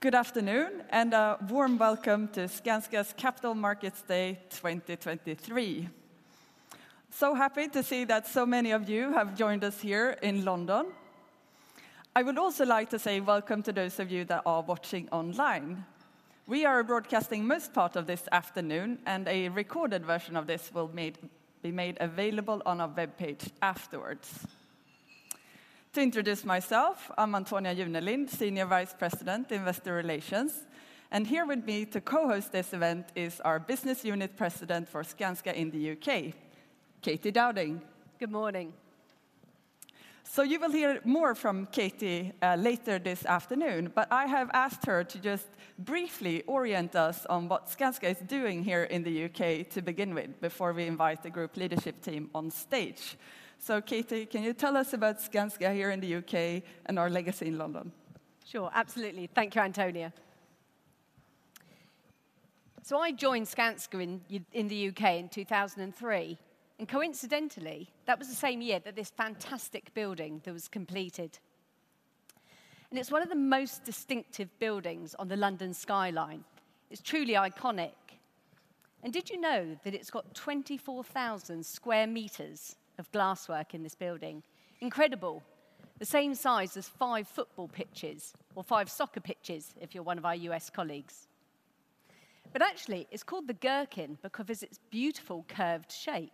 Good afternoon, and a warm welcome to Skanska's Capital Markets Day 2023. So happy to see that so many of you have joined us here in London. I would also like to say welcome to those of you that are watching online. We are broadcasting most part of this afternoon, and a recorded version of this will be made available on our webpage afterwards. To introduce myself, I'm Antonia Junelind, Senior Vice President, Investor Relations, and here with me to co-host this event is our Business Unit President for Skanska in the U.K., Katy Dowding. Good morning. So you will hear more from Katy later this afternoon, but I have asked her to just briefly orient us on what Skanska is doing here in the U.K. to begin with, before we invite the group leadership team on stage. So Katy, can you tell us about Skanska here in the U.K. and our legacy in London? Sure, absolutely. Thank you, Antonia. So I joined Skanska in the U.K. in 2003, and coincidentally, that was the same year that this fantastic building was completed. And it's one of the most distinctive buildings on the London skyline. It's truly iconic. And did you know that it's got 24,000 square meters of glasswork in this building? Incredible. The same size as five football pitches, or five soccer pitches, if you're one of our U.S. colleagues. But actually, it's called the Gherkin because it's beautiful, curved shape.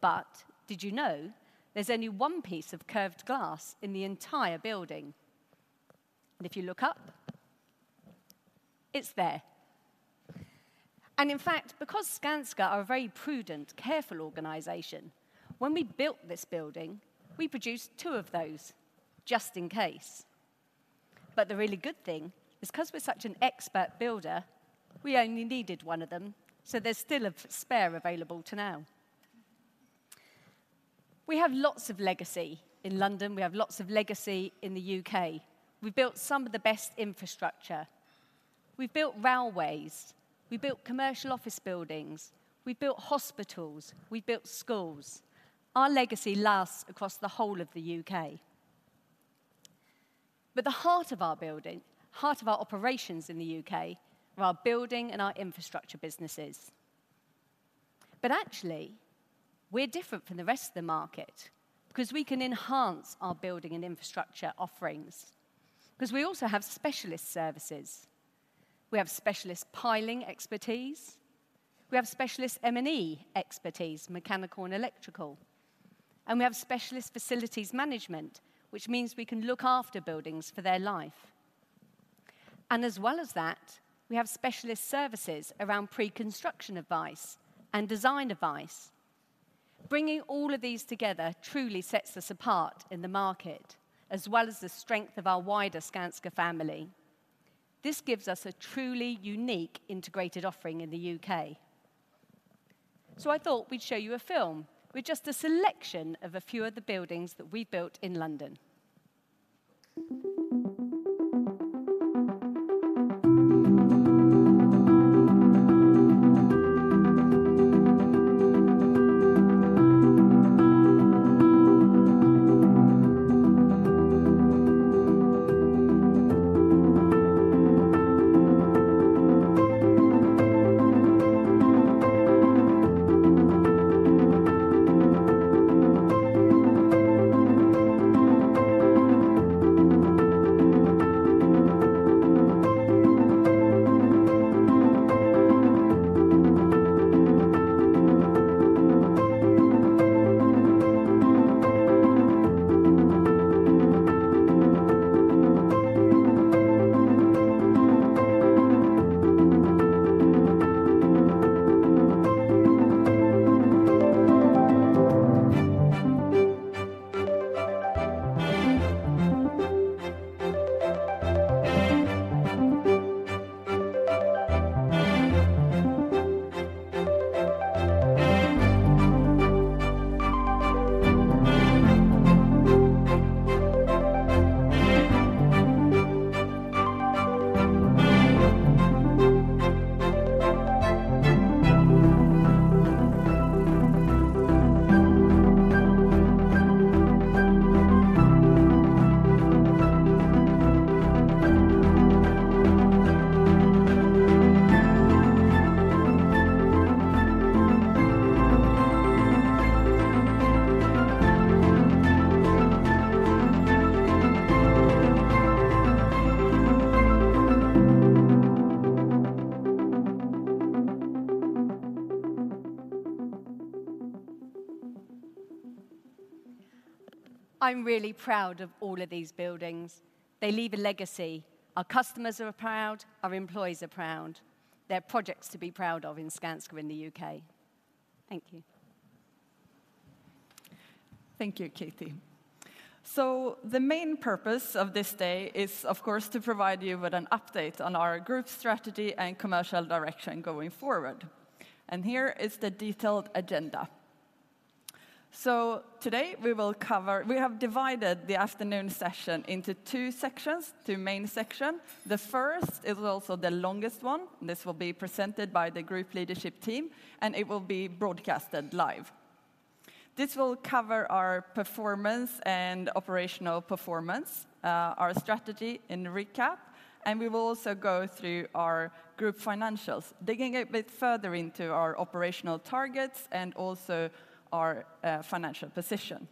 But did you know there's only one piece of curved glass in the entire building? And if you look up, it's there. And in fact, because Skanska are a very prudent, careful organization, when we built this building, we produced two of those, just in case. But the really good thing is, 'cause we're such an expert builder, we only needed one of them, so there's still a spare available to now. We have lots of legacy in London. We have lots of legacy in the U.K.. We've built some of the best infrastructure. We've built railways, we built commercial office buildings, we've built hospitals, we've built schools. Our legacy lasts across the whole of the U.K.. But the heart of our building, heart of our operations in the U.K., are our building and our infrastructure businesses. But actually, we're different from the rest of the market because we can enhance our building and infrastructure offerings, 'cause we also have specialist services. We have specialist piling expertise, we have specialist M&E expertise, mechanical and electrical, and we have specialist facilities management, which means we can look after buildings for their life. As well as that, we have specialist services around pre-construction advice and design advice. Bringing all of these together truly sets us apart in the market, as well as the strength of our wider Skanska family. This gives us a truly unique integrated offering in the U.K.. I thought we'd show you a film with just a selection of a few of the buildings that we've built in London. I'm really proud of all of these buildings. They leave a legacy. Our customers are proud, our employees are proud. They're projects to be proud of in Skanska in the U.K.. Thank you. Thank you, Katy. So the main purpose of this day is, of course, to provide you with an update on our group strategy and commercial direction going forward. And here is the detailed agenda. So today we will cover... We have divided the afternoon session into two sections, two main section. The first is also the longest one. This will be presented by the group leadership team, and it will be broadcasted live.... This will cover our performance and operational performance, our strategy in recap, and we will also go through our group financials, digging a bit further into our operational targets and also our financial position.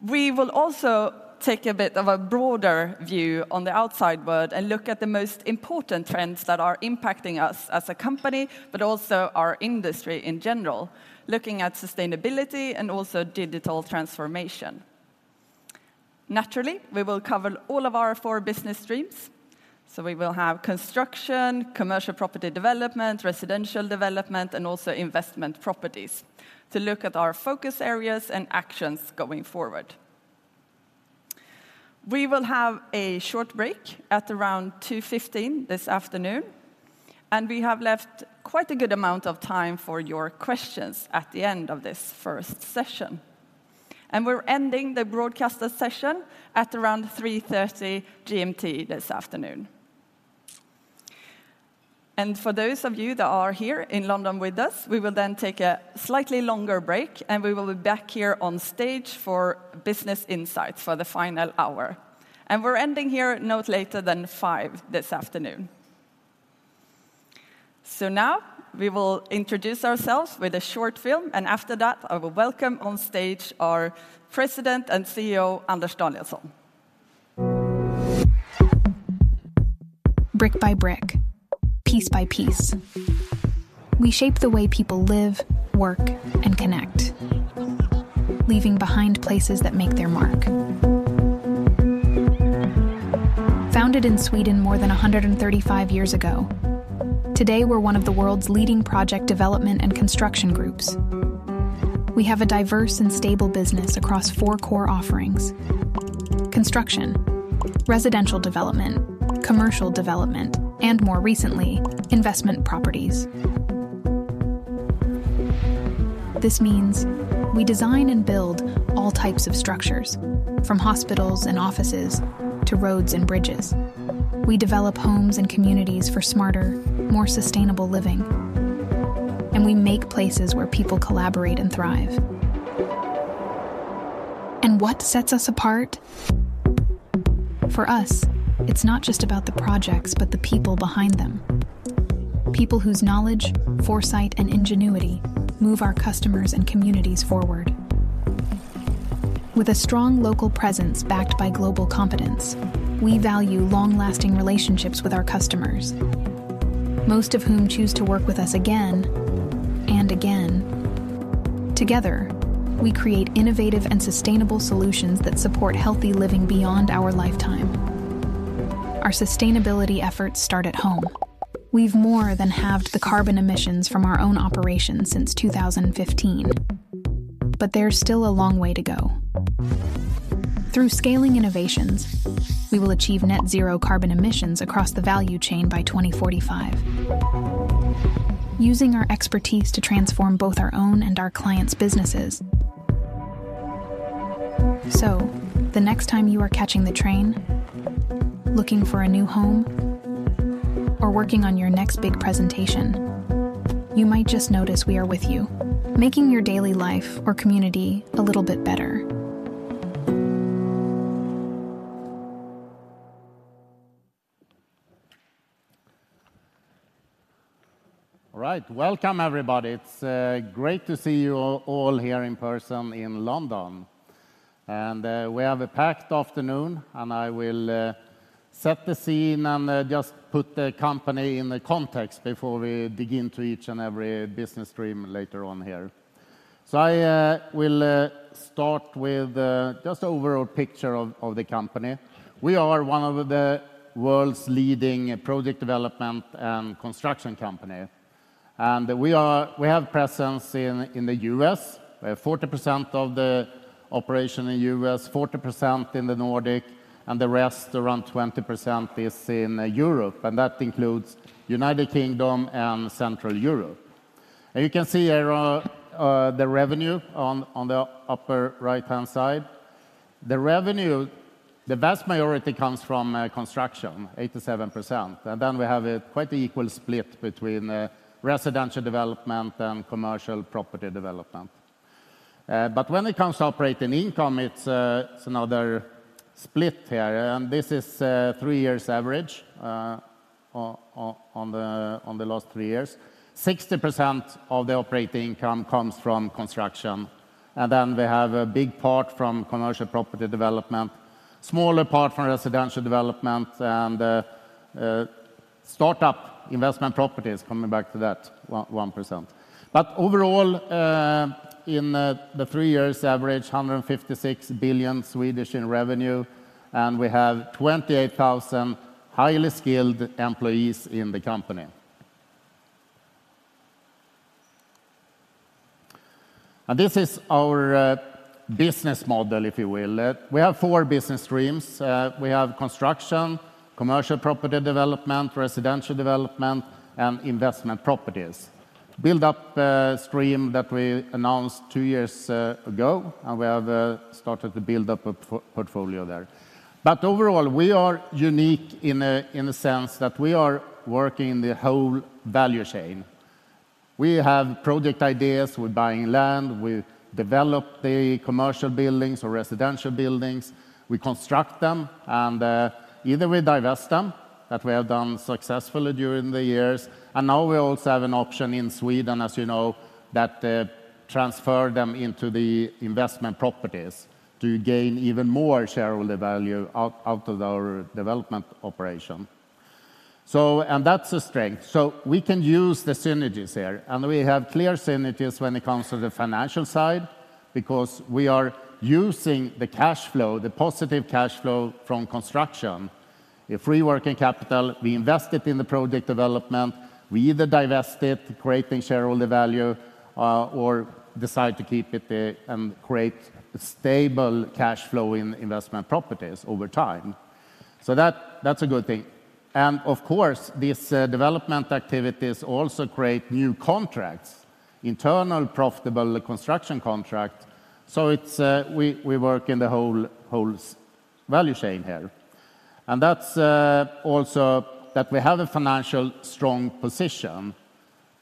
We will also take a bit of a broader view on the outside world and look at the most important trends that are impacting us as a company, but also our industry in general, looking at sustainability and also digital transformation. Naturally, we will cover all of our four business streams. We will have construction, commercial property development, residential development, and also investment properties to look at our focus areas and actions going forward. We will have a short break at around 2:15 P.M. this afternoon, and we have left quite a good amount of time for your questions at the end of this first session. We're ending the broadcaster session at around 3:30 P.M. GMT this afternoon. For those of you that are here in London with us, we will then take a slightly longer break, and we will be back here on stage for business insights for the final hour. We're ending here no later than 5:00 P.M. this afternoon. Now we will introduce ourselves with a short film, and after that, I will welcome on stage our President and CEO, Anders Danielsson. Brick by brick, piece by piece, we shape the way people live, work, and connect, leaving behind places that make their mark. Founded in Sweden more than 135 years ago, today we're one of the world's leading project development and construction groups. We have a diverse and stable business across four core offerings: construction, residential development, commercial development, and more recently, investment properties. This means we design and build all types of structures, from hospitals and offices to roads and bridges. We develop homes and communities for smarter, more sustainable living, and we make places where people collaborate and thrive. What sets us apart? For us, it's not just about the projects, but the people behind them. People whose knowledge, foresight, and ingenuity move our customers and communities forward. With a strong local presence backed by global competence, we value long-lasting relationships with our customers, most of whom choose to work with us again and again. Together, we create innovative and sustainable solutions that support healthy living beyond our lifetime. Our sustainability efforts start at home. We've more than halved the carbon emissions from our own operations since 2015, but there's still a long way to go. Through scaling innovations, we will achieve net zero carbon emissions across the value chain by 2045, using our expertise to transform both our own and our clients' businesses. So the next time you are catching the train, looking for a new home, or working on your next big presentation, you might just notice we are with you, making your daily life or community a little bit better. All right. Welcome, everybody. It's great to see you all here in person in London. We have a packed afternoon, and I will set the scene and just put the company in the context before we dig into each and every business stream later on here. So I will start with just an overall picture of the company. We are one of the world's leading project development and construction company, and we have presence in the U.S. We have 40% of the operation in U.S., 40% in the Nordic, and the rest, around 20%, is in Europe, and that includes United Kingdom and Central Europe. You can see here the revenue on the upper right-hand side. The revenue, the vast majority comes from, construction, 87%, and then we have a quite equal split between, residential development and commercial property development. But when it comes to operating income, it's another split here, and this is three-year average, on the last three years. 60% of the operating income comes from construction, and then we have a big part from commercial property development, smaller part from residential development, and start-up investment properties coming back to that 1%. But overall, in the three-year average, 156 billion in revenue, and we have 28,000 highly skilled employees in the company. And this is our business model, if you will. We have four business streams. We have construction, commercial property development, residential development, and investment properties. Business stream that we announced two years ago, and we have started to build up a portfolio there. But overall, we are unique in a sense that we are working the whole value chain. We have project ideas, we're buying land, we develop the commercial buildings or residential buildings, we construct them, and either we divest them, that we have done successfully during the years, and now we also have an option in Sweden, as you know, that transfer them into the investment properties to gain even more shareholder value out of our development operation. And that's a strength. So we can use the synergies here, and we have clear synergies when it comes to the financial side, because we are using the cash flow, the positive cash flow from construction. If we working capital, we invest it in the project development. We either divest it, creating shareholder value, or decide to keep it there and create stable cash flow in investment properties over time. So that, that's a good thing. And of course, these development activities also create new contracts, internal, profitable construction contract, so it's we work in the whole value chain here. And that's also that we have a financial strong position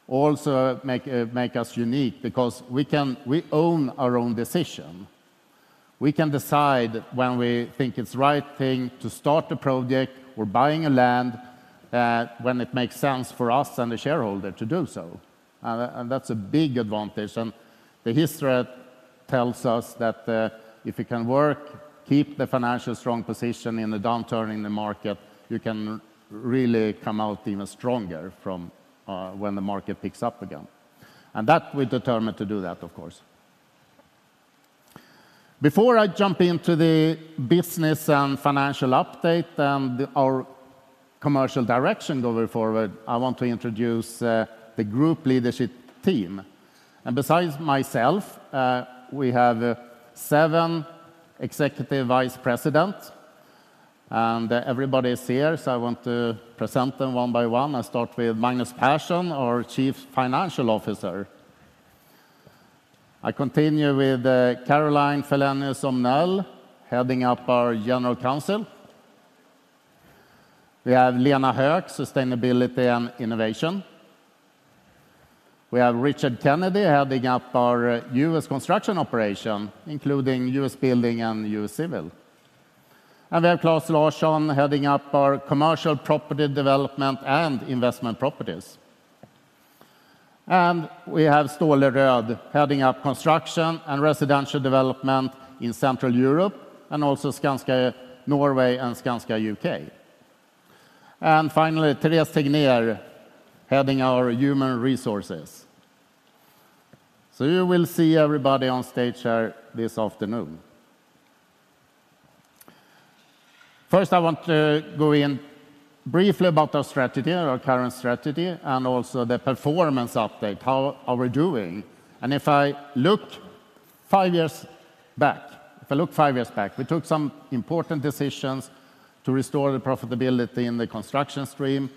also make us unique because we can... We own our own decision. We can decide when we think it's the right thing to start a project or buying a land, when it makes sense for us and the shareholder to do so. And that's a big advantage, and the history tells us that, if you can work, keep the financial strong position in the downturn in the market, you can really come out even stronger from, when the market picks up again. And that, we're determined to do that, of course. Before I jump into the business and financial update and our commercial direction going forward, I want to introduce the group leadership team. And besides myself, we have seven executive vice presidents, and everybody is here, so I want to present them one by one. I start with Magnus Persson, our Chief Financial Officer. I continue with Caroline Fellénius-O'Neill, heading up our General Counsel. We have Lena Hök, Sustainability and Innovation. We have Richard Kennedy, heading up our U.S. Construction operation, including U.S. Building and U.S. Civil. And we have Claes Larsson, heading up our Commercial Property Development and Investment Properties. And we have Ståle Rød, heading up Construction and Residential Development in Central Europe, and also Skanska Norway and Skanska U.K. And finally, Therese Tegnér, heading our Human Resources. So you will see everybody on stage here this afternoon. First, I want to go in briefly about our strategy, our current strategy, and also the performance update. How are we doing? And if I look five years back, if I look five years back, we took some important decisions to restore the profitability in the construction stream.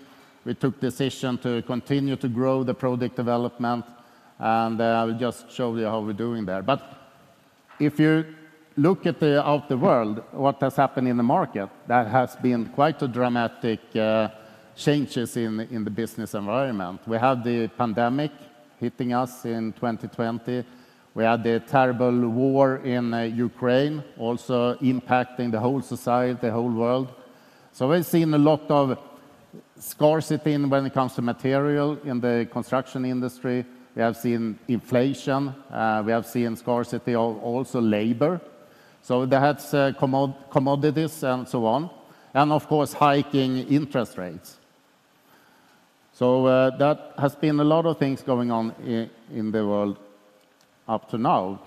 We took decision to continue to grow the project development, and I will just show you how we're doing there. But if you look at the world, what has happened in the market, there has been quite a dramatic changes in the business environment. We had the pandemic hitting us in 2020. We had the terrible war in Ukraine also impacting the whole society, the whole world. So we've seen a lot of scarcity in when it comes to material in the construction industry. We have seen inflation, we have seen scarcity of also labor, so that's commodities and so on, and of course, hiking interest rates. So that has been a lot of things going on in the world up to now.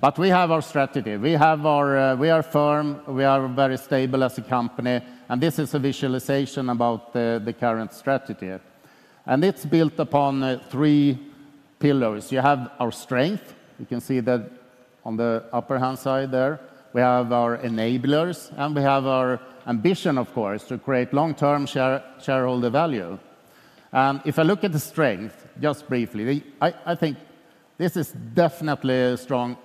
But we have our strategy. We are firm, we are very stable as a company, and this is a visualization about the current strategy. It's built upon three pillars. You have our strength. You can see that on the upper hand side there. We have our enablers, and we have our ambition, of course, to create long-term shareholder value. If I look at the strength, just briefly, I think this is definitely a strong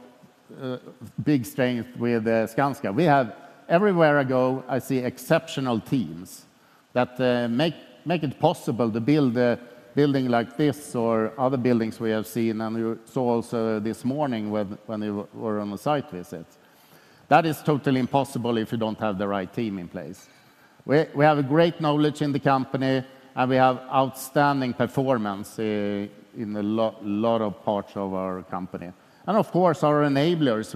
big strength with Skanska. Everywhere I go, I see exceptional teams that make it possible to build a building like this or other buildings we have seen, and we saw also this morning when we were on a site visit. That is totally impossible if you don't have the right team in place. We have a great knowledge in the company, and we have outstanding performance in a lot of parts of our company. And of course, our enablers.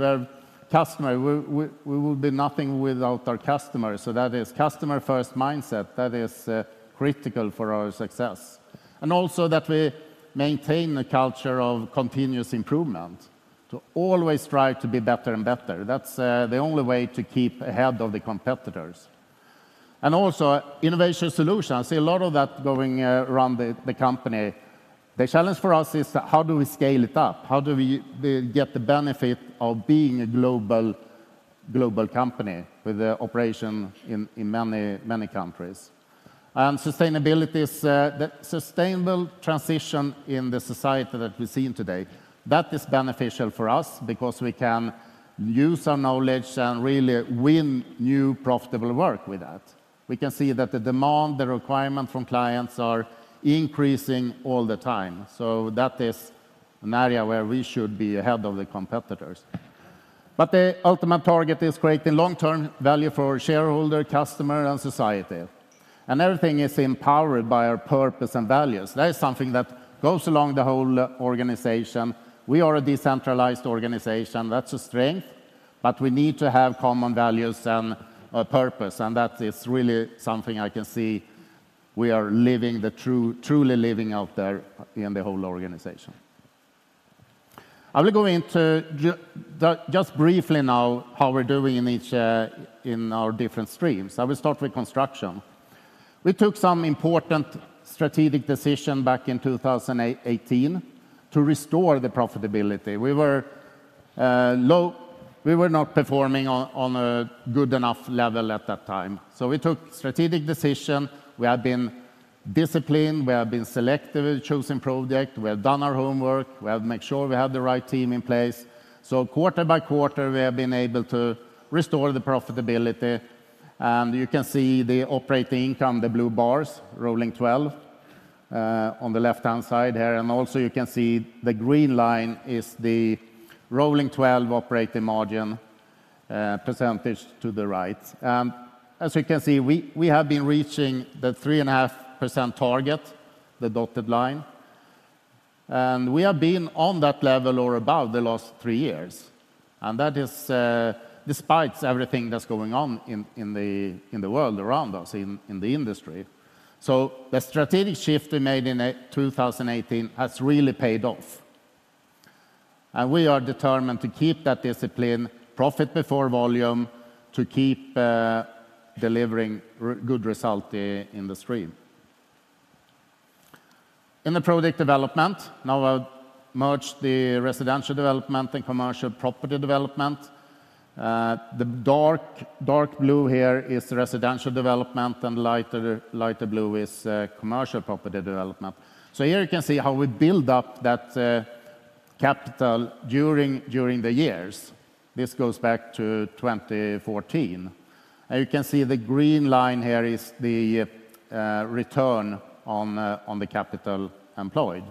We will be nothing without our customers, so that is customer-first mindset, that is critical for our success. And also that we maintain a culture of continuous improvement, to always strive to be better and better. That's the only way to keep ahead of the competitors. And also, innovation solutions. I see a lot of that going around the company. The challenge for us is how do we scale it up? How do we get the benefit of being a global company with an operation in many countries?... Sustainability is the sustainable transition in the society that we're seeing today, that is beneficial for us because we can use our knowledge and really win new profitable work with that. We can see that the demand, the requirement from clients are increasing all the time, so that is an area where we should be ahead of the competitors. But the ultimate target is creating long-term value for shareholder, customer, and society. And everything is empowered by our purpose and values. That is something that goes along the whole organization. We are a decentralized organization. That's a strength, but we need to have common values and a purpose, and that is really something I can see we are truly living out there in the whole organization. I will go into the, just briefly now, how we're doing in each, in our different streams. I will start with construction. We took some important strategic decision back in 2018 to restore the profitability. We were not performing on a good enough level at that time, so we took strategic decision. We have been disciplined, we have been selective in choosing project, we have done our homework, we have make sure we have the right team in place. So quarter by quarter, we have been able to restore the profitability, and you can see the operating income, the blue bars, rolling twelve, on the left-hand side here. And also you can see the green line is the rolling twelve operating margin, percentage to the right. As you can see, we, we have been reaching the 3.5% target, the dotted line, and we have been on that level or above the last three years. That is, despite everything that's going on in, in the world around us, in, in the industry. The strategic shift we made in 2018 has really paid off, and we are determined to keep that discipline, profit before volume, to keep delivering good result in the stream. In the project development, now I've merged the residential development and commercial property development. The dark, dark blue here is residential development, and lighter, lighter blue is commercial property development. So here you can see how we build up that capital during, during the years. This goes back to 2014. You can see the green line here is the return on the capital employed.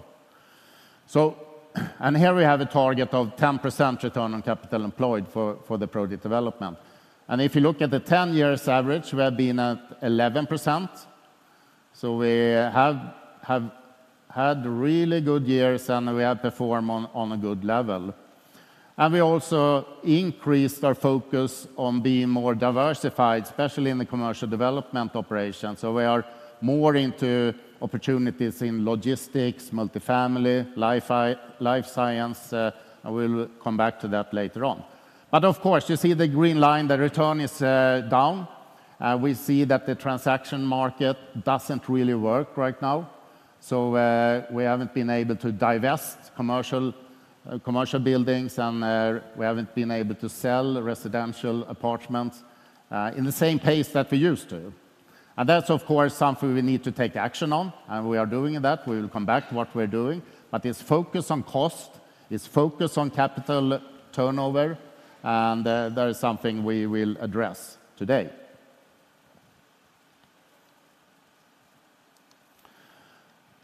So here we have a target of 10% return on capital employed for the project development. And if you look at the 10-year average, we have been at 11%. So we have had really good years, and we have performed on a good level. And we also increased our focus on being more diversified, especially in the commercial development operation. So we are more into opportunities in logistics, multifamily, life science, and we'll come back to that later on. But of course, you see the green line, the return is down. We see that the transaction market doesn't really work right now, so we haven't been able to divest commercial commercial buildings, and we haven't been able to sell residential apartments in the same pace that we used to. That's, of course, something we need to take action on, and we are doing that. We will come back to what we're doing, but it's focus on cost, it's focus on capital turnover, and that is something we will address today.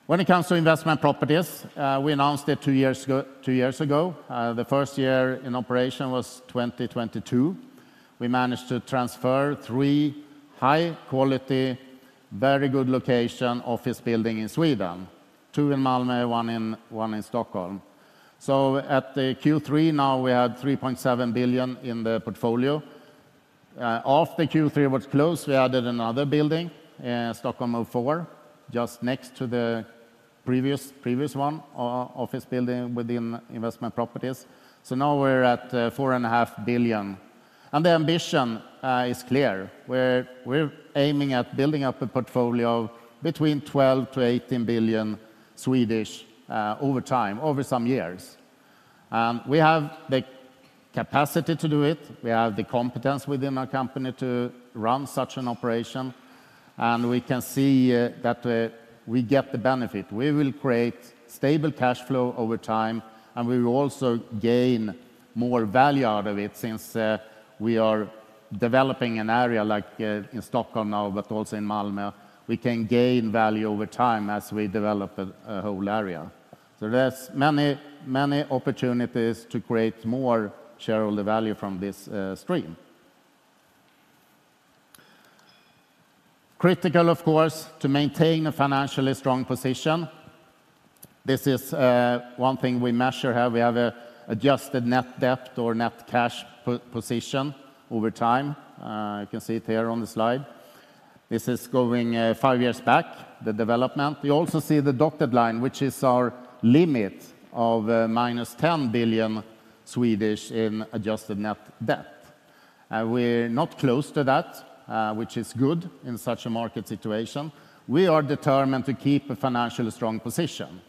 When it comes to investment properties, we announced it two years ago. The first year in operation was 2022. We managed to transfer three high-quality, very good location office building in Sweden, 2 in Malmö, 1 in Stockholm. So at the Q3 now, we had 3.7 billion in the portfolio. After Q3 was closed, we added another building, Stockholm Four, just next to the previous one, office building within investment properties. So now we're at 4.5 billion. And the ambition is clear. We're aiming at building up a portfolio between 12 billion-18 billion over time, over some years. And we have the capacity to do it, we have the competence within our company to run such an operation, and we can see that we get the benefit. We will create stable cash flow over time, and we will also gain more value out of it. Since we are developing an area like in Stockholm now, but also in Malmö, we can gain value over time as we develop a whole area. So there's many, many opportunities to create more shareholder value from this, stream. Critical, of course, to maintain a financially strong position. This is, one thing we measure here. We have an adjusted net debt or net cash position over time. You can see it here on the slide. This is going, five years back, the development. We also see the dotted line, which is our limit of, minus 10 billion in adjusted net debt. We're not close to that, which is good in such a market situation. We are determined to keep a financially strong position.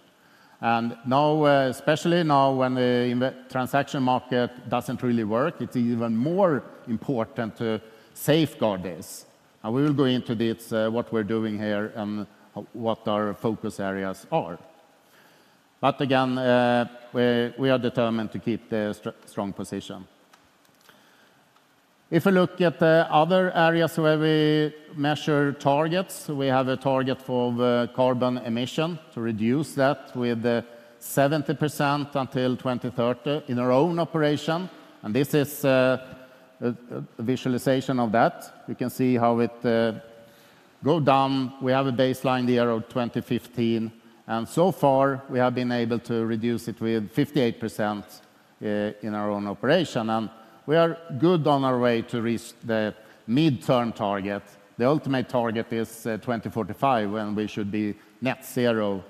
And now, especially now when the investment transaction market doesn't really work, it's even more important to safeguard this, and we will go into this, what we're doing here, and what our focus areas are. But again, we are determined to keep the strong position. If you look at the other areas where we measure targets, we have a target for the carbon emission, to reduce that with 70% until 2030 in our own operation, and this is a visualization of that. We can see how it go down. We have a baseline year of 2015, and so far, we have been able to reduce it with 58% in our own operation, and we are good on our way to reach the midterm target. The ultimate target is 2045, when we should be net zero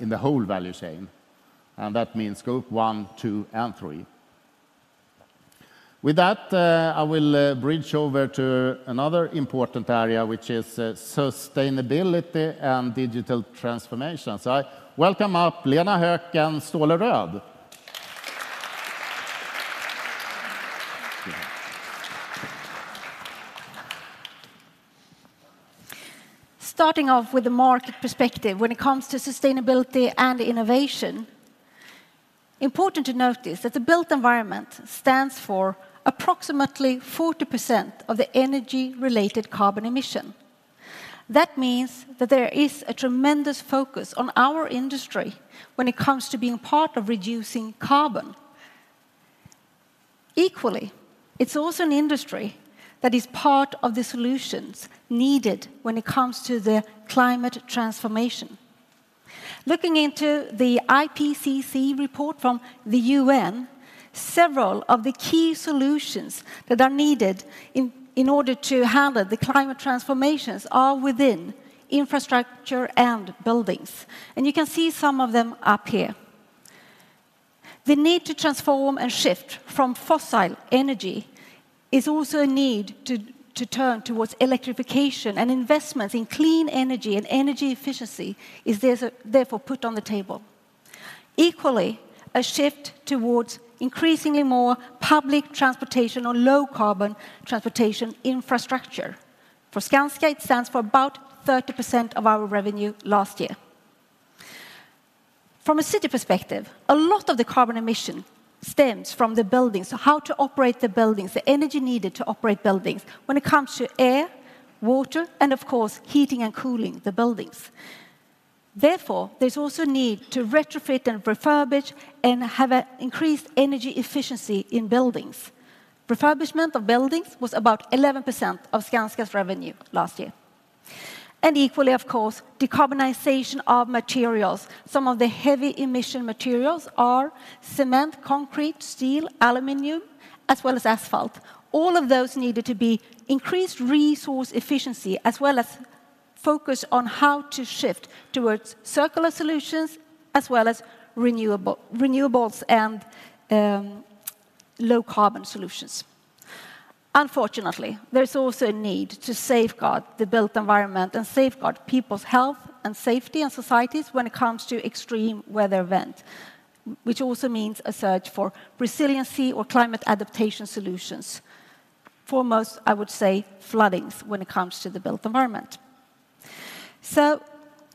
in the whole value chain, and that means Scope 1, 2, and 3. With that, I will bridge over to another important area, which is sustainability and digital transformation. So I welcome up Lena Hök and Ståle Rød. Starting off with the market perspective when it comes to sustainability and innovation, important to notice that the built environment stands for approximately 40% of the energy-related carbon emission. That means that there is a tremendous focus on our industry when it comes to being part of reducing carbon. Equally, it's also an industry that is part of the solutions needed when it comes to the climate transformation. Looking into the IPCC report from the UN, several of the key solutions that are needed in order to handle the climate transformations are within infrastructure and buildings, and you can see some of them up here. The need to transform and shift from fossil energy is also a need to turn towards electrification, and investments in clean energy and energy efficiency is therefore put on the table. Equally, a shift towards increasingly more public transportation or low-carbon transportation infrastructure. For Skanska, it stands for about 30% of our revenue last year. From a city perspective, a lot of the carbon emission stems from the buildings, so how to operate the buildings, the energy needed to operate buildings when it comes to air, water, and of course, heating and cooling the buildings. Therefore, there's also a need to retrofit and refurbish and have a increased energy efficiency in buildings. Refurbishment of buildings was about 11% of Skanska's revenue last year. And equally, of course, decarbonization of materials. Some of the heavy emission materials are cement, concrete, steel, aluminum, as well as asphalt. All of those needed to be increased resource efficiency, as well as focus on how to shift towards circular solutions, as well as renewables and low-carbon solutions. Unfortunately, there's also a need to safeguard the built environment and safeguard people's health and safety and societies when it comes to extreme weather event, which also means a search for resiliency or climate adaptation solutions. Foremost, I would say floodings when it comes to the built environment. So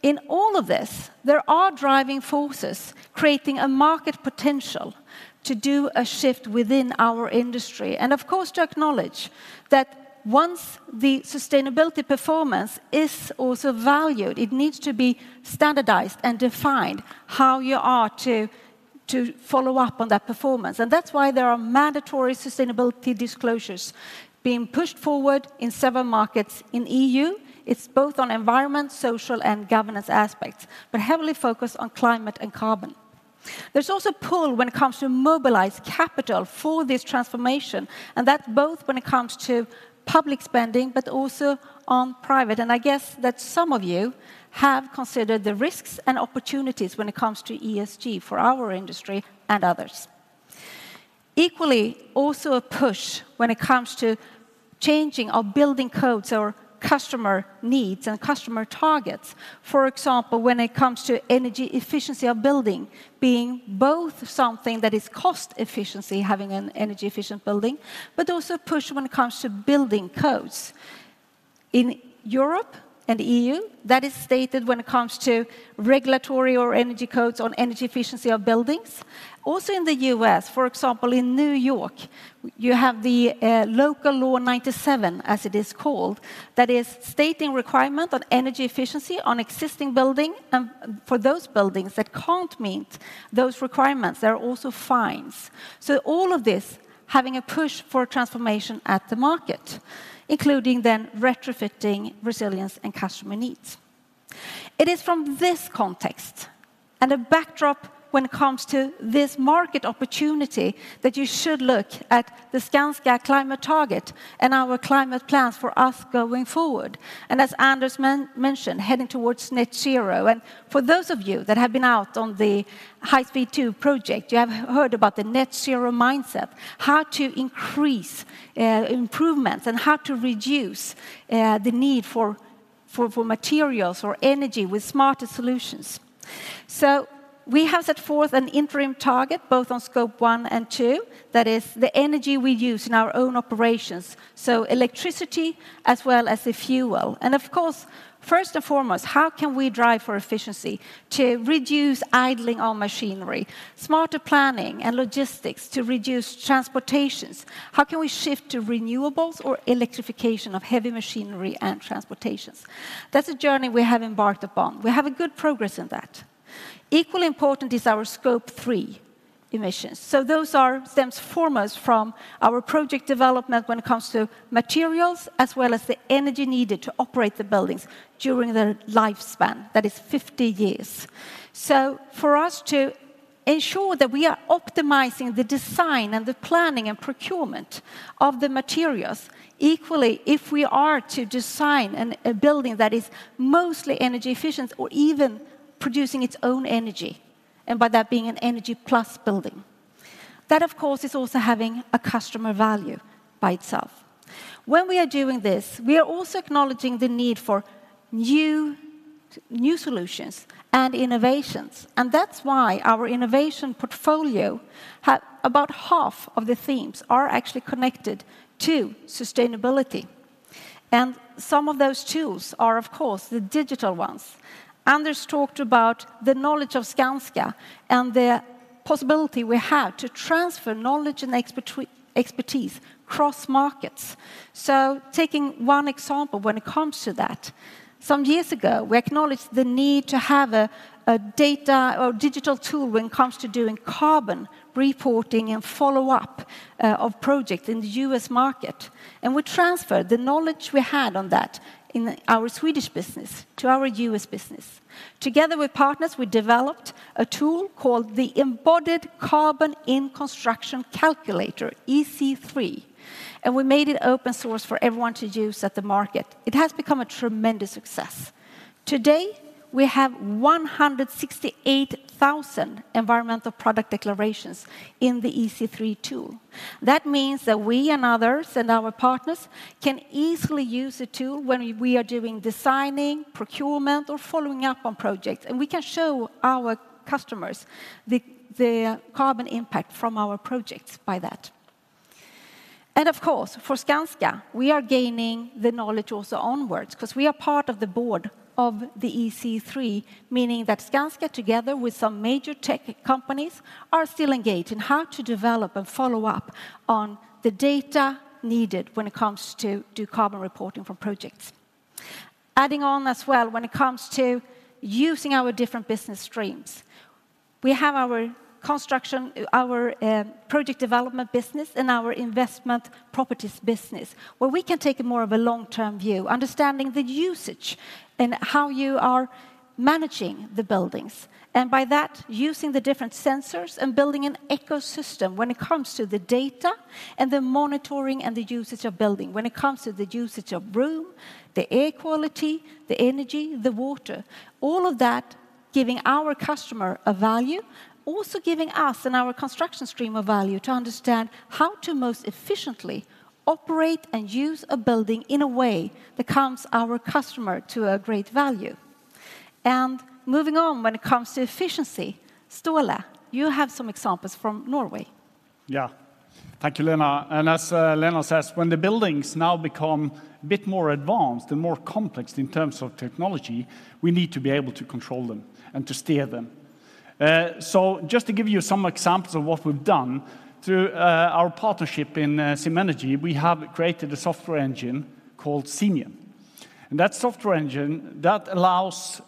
in all of this, there are driving forces creating a market potential to do a shift within our industry, and of course, to acknowledge that once the sustainability performance is also valued, it needs to be standardized and defined how you are to follow up on that performance. And that's why there are mandatory sustainability disclosures being pushed forward in several markets. In EU, it's both on environment, social, and governance aspects, but heavily focused on climate and carbon. There's also pull when it comes to mobilize capital for this transformation, and that's both when it comes to public spending, but also on private. And I guess that some of you have considered the risks and opportunities when it comes to ESG for our industry and others. Equally, also a push when it comes to changing our building codes or customer needs and customer targets. For example, when it comes to energy efficiency of building, being both something that is cost efficiency, having an energy-efficient building, but also a push when it comes to building codes. In Europe and EU, that is stated when it comes to regulatory or energy codes on energy efficiency of buildings. Also, in the U.S., for example, in New York, you have the Local Law 97, as it is called, that is stating requirement on energy efficiency on existing building, and for those buildings that can't meet those requirements, there are also fines. So all of this, having a push for transformation at the market, including then retrofitting resilience and customer needs. It is from this context and a backdrop when it comes to this market opportunity that you should look at the Skanska climate target and our climate plans for us going forward, and as Anders mentioned, heading towards net zero. And for those of you that have been out on the High Speed 2 project. You have heard about the net zero mindset, how to increase improvements, and how to reduce the need for materials or energy with smarter solutions. So we have set forth an interim target, both on Scope 1 and 2, that is the energy we use in our own operations, so electricity as well as the fuel. And of course, first and foremost, how can we drive for efficiency to reduce idling on machinery, smarter planning, and logistics to reduce transportation? How can we shift to renewables or electrification of heavy machinery and transportation? That's a journey we have embarked upon. We have a good progress in that. Equally important is our Scope 3 emissions. So those stem foremost from our project development when it comes to materials, as well as the energy needed to operate the buildings during their lifespan, that is 50 years. So for us to ensure that we are optimizing the design and the planning and procurement of the materials, equally, if we are to design a building that is mostly energy efficient or even producing its own energy, and by that being an energy plus building, that, of course, is also having a customer value by itself. When we are doing this, we are also acknowledging the need for new solutions and innovations, and that's why our innovation portfolio has about half of the themes are actually connected to sustainability, and some of those tools are, of course, the digital ones. Anders talked about the knowledge of Skanska and the possibility we have to transfer knowledge and expertise across markets. So taking one example when it comes to that, some years ago, we acknowledged the need to have a data or digital tool when it comes to doing carbon reporting and follow-up of projects in the U.S. market. And we transferred the knowledge we had on that in our Swedish business to our U.S. business. Together with partners, we developed a tool called the Embodied Carbon in Construction Calculator, EC3, and we made it open source for everyone to use at the market. It has become a tremendous success. Today, we have 168,000 environmental product declarations in the EC3 tool. That means that we and others and our partners can easily use the tool when we are doing designing, procurement, or following up on projects, and we can show our customers the carbon impact from our projects by that. Of course, for Skanska, we are gaining the knowledge also onwards, because we are part of the board of the EC3, meaning that Skanska, together with some major tech companies, are still engaged in how to develop and follow up on the data needed when it comes to do carbon reporting from projects. Adding on as well, when it comes to using our different business streams, we have our construction, our project development business, and our investment properties business, where we can take more of a long-term view, understanding the usage and how you are managing the buildings. By that, using the different sensors and building an ecosystem when it comes to the data and the monitoring and the usage of building, when it comes to the usage of room, the air quality, the energy, the water, all of that giving our customer a value, also giving us and our construction stream a value to understand how to most efficiently operate and use a building in a way that comes our customer to a great value. Moving on, when it comes to efficiency, Ståle, you have some examples from Norway. Yeah. Thank you, Lena. And as Lena says, when the buildings now become a bit more advanced and more complex in terms of technology, we need to be able to control them and to steer them. So just to give you some examples of what we've done, through our partnership in Senergy, we have created a software engine called Simien. And that software engine, that allows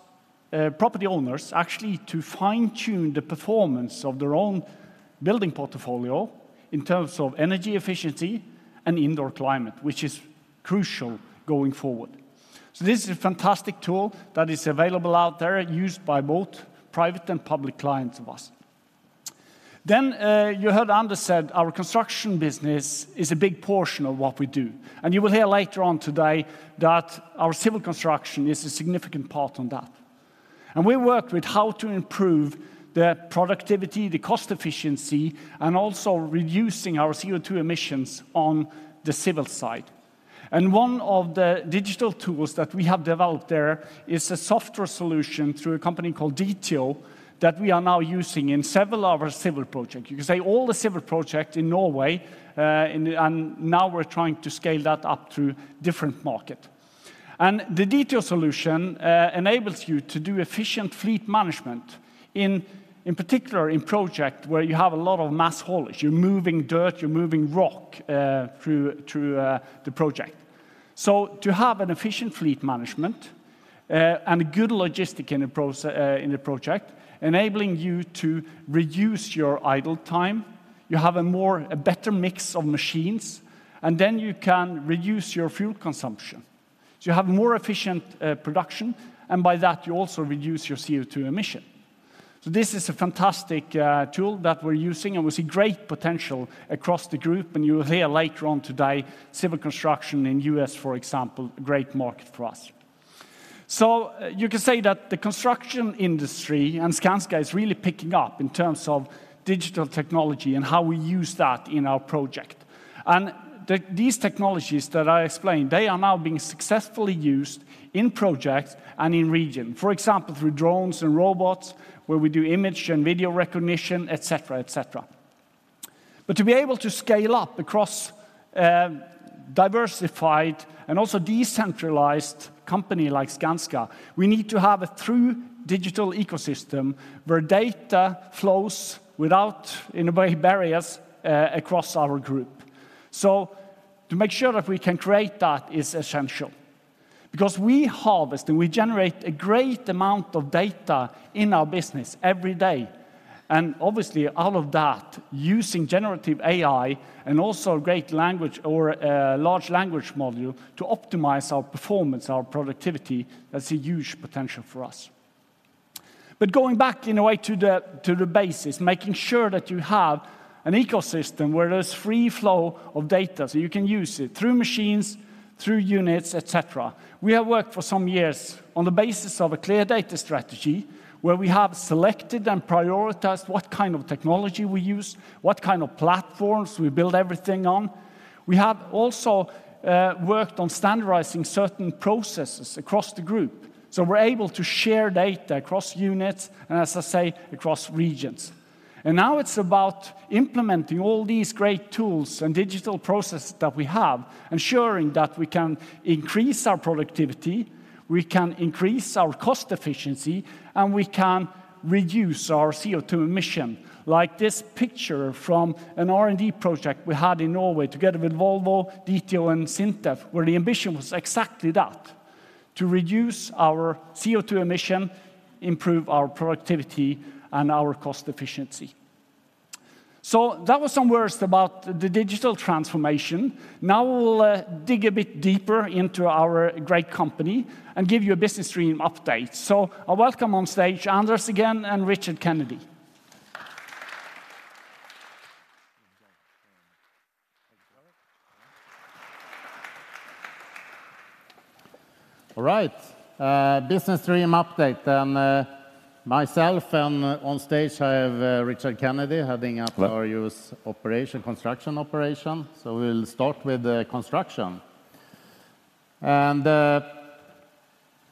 property owners actually to fine-tune the performance of their own building portfolio in terms of energy efficiency and indoor climate, which is crucial going forward. So this is a fantastic tool that is available out there, used by both private and public clients of us. Then you heard Anders said our construction business is a big portion of what we do, and you will hear later on today that our civil construction is a significant part on that. We work with how to improve the productivity, the cost efficiency, and also reducing our CO2 emissions on the civil side. One of the digital tools that we have developed there is a software solution through a company called Ditio that we are now using in several of our civil projects. You can say all the civil projects in Norway, and now we're trying to scale that up to different market. The Ditio solution enables you to do efficient fleet management, in particular, in project where you have a lot of mass haulage. You're moving dirt, you're moving rock, through the project. So to have an efficient fleet management and good logistics in the project, enabling you to reduce your idle time, a better mix of machines, and then you can reduce your fuel consumption. So you have more efficient production, and by that, you also reduce your CO2 emission. So this is a fantastic tool that we're using, and we see great potential across the group, and you will hear later on today, civil construction in U.S., for example, a great market for us. So you can say that the construction industry and Skanska is really picking up in terms of digital technology and how we use that in our project. And these technologies that I explained, they are now being successfully used in projects and in region. For example, through drones and robots, where we do image and video recognition, et cetera, et cetera. But to be able to scale up across a diversified and also decentralized company like Skanska, we need to have a true digital ecosystem where data flows without, in a way, barriers across our group. So to make sure that we can create that is essential. Because we harvest and we generate a great amount of data in our business every day, and obviously, all of that, using generative AI and also a great language or a large language module to optimize our performance, our productivity, that's a huge potential for us. But going back, in a way, to the, to the basis, making sure that you have an ecosystem where there's free flow of data, so you can use it through machines, through units, et cetera. We have worked for some years on the basis of a clear data strategy, where we have selected and prioritized what kind of technology we use, what kind of platforms we build everything on. We have also worked on standardizing certain processes across the group, so we're able to share data across units and, as I say, across regions. And now it's about implementing all these great tools and digital processes that we have, ensuring that we can increase our productivity, we can increase our cost efficiency, and we can reduce our CO₂ emission. Like this picture from an R&D project we had in Norway together with Volvo, Ditio, and SINTEF, where the ambition was exactly that, to reduce our CO₂ emission, improve our productivity, and our cost efficiency. So that was some words about the digital transformation. Now, we'll dig a bit deeper into our great company and give you a business stream update. I welcome on stage, Anders again, and Richard Kennedy. All right, business stream update, and myself and on stage, I have Richard Kennedy, heading up- Hello. our U.S. operation, construction operation. So we'll start with the construction.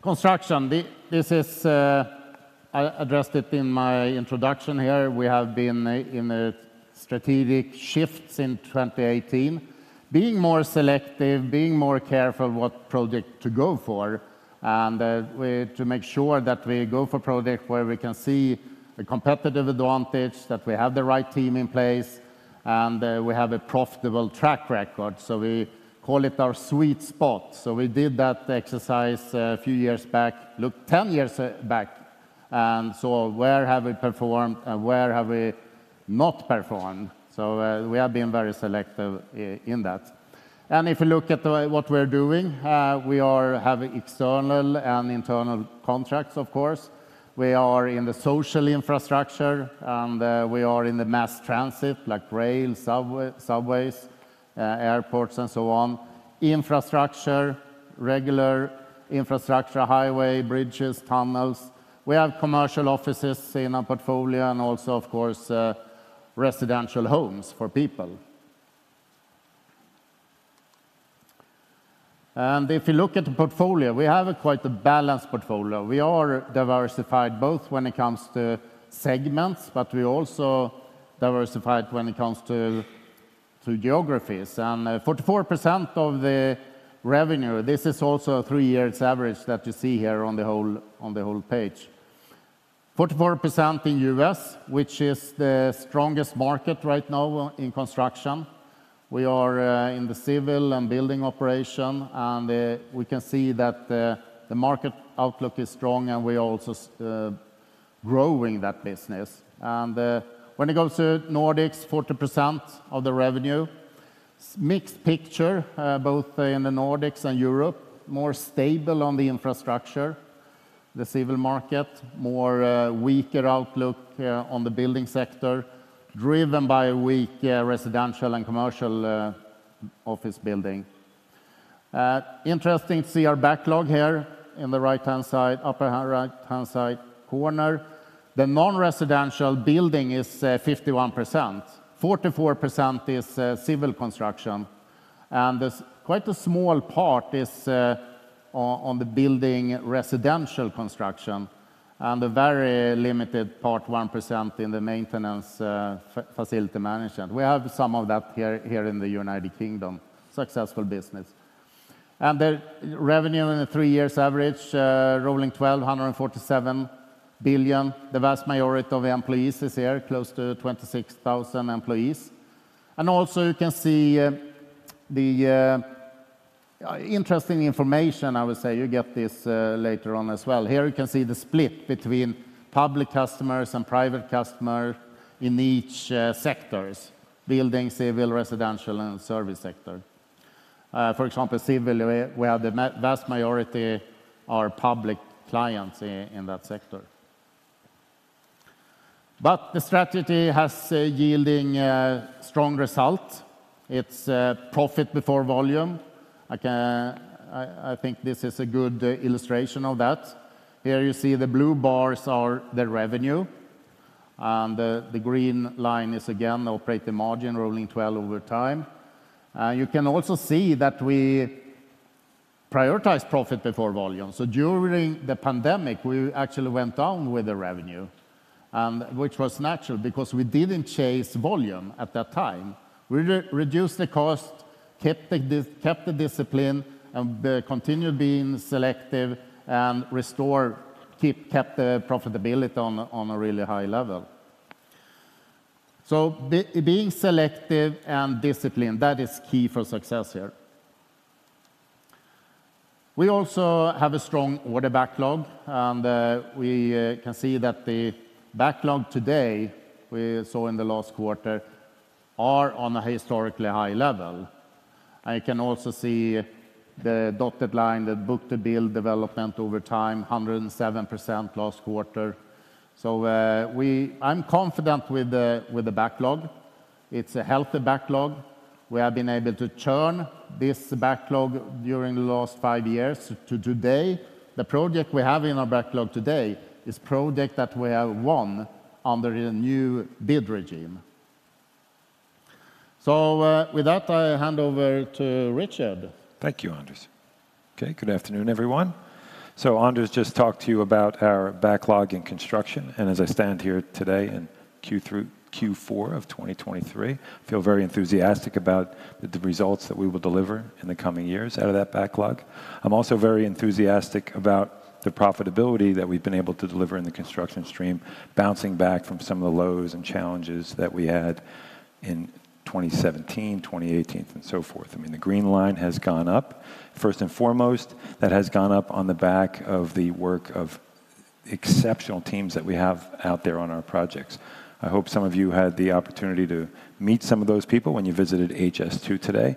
Construction, this is, I addressed it in my introduction here. We have been in a strategic shifts in 2018, being more selective, being more careful what project to go for, and to make sure that we go for project where we can see the competitive advantage, that we have the right team in place, and we have a profitable track record, so we call it our sweet spot. So we did that exercise a few years back, looked 10 years back, and saw where have we performed and where have we not performed. So we have been very selective in that. And if you look at what we're doing, we are having external and internal contracts, of course. We are in the social infrastructure, and we are in the mass transit, like rail, subway, subways, airports, and so on. Infrastructure, regular infrastructure, highway, bridges, tunnels. We have commercial offices in our portfolio, and also, of course, residential homes for people. And if you look at the portfolio, we have a quite a balanced portfolio. We are diversified both when it comes to segments, but we're also diversified when it comes to to geographies. And 44% of the revenue, this is also a three years average that you see here on the whole, on the whole page. 44% in U.S., which is the strongest market right now in construction. We are in the civil and building operation, and we can see that the market outlook is strong, and we are also growing that business. When it comes to Nordics, 40% of the revenue, mixed picture, both in the Nordics and Europe. More stable on the infrastructure, the civil market. More, weaker outlook, on the building sector, driven by a weak, residential and commercial, office building. Interesting to see our backlog here in the right-hand side, upper right-hand side corner. The non-residential building is, 51%. 44% is, civil construction, and there's quite a small part is, on, on the building, residential construction, and a very limited part, 1%, in the maintenance, facility management. We have some of that here, here in the United Kingdom, successful business. And the revenue in the three years average, rolling twelve, 147 billion. The vast majority of employees is here, close to 26,000 employees. Also, you can see the interesting information, I would say. You get this later on as well. Here you can see the split between public customers and private customer in each sectors, building, civil, residential, and service sector. For example, civil, we have the vast majority are public clients in that sector. The strategy has yielding strong result. It's profit before volume. I think this is a good illustration of that. Here you see the blue bars are the revenue, and the green line is again, operating margin, rolling twelve over time. You can also see that we prioritize profit before volume. During the pandemic, we actually went down with the revenue, and which was natural because we didn't chase volume at that time. We reduced the cost, kept the discipline, and continued being selective and restore kept the profitability on a really high level. So being selective and disciplined, that is key for success here. We also have a strong order backlog, and we can see that the backlog today, we saw in the last quarter, are on a historically high level. And you can also see the dotted line, the book-to-bill development over time, 107% last quarter. So, I'm confident with the backlog. It's a healthy backlog. We have been able to churn this backlog during the last five years to today. The project we have in our backlog today is project that we have won under a new bid regime. So, with that, I hand over to Richard. Thank you, Anders. Okay, good afternoon, everyone. So Anders just talked to you about our backlog in construction, and as I stand here today in Q4 of 2023, I feel very enthusiastic about the results that we will deliver in the coming years out of that backlog. I'm also very enthusiastic about the profitability that we've been able to deliver in the construction stream, bouncing back from some of the lows and challenges that we had in 2017, 2018, and so forth. I mean, the green line has gone up. First and foremost, that has gone up on the back of the work of exceptional teams that we have out there on our projects. I hope some of you had the opportunity to meet some of those people when you visited HS2 today.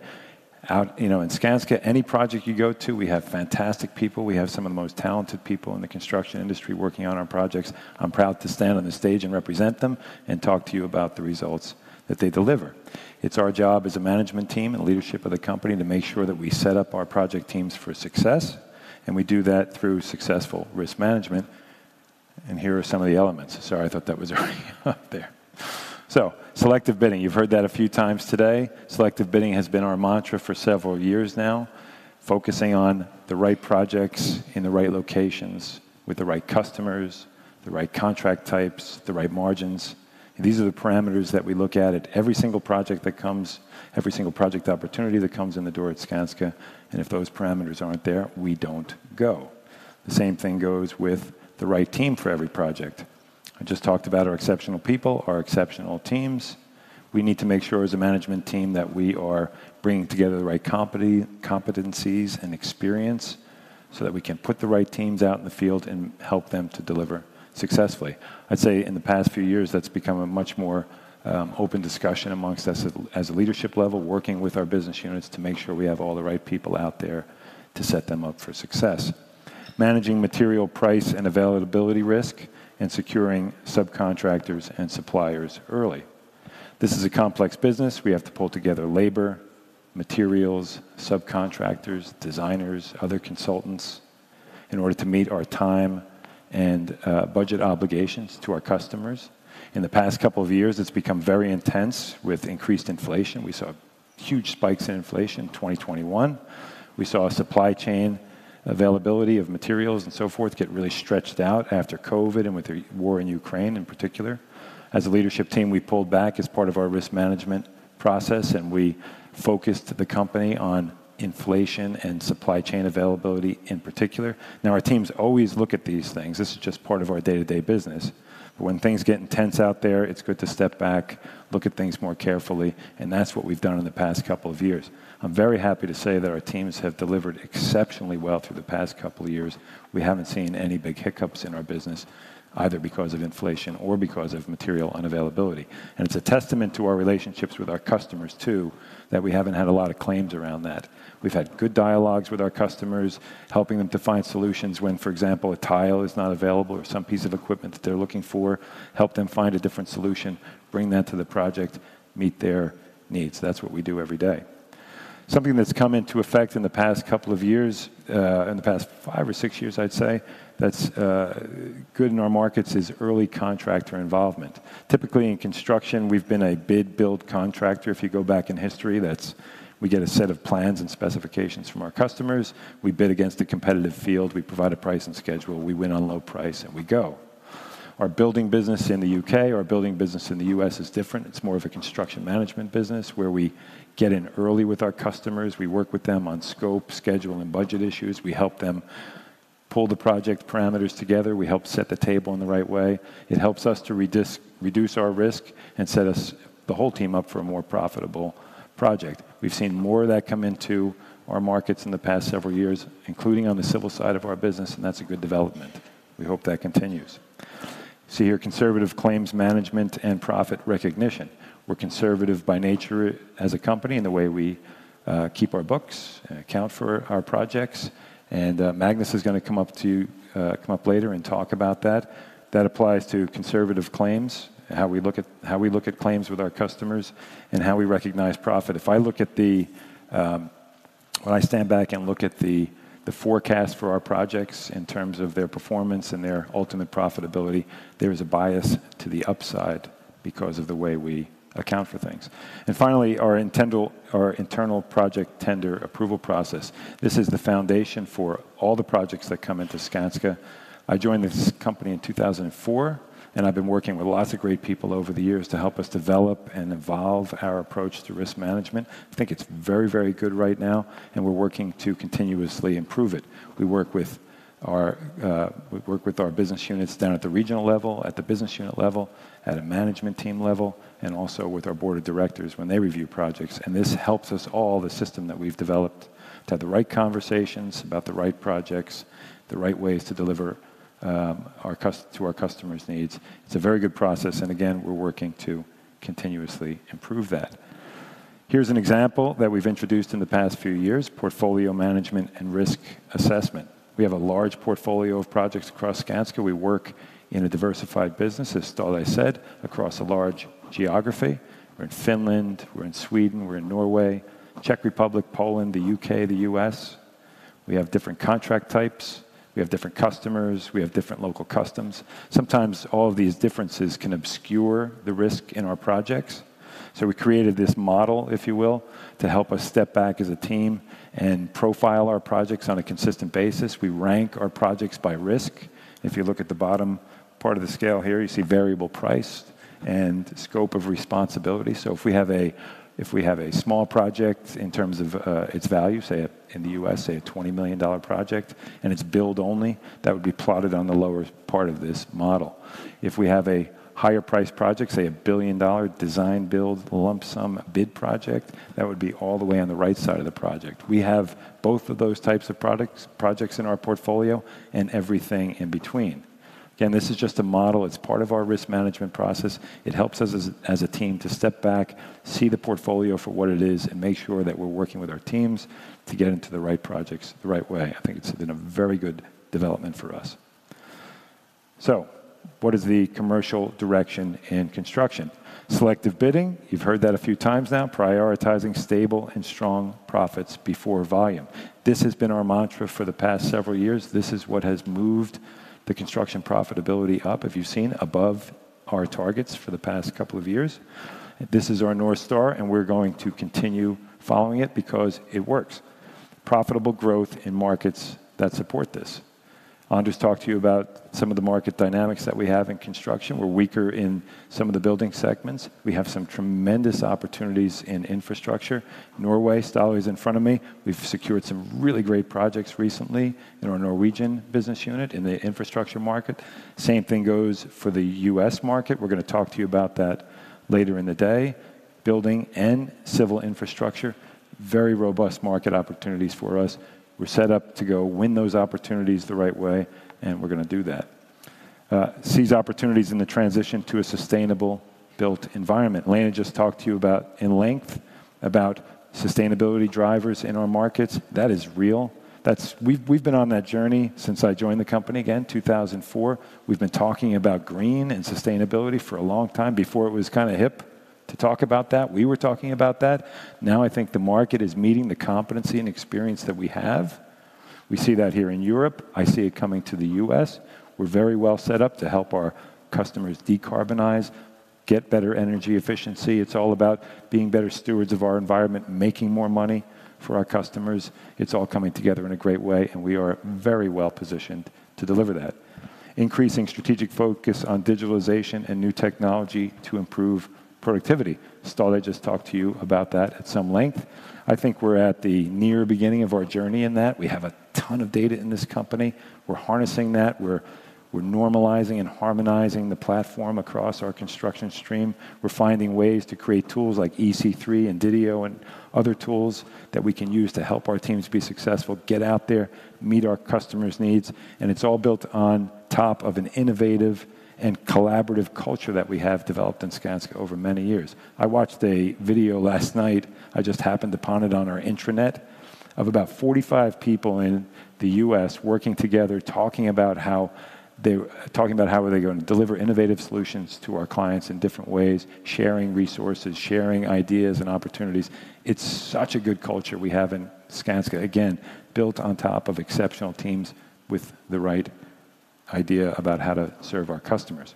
You know, in Skanska, any project you go to, we have fantastic people. We have some of the most talented people in the construction industry working on our projects. I'm proud to stand on the stage and represent them, and talk to you about the results that they deliver. It's our job as a management team and leadership of the company to make sure that we set up our project teams for success, and we do that through successful risk management. Here are some of the elements. Sorry, I thought that was already out there. Selective bidding, you've heard that a few times today. Selective bidding has been our mantra for several years now, focusing on the right projects in the right locations with the right customers, the right contract types, the right margins. These are the parameters that we look at every single project that comes, every single project opportunity that comes in the door at Skanska, and if those parameters aren't there, we don't go. The same thing goes with the right team for every project. I just talked about our exceptional people, our exceptional teams. We need to make sure as a management team that we are bringing together the right company, competencies, and experience, so that we can put the right teams out in the field and help them to deliver successfully. I'd say in the past few years, that's become a much more, open discussion amongst us as a leadership level, working with our business units to make sure we have all the right people out there to set them up for success. Managing material price and availability risk, and securing subcontractors and suppliers early. This is a complex business. We have to pull together labor, materials, subcontractors, designers, other consultants, in order to meet our time and budget obligations to our customers. In the past couple of years, it's become very intense with increased inflation. We saw huge spikes in inflation in 2021. We saw a supply chain availability of materials and so forth get really stretched out after COVID and with the war in Ukraine in particular. As a leadership team, we pulled back as part of our risk management process, and we focused the company on inflation and supply chain availability in particular. Now, our teams always look at these things. This is just part of our day-to-day business. But when things get intense out there, it's good to step back, look at things more carefully, and that's what we've done in the past couple of years. I'm very happy to say that our teams have delivered exceptionally well through the past couple of years. We haven't seen any big hiccups in our business, either because of inflation or because of material unavailability. And it's a testament to our relationships with our customers, too, that we haven't had a lot of claims around that. We've had good dialogues with our customers, helping them to find solutions when, for example, a tile is not available or some piece of equipment that they're looking for, help them find a different solution, bring that to the project, meet their needs. That's what we do every day. Something that's come into effect in the past couple of years, in the past five or six years, I'd say, that's good in our markets, is early contractor involvement. Typically, in construction, we've been a bid build contractor. If you go back in history, we get a set of plans and specifications from our customers. We bid against a competitive field. We provide a price and schedule. We win on low price, and we go. Our building business in the U.K., our building business in the U.S. is different. It's more of a construction management business, where we get in early with our customers. We work with them on scope, schedule, and budget issues. We help them pull the project parameters together. We help set the table in the right way. It helps us to reduce our risk and set us, the whole team, up for a more profitable project. We've seen more of that come into our markets in the past several years, including on the civil side of our business, and that's a good development. We hope that continues. See here, conservative claims management and profit recognition. We're conservative by nature as a company in the way we keep our books and account for our projects, and Magnus is gonna come up later and talk about that. That applies to conservative claims, how we look at claims with our customers, and how we recognize profit. If I look at when I stand back and look at the forecast for our projects in terms of their performance and their ultimate profitability, there is a bias to the upside because of the way we account for things. And finally, our internal project tender approval process. This is the foundation for all the projects that come into Skanska. I joined this company in 2004, and I've been working with lots of great people over the years to help us develop and evolve our approach to risk management. I think it's very, very good right now, and we're working to continuously improve it. We work with our business units down at the regional level, at the business unit level, at a management team level, and also with our board of directors when they review projects. This helps us all, the system that we've developed, to have the right conversations about the right projects, the right ways to deliver our customers' needs. It's a very good process, and again, we're working to continuously improve that. Here's an example that we've introduced in the past few years: portfolio management and risk assessment. We have a large portfolio of projects across Skanska. We work in a diversified business, as Ståle said, across a large geography. We're in Finland, we're in Sweden, we're in Norway, Czech Republic, Poland, the U.K., the U.S.. We have different contract types, we have different customers, we have different local customs. Sometimes all of these differences can obscure the risk in our projects, so we created this model, if you will, to help us step back as a team and profile our projects on a consistent basis. We rank our projects by risk. If you look at the bottom part of the scale here, you see variable price and scope of responsibility. So if we have a small project in terms of its value, say, in the U.S., say, a $20 million project, and it's build only, that would be plotted on the lower part of this model. If we have a higher priced project, say, a $1 billion-dollar design build lump sum bid project, that would be all the way on the right side of the project. We have both of those types of products, projects in our portfolio and everything in between. Again, this is just a model. It's part of our risk management process. It helps us as a team to step back, see the portfolio for what it is, and make sure that we're working with our teams to get into the right projects the right way. I think it's been a very good development for us. So what is the commercial direction in construction? Selective bidding, you've heard that a few times now. Prioritizing stable and strong profits before volume. This has been our mantra for the past several years. This is what has moved the construction profitability up, if you've seen, above our targets for the past couple of years. This is our North Star, and we're going to continue following it because it works. Profitable growth in markets that support this. Anders talked to you about some of the market dynamics that we have in construction. We're weaker in some of the building segments. We have some tremendous opportunities in infrastructure. Norway, Ståle is in front of me. We've secured some really great projects recently in our Norwegian business unit, in the infrastructure market. Same thing goes for the U.S. market. We're gonna talk to you about that later in the day. Building and civil infrastructure, very robust market opportunities for us. We're set up to go win those opportunities the right way, and we're gonna do that. Seize opportunities in the transition to a sustainable built environment. Lena just talked to you about, in length, about sustainability drivers in our markets. That is real. That's... We've, we've been on that journey since I joined the company, again, 2004. We've been talking about green and sustainability for a long time. Before it was kinda hip to talk about that, we were talking about that. Now, I think the market is meeting the competency and experience that we have. We see that here in Europe. I see it coming to the U.S. We're very well set up to help our customers decarbonize, get better energy efficiency. It's all about being better stewards of our environment, making more money for our customers. It's all coming together in a great way, and we are very well positioned to deliver that. Increasing strategic focus on digitalization and new technology to improve productivity. Ståle just talked to you about that at some length. I think we're at the near beginning of our journey in that. We have a ton of data in this company. We're harnessing that. We're normalizing and harmonizing the platform across our construction stream. We're finding ways to create tools like EC3 and Ditio and other tools that we can use to help our teams be successful, get out there, meet our customers' needs, and it's all built on top of an innovative and collaborative culture that we have developed in Skanska over many years. I watched a video last night. I just happened upon it on our intranet, of about 45 people in the U.S. working together, talking about how they are going to deliver innovative solutions to our clients in different ways, sharing resources, sharing ideas and opportunities. It's such a good culture we have in Skanska. Again, built on top of exceptional teams with the right idea about how to serve our customers.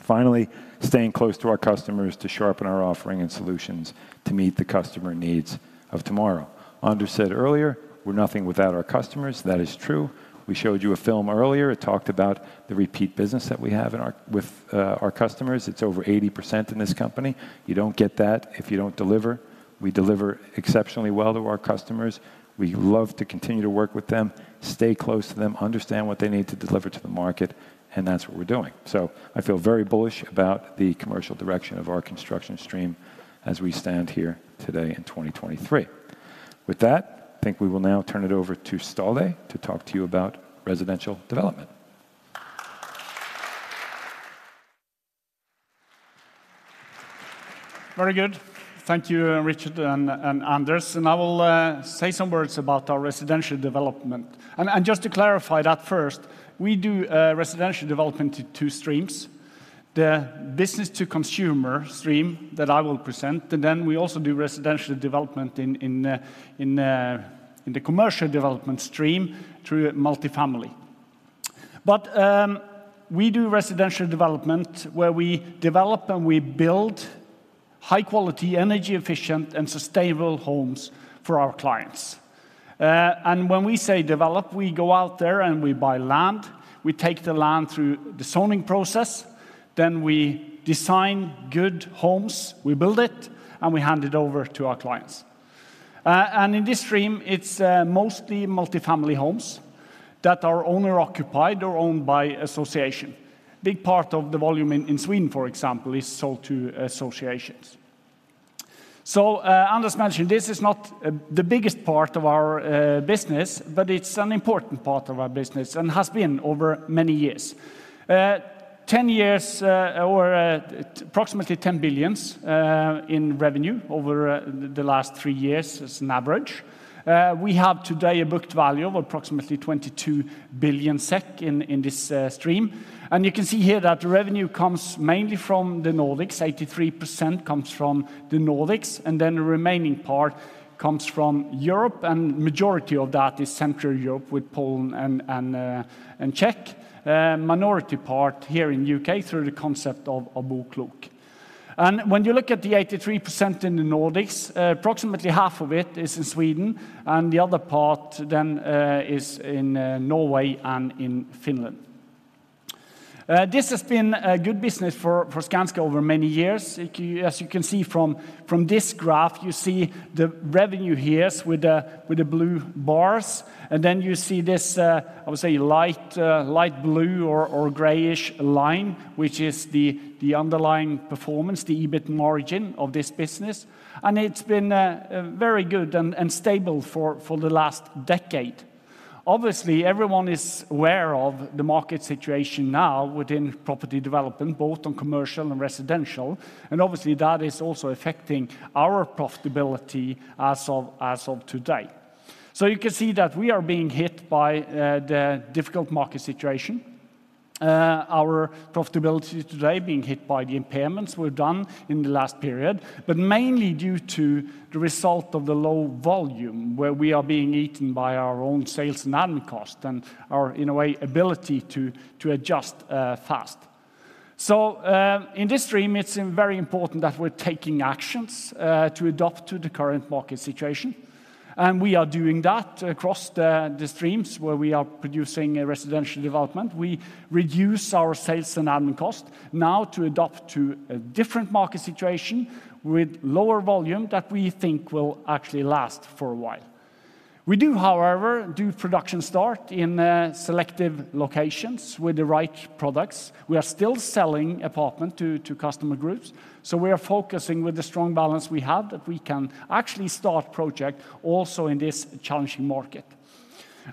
Finally, staying close to our customers to sharpen our offering and solutions to meet the customer needs of tomorrow. Anders said earlier, we're nothing without our customers. That is true. We showed you a film earlier. It talked about the repeat business that we have with our customers. It's over 80% in this company. You don't get that if you don't deliver. We deliver exceptionally well to our customers. We love to continue to work with them, stay close to them, understand what they need to deliver to the market, and that's what we're doing. So I feel very bullish about the commercial direction of our construction stream as we stand here today in 2023.... With that, I think we will now turn it over to Ståle to talk to you about residential development. Very good. Thank you, Richard and Anders, and I will say some words about our residential development. Just to clarify that first, we do residential development in two streams: the business-to-consumer stream that I will present, and then we also do residential development in the commercial development stream through multifamily. But we do residential development, where we develop, and we build high-quality, energy-efficient, and sustainable homes for our clients. When we say develop, we go out there, and we buy land. We take the land through the zoning process, then we design good homes, we build it, and we hand it over to our clients. In this stream, it's mostly multifamily homes that are owner-occupied or owned by association. Big part of the volume in Sweden, for example, is sold to associations. Anders mentioned, this is not the biggest part of our business, but it's an important part of our business and has been over many years. 10 years, or approximately 10 billion in revenue over the last three years as an average. We have today a booked value of approximately 22 billion SEK in this stream, and you can see here that the revenue comes mainly from the Nordics. 83% comes from the Nordics, and then the remaining part comes from Europe, and majority of that is Central Europe, with Poland and Czech, minority part here in the U.K. through the concept of BoKlok. When you look at the 83% in the Nordics, approximately half of it is in Sweden, and the other part then is in Norway and in Finland. This has been a good business for Skanska over many years. As you can see from this graph, you see the revenue here with the blue bars, and then you see this, I would say, light blue or grayish line, which is the underlying performance, the EBIT margin of this business, and it's been very good and stable for the last decade. Obviously, everyone is aware of the market situation now within property development, both on commercial and residential, and obviously, that is also affecting our profitability as of today. So you can see that we are being hit by the difficult market situation. Our profitability today being hit by the impairments we've done in the last period, but mainly due to the result of the low volume, where we are being eaten by our own sales and admin cost and our, in a way, ability to adjust fast. So in this stream, it's very important that we're taking actions to adapt to the current market situation, and we are doing that across the streams where we are producing a residential development. We reduce our sales and admin cost now to adapt to a different market situation with lower volume that we think will actually last for a while. We do, however, do production start in selective locations with the right products. We are still selling apartments to customer groups, so we are focusing with the strong balance we have, that we can actually start projects also in this challenging market.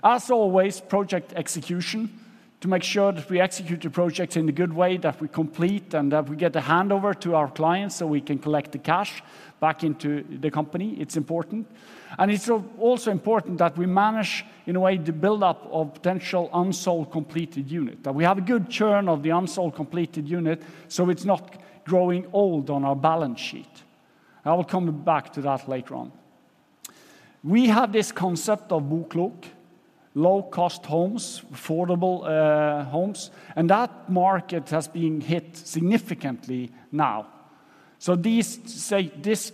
As always, project execution, to make sure that we execute the projects in a good way, that we complete, and that we get the handover to our clients, so we can collect the cash back into the company. It's important, and it's also important that we manage, in a way, the buildup of potential unsold completed units. That we have a good churn of the unsold completed units, so it's not growing old on our balance sheet. I will come back to that later on. We have this concept of BoKlok, low-cost homes, affordable homes, and that market has been hit significantly now. So these, say, this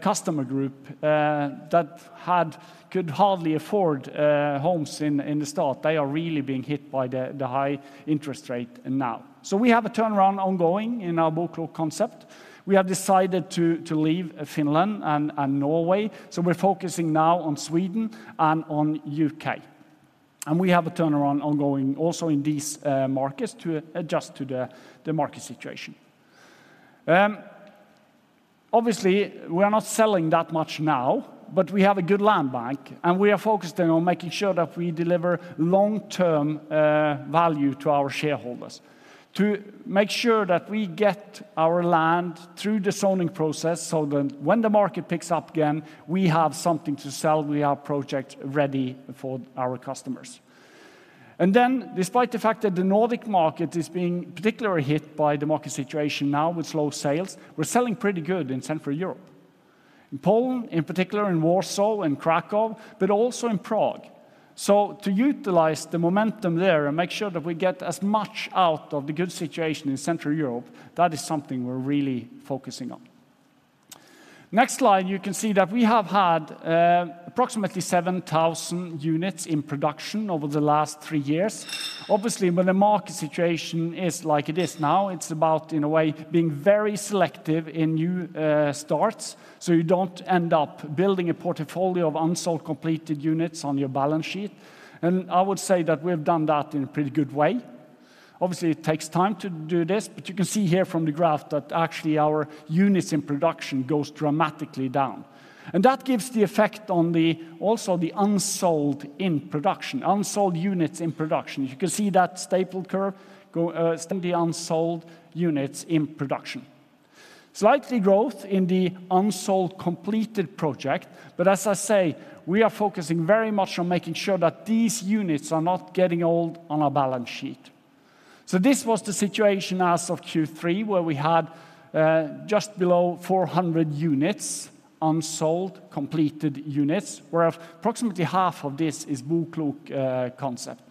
customer group that had... Could hardly afford homes in the start. They are really being hit by the high interest rate now. So we have a turnaround ongoing in our BoKlok concept. We have decided to leave Finland and Norway, so we're focusing now on Sweden and on U.K. And we have a turnaround ongoing also in these markets to adjust to the market situation. Obviously, we are not selling that much now, but we have a good land bank, and we are focusing on making sure that we deliver long-term value to our shareholders. To make sure that we get our land through the zoning process, so when the market picks up again, we have something to sell, we have projects ready for our customers. And then, despite the fact that the Nordic market is being particularly hit by the market situation now with slow sales, we're selling pretty good in Central Europe. In Poland, in particular, in Warsaw and Kraków, but also in Prague. So to utilize the momentum there and make sure that we get as much out of the good situation in Central Europe, that is something we're really focusing on. Next slide, you can see that we have had approximately 7,000 units in production over the last three years. Obviously, when the market situation is like it is now, it's about, in a way, being very selective in new starts, so you don't end up building a portfolio of unsold completed units on your balance sheet. And I would say that we've done that in a pretty good way. Obviously, it takes time to do this, but you can see here from the graph that actually our units in production goes dramatically down. And that gives the effect on the, also the unsold in production, unsold units in production. You can see that steep curve go, the unsold units in production. Slight growth in the unsold completed project, but as I say, we are focusing very much on making sure that these units are not getting old on our balance sheet. So this was the situation as of Q3, where we had, just below 400 units, unsold, completed units, where approximately half of this is BoKlok concept.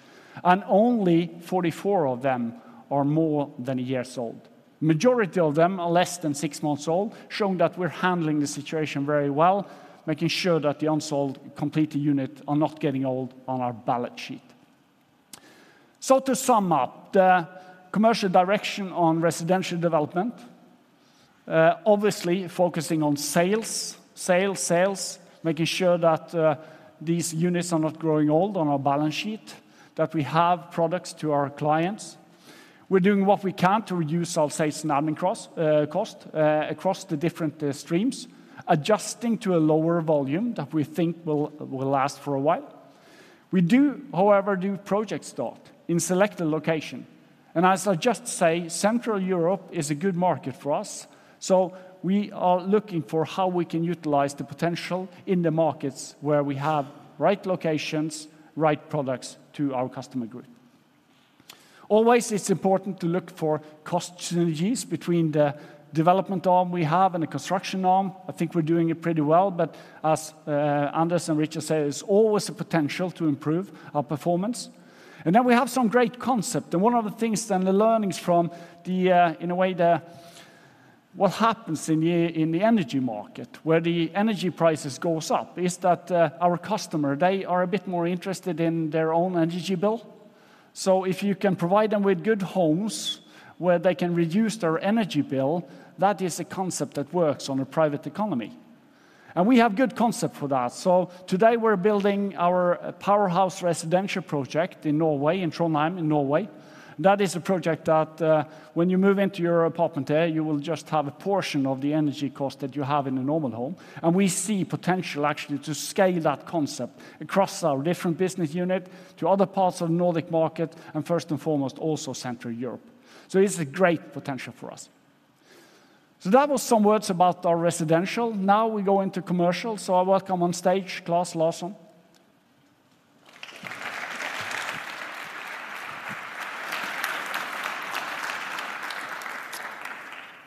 And only 44 of them are more than a year old. Majority of them are less than six months old, showing that we're handling the situation very well, making sure that the unsold completed units are not getting old on our balance sheet. So to sum up, the commercial direction on residential development, obviously focusing on sales, sales, sales, making sure that these units are not growing old on our balance sheet, that we have products to our clients. We're doing what we can to reduce, I'll say, snagging costs across the different streams, adjusting to a lower volume that we think will last for a while. We do, however, do project starts in selected locations. And as I just said, Central Europe is a good market for us, so we are looking for how we can utilize the potential in the markets where we have right locations, right products to our customer group. Always, it's important to look for cost synergies between the development arm we have and the construction arm. I think we're doing it pretty well, but as Anders and Richard said, there's always a potential to improve our performance. And then we have some great concept, and one of the things then the learnings from the, in a way, what happens in the, in the energy market, where the energy prices goes up, is that, our customer, they are a bit more interested in their own energy bill. So if you can provide them with good homes where they can reduce their energy bill, that is a concept that works on a private economy. And we have good concept for that. So today, we're building our Powerhouse residential project in Norway, in Trondheim, in Norway. That is a project that, when you move into your apartment there, you will just have a portion of the energy cost that you have in a normal home, and we see potential actually to scale that concept across our different business unit, to other parts of the Nordic market, and first and foremost, also Central Europe. It's a great potential for us. That was some words about our residential. Now, we go into commercial. I welcome on stage, Claes Larsson.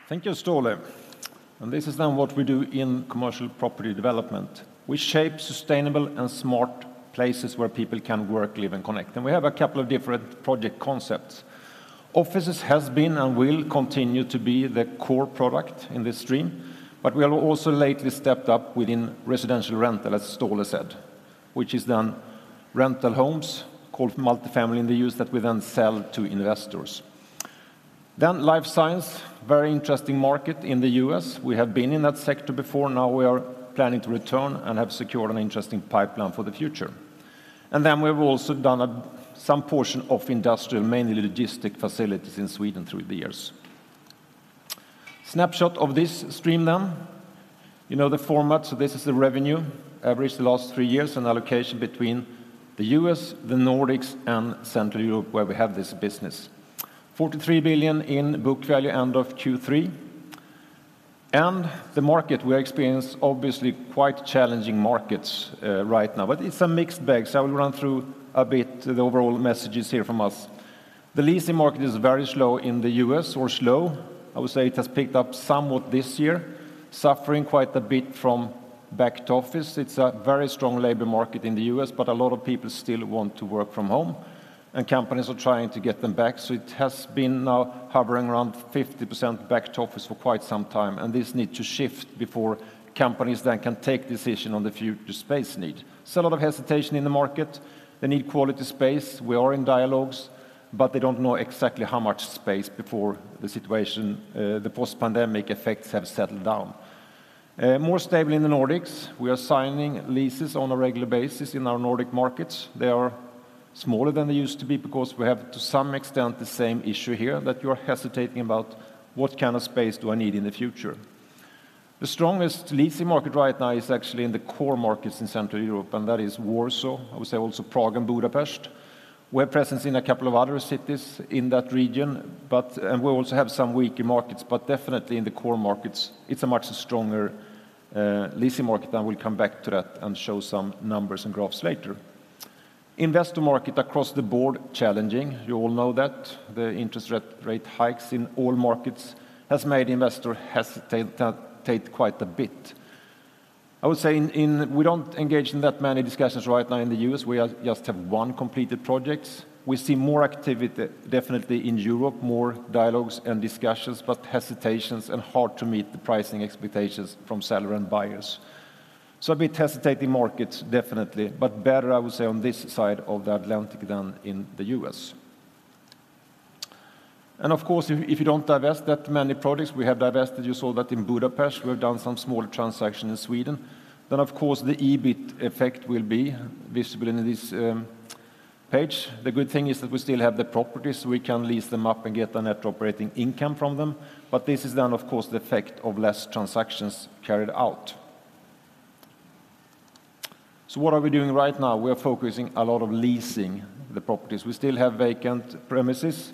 Thank you, Ståle. This is then what we do in commercial property development. We shape sustainable and smart places where people can work, live, and connect, and we have a couple of different project concepts. Offices has been and will continue to be the core product in this stream, but we have also lately stepped up within residential rental, as Ståle said, which is then rental homes, called multifamily in the U.S., that we then sell to investors. Then life science, very interesting market in the U.S. We have been in that sector before. Now we are planning to return and have secured an interesting pipeline for the future. And then we've also done some portion of industrial, mainly logistic facilities in Sweden through the years. Snapshot of this stream then. You know the format, so this is the revenue, average the last three years, and allocation between the U.S., the Nordics, and Central Europe, where we have this business. 43 billion in book value, end of Q3. And the market, we experience, obviously, quite challenging markets right now, but it's a mixed bag, so I will run through a bit the overall messages here from us. The leasing market is very slow in the U.S., or slow. I would say it has picked up somewhat this year, suffering quite a bit from back to office. It's a very strong labor market in the U.S., but a lot of people still want to work from home, and companies are trying to get them back. So it has been now hovering around 50% back to office for quite some time, and this need to shift before companies then can take decision on the future space need. So a lot of hesitation in the market. They need quality space. We are in dialogues, but they don't know exactly how much space before the situation, the post-pandemic effects have settled down. More stable in the Nordics. We are signing leases on a regular basis in our Nordic markets. They are smaller than they used to be because we have, to some extent, the same issue here, that you are hesitating about what kind of space do I need in the future. The strongest leasing market right now is actually in the core markets in Central Europe, and that is Warsaw. I would say also Prague and Budapest. We have presence in a couple of other cities in that region, but and we also have some weaker markets, but definitely in the core markets, it's a much stronger leasing market, and we'll come back to that and show some numbers and graphs later. Investor market across the board, challenging. You all know that. The interest rate hikes in all markets has made investor hesitate quite a bit. I would say in we don't engage in that many discussions right now in the U.S. We just have one completed projects. We see more activity, definitely in Europe, more dialogues and discussions, but hesitations and hard to meet the pricing expectations from seller and buyers. So a bit hesitating markets, definitely, but better, I would say, on this side of the Atlantic than in the U.S.... Of course, if you don't divest that many projects, we have divested—you saw that in Budapest; we have done some small transaction in Sweden. Then of course, the EBIT effect will be visible in this page. The good thing is that we still have the properties; we can lease them up and get the net operating income from them. But this is then, of course, the effect of less transactions carried out. So what are we doing right now? We are focusing a lot on leasing the properties. We still have vacant premises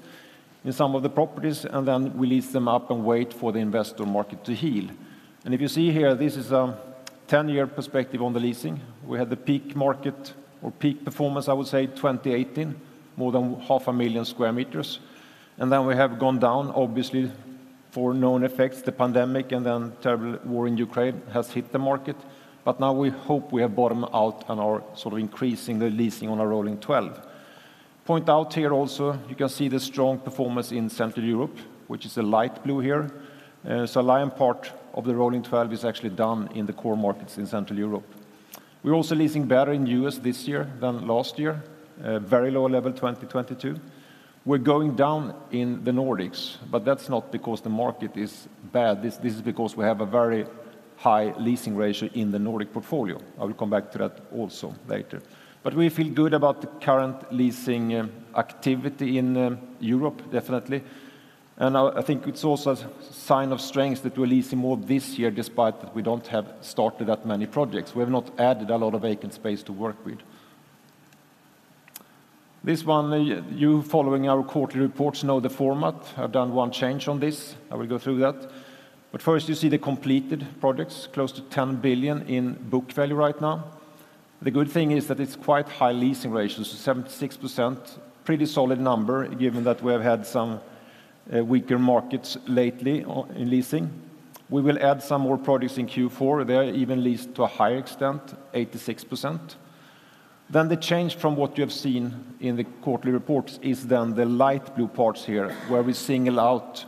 in some of the properties, and then we lease them up and wait for the investor market to heal. And if you see here, this is a 10-year perspective on the leasing. We had the peak market or peak performance, I would say, 2018, more than 500,000 square meters. We have gone down, obviously, for known effects, the pandemic, and then terrible war in Ukraine has hit the market. But now we hope we have bottomed out and are sort of increasing the leasing on a rolling twelve. Point out here also, you can see the strong performance in Central Europe, which is a light blue here. So a lion's share of the rolling twelve is actually done in the core markets in Central Europe. We're also leasing better in U.S. this year than last year, a very low level, 2022. We're going down in the Nordics, but that's not because the market is bad. This, this is because we have a very high leasing ratio in the Nordic portfolio. I will come back to that also later. But we feel good about the current leasing activity in Europe, definitely. I think it's also a sign of strength that we're leasing more this year, despite that we don't have started that many projects. We have not added a lot of vacant space to work with. This one, you following our quarterly reports know the format. I've done one change on this. I will go through that. But first, you see the completed projects, close to 10 billion in book value right now. The good thing is that it's quite high leasing ratios, 76%, pretty solid number, given that we have had some weaker markets lately in leasing. We will add some more projects in Q4. They are even leased to a higher extent, 86%. Then the change from what you have seen in the quarterly reports is then the light blue parts here, where we single out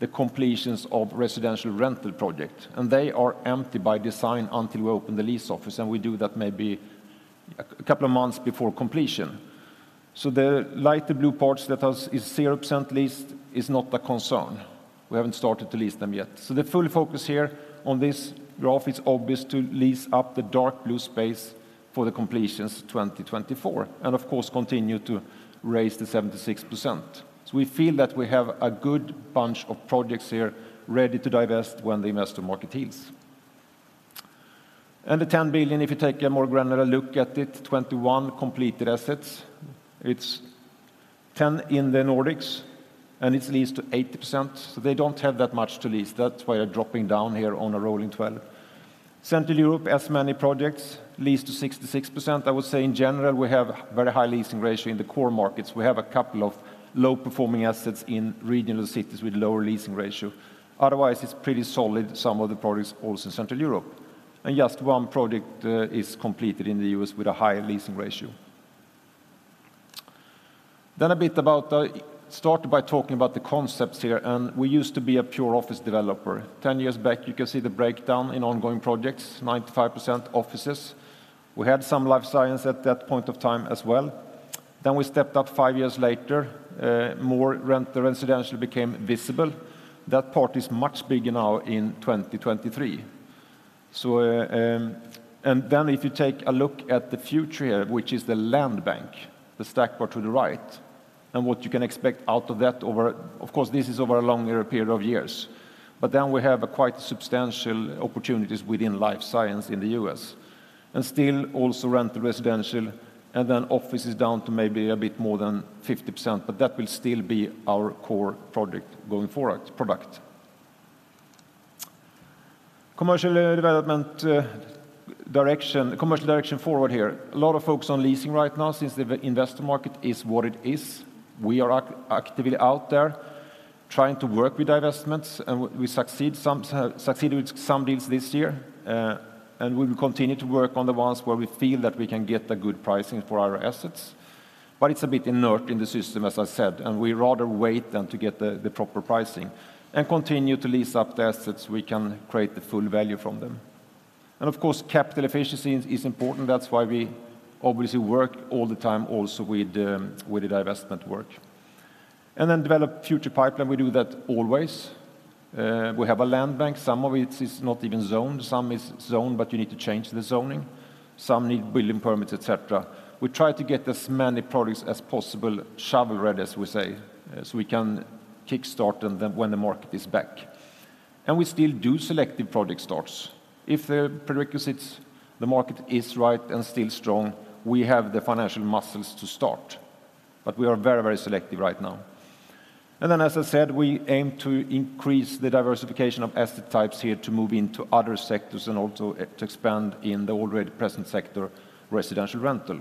the completions of residential rental project, and they are empty by design until we open the lease office, and we do that maybe a, a couple of months before completion. So the lighter blue parts that has is 0% leased is not a concern. We haven't started to lease them yet. So the full focus here on this graph is obvious to lease up the dark blue space for the completions 2024, and of course, continue to raise the 76%. So we feel that we have a good bunch of projects here ready to divest when the investor market heals. And the 10 billion, if you take a more granular look at it, 21 completed assets. It's 10 in the Nordics, and it's leased to 80%, so they don't have that much to lease. That's why you're dropping down here on a rolling twelve. Central Europe, as many projects, leased to 66%. I would say, in general, we have very high leasing ratio in the core markets. We have a couple of low-performing assets in regional cities with lower leasing ratio. Otherwise, it's pretty solid, some of the projects also in Central Europe. And just one project is completed in the U.S. with a high leasing ratio. Then a bit about Started by talking about the concepts here, and we used to be a pure office developer. 10 years back, you can see the breakdown in ongoing projects, 95% offices. We had some life science at that point of time as well. Then we stepped up five years later, more rental residential became visible. That part is much bigger now in 2023. And then if you take a look at the future here, which is the land bank, the stack bar to the right, and what you can expect out of that. Of course, this is over a longer period of years. But then we have a quite substantial opportunities within life science in the U.S., and still also rental residential, and then office is down to maybe a bit more than 50%, but that will still be our core project going forward product. Commercial development direction, commercial direction forward here. A lot of focus on leasing right now, since the investor market is what it is. We are actively out there trying to work with divestments, and we succeeded with some deals this year, and we will continue to work on the ones where we feel that we can get a good pricing for our assets. But it's a bit inert in the system, as I said, and we rather wait than to get the proper pricing and continue to lease up the assets we can create the full value from them. And of course, capital efficiency is important. That's why we obviously work all the time also with the divestment work. And then develop future pipeline, we do that always. We have a land bank. Some of it is not even zoned, some is zoned, but you need to change the zoning, some need building permits, et cetera. We try to get as many projects as possible, shovel-ready, as we say, so we can kickstart them then when the market is back. We still do selective project starts. If the prerequisites, the market is right and still strong, we have the financial muscles to start, but we are very, very selective right now. Then, as I said, we aim to increase the diversification of asset types here to move into other sectors and also to expand in the already present sector, residential rental.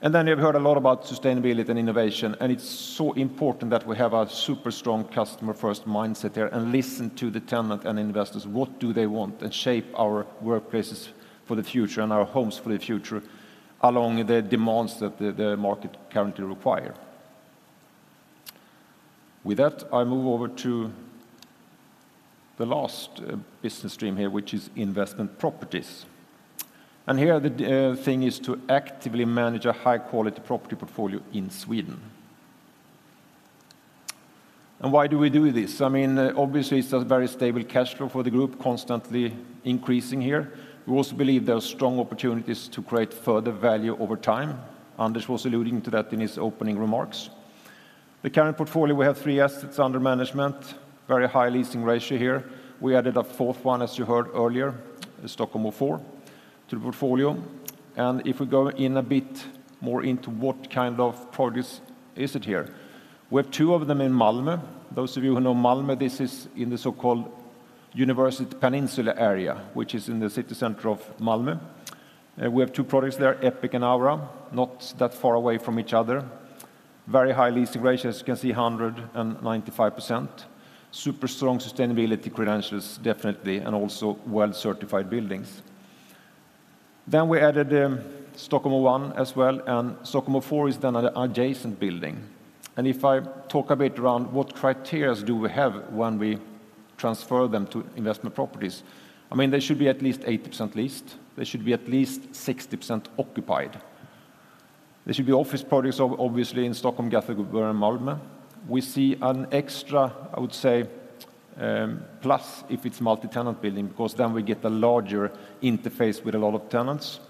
Then you've heard a lot about sustainability and innovation, and it's so important that we have a super strong customer-first mindset there and listen to the tenant and investors. What do they want? And shape our workplaces for the future and our homes for the future, along the demands that the, the market currently require. With that, I move over to...... The last business stream here, which is investment properties. Here, the thing is to actively manage a high-quality property portfolio in Sweden. Why do we do this? I mean, obviously, it's a very stable cash flow for the group, constantly increasing here. We also believe there are strong opportunities to create further value over time. Anders was alluding to that in his opening remarks. The current portfolio. We have three assets under management, very high leasing ratio here. We added a fourth one, as you heard earlier, the Stockholm Four, to the portfolio. If we go in a bit more into what kind of progress is it here? We have two of them in Malmö. Those of you who know Malmö, this is in the so-called University Peninsula area, which is in the city center of Malmö. We have two projects there, Epic and Aura, not that far away from each other. Very high leasing ratio, as you can see, 195%. Super strong sustainability credentials, definitely, and also well-certified buildings. Then we added Stockholm One as well, and Stockholm Four is then an adjacent building. If I talk a bit around what criteria do we have when we transfer them to investment properties, I mean, they should be at least 80% leased. They should be at least 60% occupied. They should be office projects, obviously, in Stockholm, Gothenburg, and Malmö. We see an extra, I would say, plus if it's multi-tenant building, because then we get a larger interface with a lot of tenants.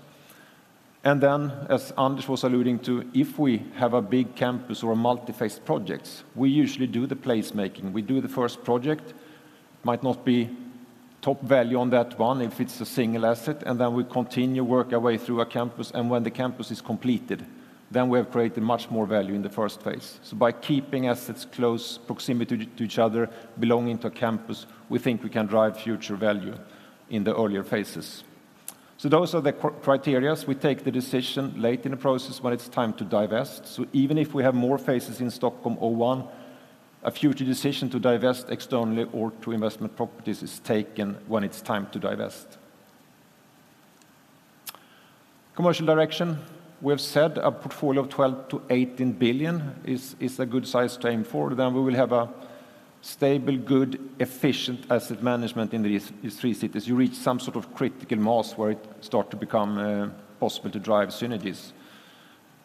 Then, as Anders was alluding to, if we have a big campus or a multi-faceted projects, we usually do the placemaking. We do the first project, might not be top value on that one if it's a single asset, and then we continue work our way through a campus, and when the campus is completed, then we have created much more value in the first place. So by keeping assets close proximity to each other, belonging to a campus, we think we can drive future value in the earlier phases. So those are the criteria. We take the decision late in the process when it's time to divest. So even if we have more phases in Stockholm One, a future decision to divest externally or to investment properties is taken when it's time to divest. Commercial direction, we have said a portfolio of 12 billion-18 billion is a good size to aim for. Then we will have a stable, good, efficient asset management in these, these three cities. You reach some sort of critical mass where it start to become possible to drive synergies.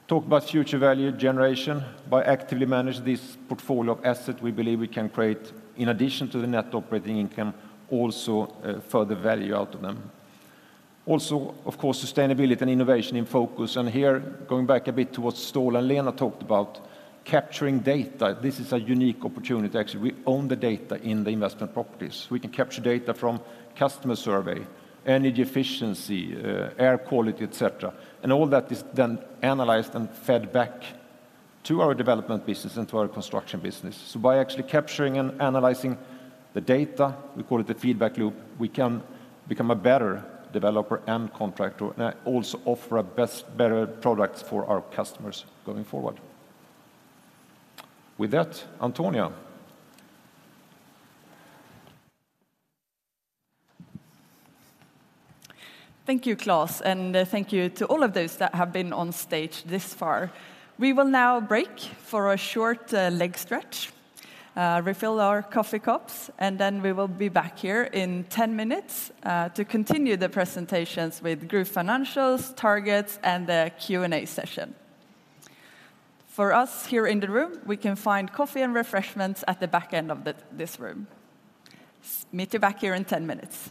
Talk about future value generation. By actively managing this portfolio of asset, we believe we can create, in addition to the net operating income, also further value out of them. Also, of course, sustainability and innovation in focus, and here, going back a bit to what Ståle and Lena talked about, capturing data. This is a unique opportunity. Actually, we own the data in the investment properties. We can capture data from customer survey, energy efficiency, air quality, et cetera, and all that is then analyzed and fed back to our development business and to our construction business. So by actually capturing and analyzing the data, we call it the feedback loop, we can become a better developer and contractor, and also offer a best, better product for our customers going forward. With that, Antonia. Thank you, Claes, and thank you to all of those that have been on stage this far. We will now break for a short leg stretch, refill our coffee cups, and then we will be back here in 10 minutes to continue the presentations with group financials, targets, and the Q&A session. For us here in the room, we can find coffee and refreshments at the back end of the, this room. Meet you back here in 10 minutes.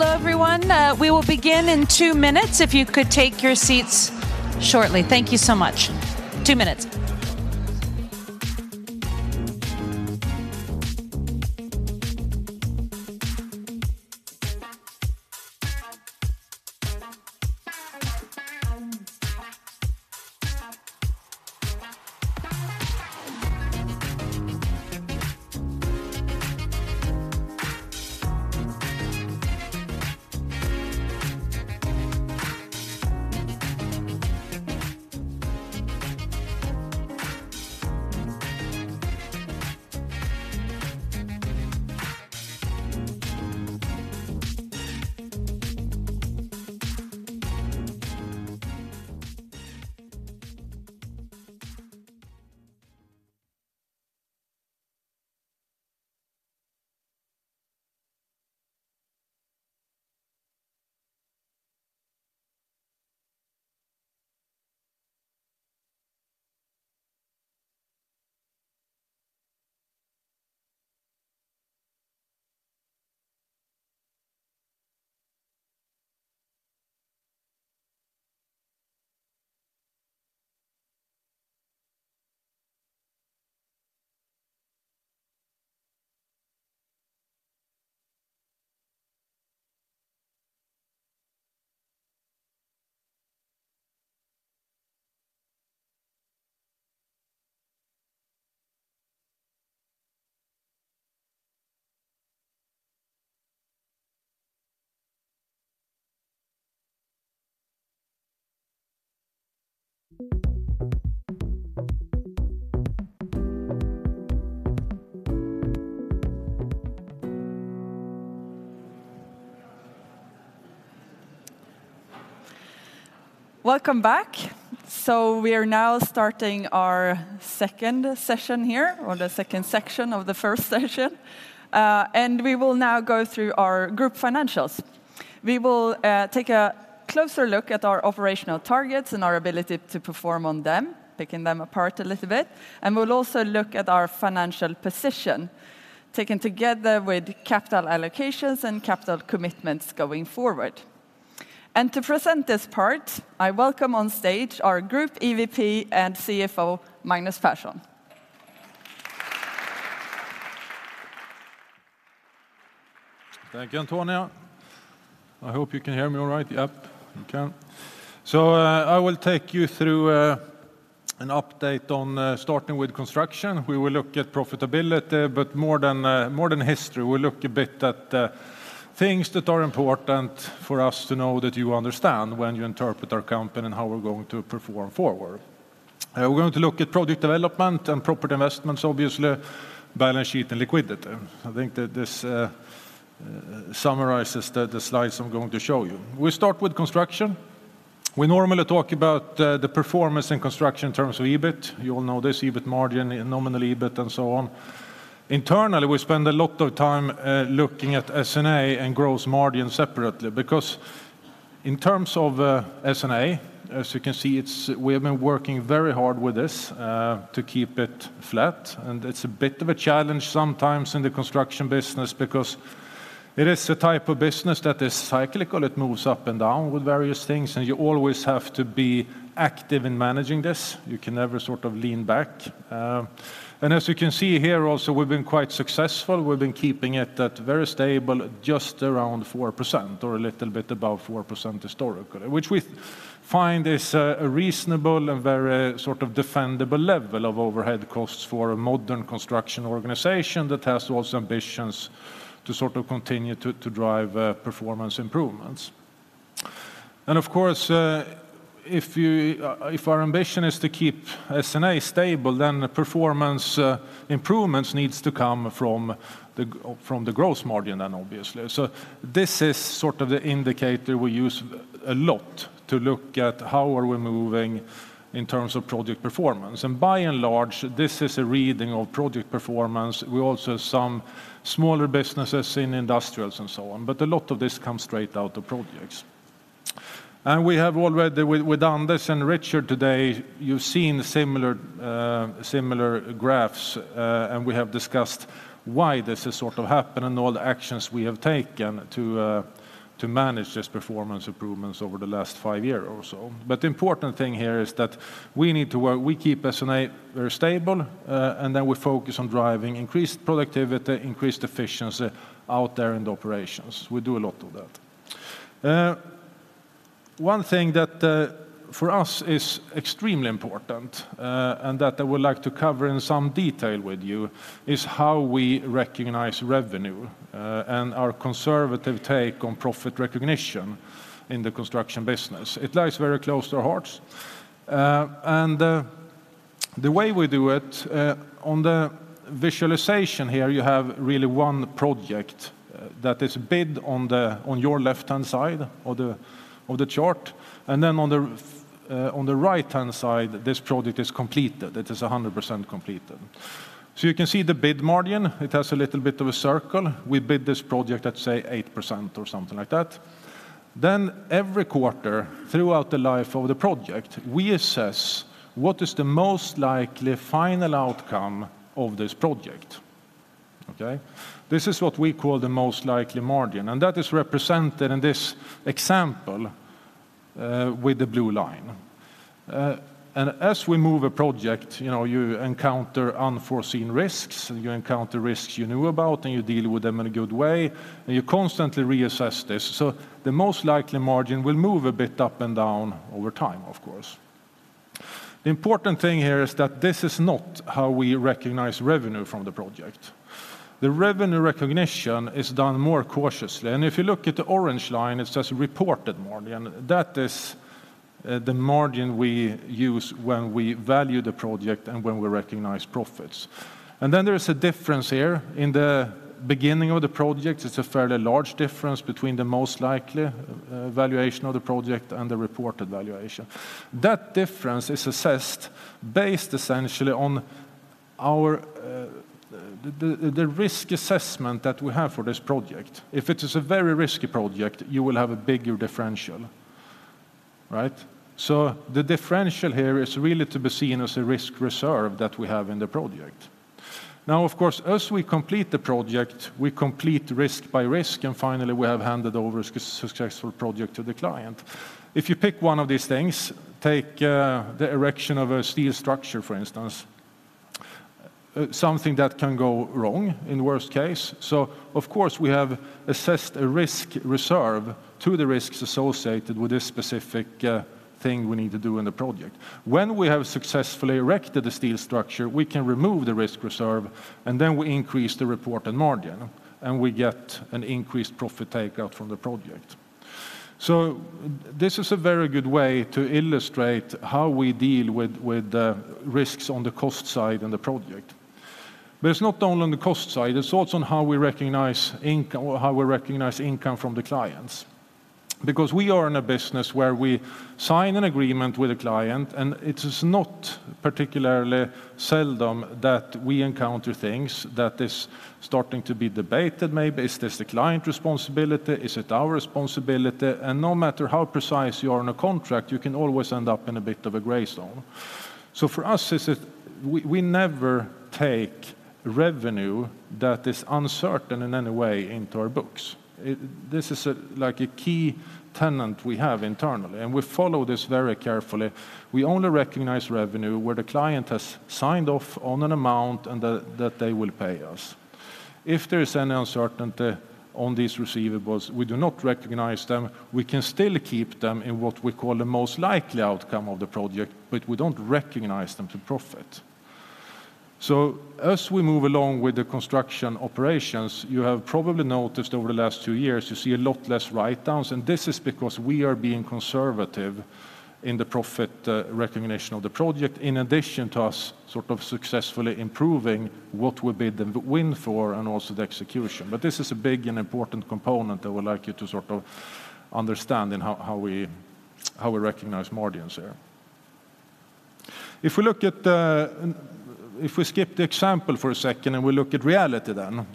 Hello, everyone. Hello, everyone. We will begin in two minutes. If you could take your seats shortly. Thank you so much. Two minutes. Welcome back. So we are now starting our second session here, or the second section of the first session. We will now go through our Group financials. We will take a closer look at our operational targets and our ability to perform on them, picking them apart a little bit, and we'll also look at our financial position, taken together with capital allocations and capital commitments going forward. To present this part, I welcome on stage our Group EVP and CFO, Magnus Persson. Thank you, Antonia. I hope you can hear me all right. Yep, you can. So, I will take you through an update on starting with construction. We will look at profitability, but more than history, we'll look a bit at things that are important for us to know that you understand when you interpret our company and how we're going to perform forward. We're going to look at product development and property investments, obviously, balance sheet, and liquidity. I think that this summarizes the slides I'm going to show you. We start with construction. We normally talk about the performance in construction in terms of EBIT. You all know this, EBIT margin, nominal EBIT, and so on. Internally, we spend a lot of time, looking at S&A and gross margin separately, because in terms of, S&A, as you can see, it's- we have been working very hard with this, to keep it flat, and it's a bit of a challenge sometimes in the construction business, because it is a type of business that is cyclical. It moves up and down with various things, and you always have to be active in managing this. You can never sort of lean back. And as you can see here also, we've been quite successful. We've been keeping it at very stable, just around 4% or a little bit above 4% historically, which we find is a reasonable and very sort of defendable level of overhead costs for a modern construction organization that has also ambitions to sort of continue to drive performance improvements. And of course, if you, if our ambition is to keep S&A stable, then the performance improvements needs to come from the gross margin then, obviously. So this is sort of the indicator we use a lot to look at how are we moving in terms of project performance. And by and large, this is a reading of project performance. We also have some smaller businesses in industrials and so on, but a lot of this comes straight out of projects. We have already, with Anders and Richard today, you've seen similar, similar graphs, and we have discussed why this has sort of happened, and all the actions we have taken to manage this performance improvements over the last five years or so. But the important thing here is that we need to work—we keep S&A very stable, and then we focus on driving increased productivity, increased efficiency out there in the operations. We do a lot of that. One thing that, for us, is extremely important, and that I would like to cover in some detail with you, is how we recognize revenue, and our conservative take on profit recognition in the construction business. It lies very close to our hearts. And the way we do it on the visualization here, you have really one project that is bid on the, on your left-hand side of the, of the chart, and then on the right-hand side, this project is completed. It is 100% completed. So you can see the bid margin. It has a little bit of a circle. We bid this project at, say, 8% or something like that. Then every quarter, throughout the life of the project, we assess what is the most likely final outcome of this project. Okay? This is what we call the most likely margin, and that is represented in this example with the blue line. And as we move a project, you know, you encounter unforeseen risks, and you encounter risks you knew about, and you deal with them in a good way, and you constantly reassess this. So the most likely margin will move a bit up and down over time, of course. The important thing here is that this is not how we recognize revenue from the project. The revenue recognition is done more cautiously, and if you look at the orange line, it says reported margin. That is, the margin we use when we value the project and when we recognize profits. And then there is a difference here. In the beginning of the project, it's a fairly large difference between the most likely valuation of the project and the reported valuation. That difference is assessed based essentially on our risk assessment that we have for this project. If it is a very risky project, you will have a bigger differential, right? So the differential here is really to be seen as a risk reserve that we have in the project. Now, of course, as we complete the project, we complete risk by risk, and finally, we have handed over a successful project to the client. If you pick one of these things, take the erection of a steel structure, for instance, something that can go wrong in the worst case. So of course, we have assessed a risk reserve to the risks associated with this specific thing we need to do in the project. When we have successfully erected the steel structure, we can remove the risk reserve, and then we increase the reported margin, and we get an increased profit takeout from the project. So this is a very good way to illustrate how we deal with risks on the cost side in the project. But it's not only on the cost side, it's also on how we recognize income- or how we recognize income from the clients. Because we are in a business where we sign an agreement with a client, and it is not particularly seldom that we encounter things that is starting to be debated maybe. Is this the client responsibility? Is it our responsibility? And no matter how precise you are in a contract, you can always end up in a bit of a gray zone. So for us, we never take revenue that is uncertain in any way into our books. This is, like, a key tenet we have internally, and we follow this very carefully. We only recognize revenue where the client has signed off on an amount and that they will pay us. If there is any uncertainty on these receivables, we do not recognize them. We can still keep them in what we call the most likely outcome of the project, but we don't recognize them to profit. So as we move along with the construction operations, you have probably noticed over the last two years, you see a lot less write-downs, and this is because we are being conservative in the profit recognition of the project, in addition to us sort of successfully improving what will be the win for, and also the execution. But this is a big and important component that I would like you to sort of understand in how we recognize margins here. If we look at, if we skip the example for a second, and we look at reality then,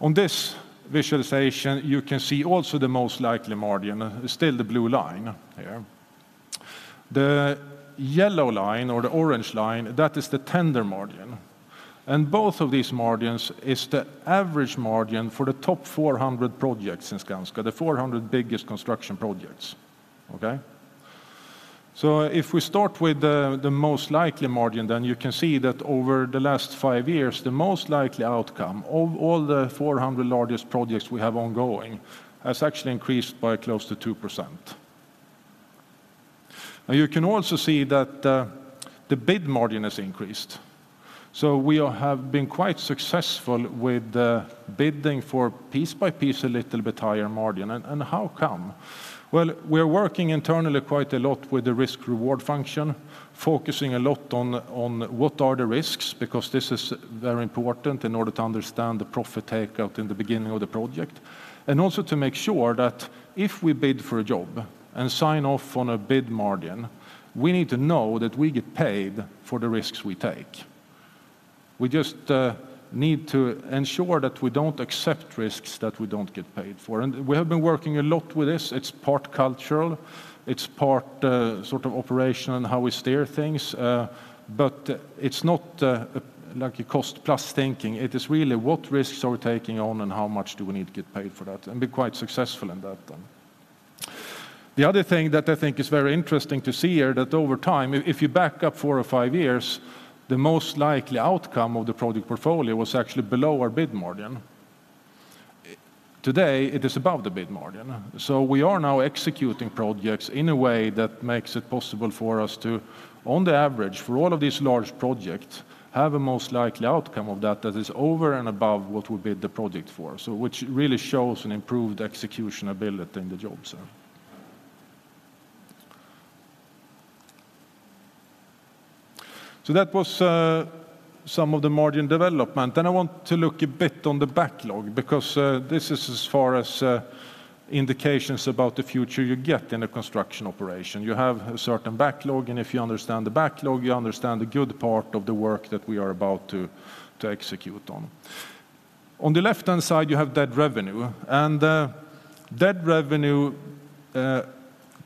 on this visualization, you can see also the most likely margin, still the blue line here. The yellow line or the orange line, that is the tender margin. And both of these margins is the average margin for the top 400 projects in Skanska, the 400 biggest construction projects, okay? So if we start with the, the most likely margin, then you can see that over the last 5 years, the most likely outcome of all the 400 largest projects we have ongoing, has actually increased by close to 2%. Now, you can also see that, the bid margin has increased. So we have been quite successful with, bidding for piece by piece, a little bit higher margin. And, and how come? Well, we are working internally quite a lot with the risk reward function, focusing a lot on, on what are the risks, because this is very important in order to understand the profit takeout in the beginning of the project. And also to make sure that if we bid for a job and sign off on a bid margin, we need to know that we get paid for the risks we take. We just need to ensure that we don't accept risks that we don't get paid for. And we have been working a lot with this. It's part cultural, it's part, sort of operation and how we steer things, but it's not, like a cost plus thinking. It is really what risks are we taking on, and how much do we need to get paid for that? And been quite successful in that then. The other thing that I think is very interesting to see here, that over time, if you back up four or five years, the most likely outcome of the project portfolio was actually below our bid margin. Today, it is above the bid margin. So we are now executing projects in a way that makes it possible for us to, on the average, for all of these large projects, have a most likely outcome of that is over and above what we bid the project for. So which really shows an improved execution ability in the jobs. So that was some of the margin development. Then I want to look a bit on the backlog, because this is as far as indications about the future you get in a construction operation. You have a certain backlog, and if you understand the backlog, you understand the good part of the work that we are about to execute on. On the left-hand side, you have dead revenue, and dead revenue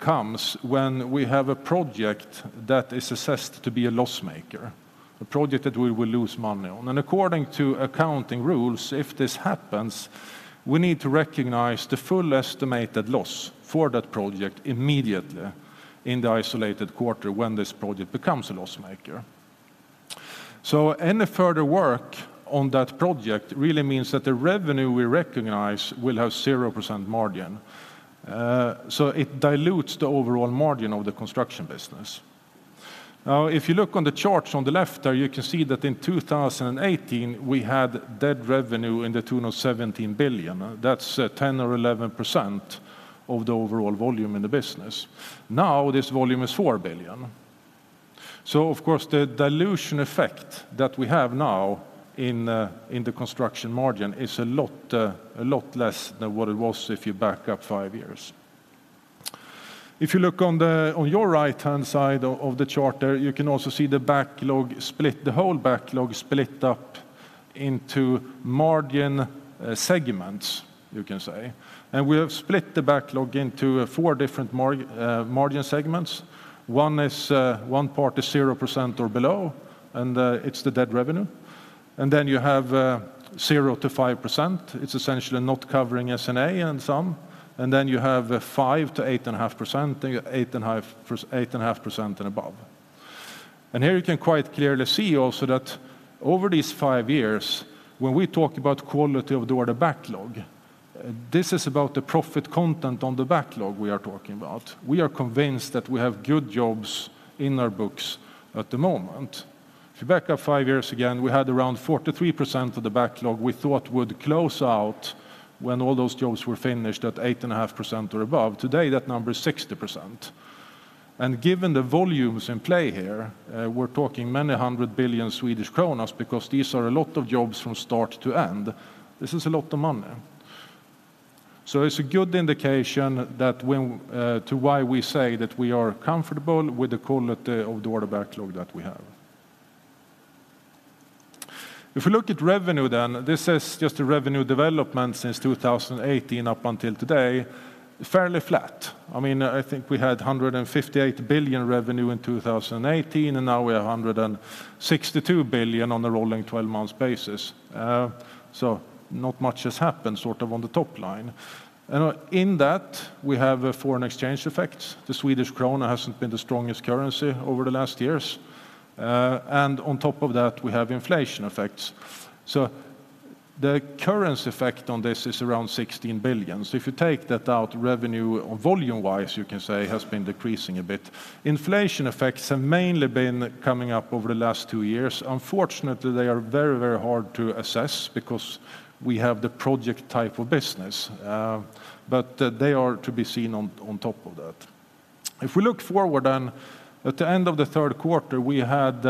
comes when we have a project that is assessed to be a loss maker, a project that we will lose money on. And according to accounting rules, if this happens, we need to recognize the full estimated loss for that project immediately in the isolated quarter when this project becomes a loss maker. Any further work on that project really means that the revenue we recognize will have 0% margin, so it dilutes the overall margin of the construction business. Now, if you look on the charts on the left there, you can see that in 2018, we had net revenue to the tune of 17 billion. That's 10% or 11% of the overall volume in the business. Now, this volume is 4 billion. So of course, the dilution effect that we have now in the construction margin is a lot less than what it was if you back up five years. If you look on your right-hand side of the chart there, you can also see the backlog split, the whole backlog split up into margin segments, you can say. And we have split the backlog into four different margin segments. One is one part is 0% or below, and it's the dead revenue. And then you have 0%-5%. It's essentially not covering S&A and some. And then you have 5%-8.5%, 8.5%, and above. And here you can quite clearly see also that over these 5 years, when we talk about quality of the order backlog, this is about the profit content on the backlog we are talking about. We are convinced that we have good jobs in our books at the moment. If you back up 5 years again, we had around 43% of the backlog we thought would close out when all those jobs were finished at 8.5% or above. Today, that number is 60%. Given the volumes in play here, we're talking many hundreds of billions SEK, because these are a lot of jobs from start to end. This is a lot of money. So it's a good indication that when to why we say that we are comfortable with the quality of the order backlog that we have. If we look at revenue, then this is just a revenue development since 2018 up until today, fairly flat. I mean, I think we had 158 billion revenue in 2018, and now we have 162 billion on a rolling twelve-month basis. So not much has happened sort of on the top line. And in that, we have a foreign exchange effect. The Swedish krona hasn't been the strongest currency over the last years. And on top of that, we have inflation effects. The current effect on this is around 16 billion. So if you take that out, revenue or volume-wise, you can say, has been decreasing a bit. Inflation effects have mainly been coming up over the last two years. Unfortunately, they are very, very hard to assess because we have the project type of business, but they are to be seen on, on top of that. If we look forward, then at the end of the third quarter, we had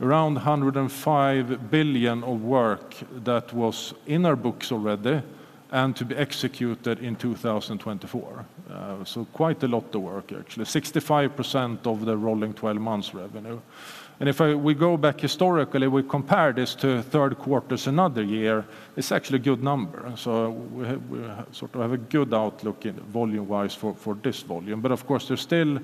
around 105 billion of work that was in our books already and to be executed in 2024. So quite a lot of work, actually. 65% of the rolling twelve months revenue. And if we go back historically, we compare this to third quarters another year, it's actually a good number. So we have, we sort of have a good outlook volume-wise for this volume. But of course, there's still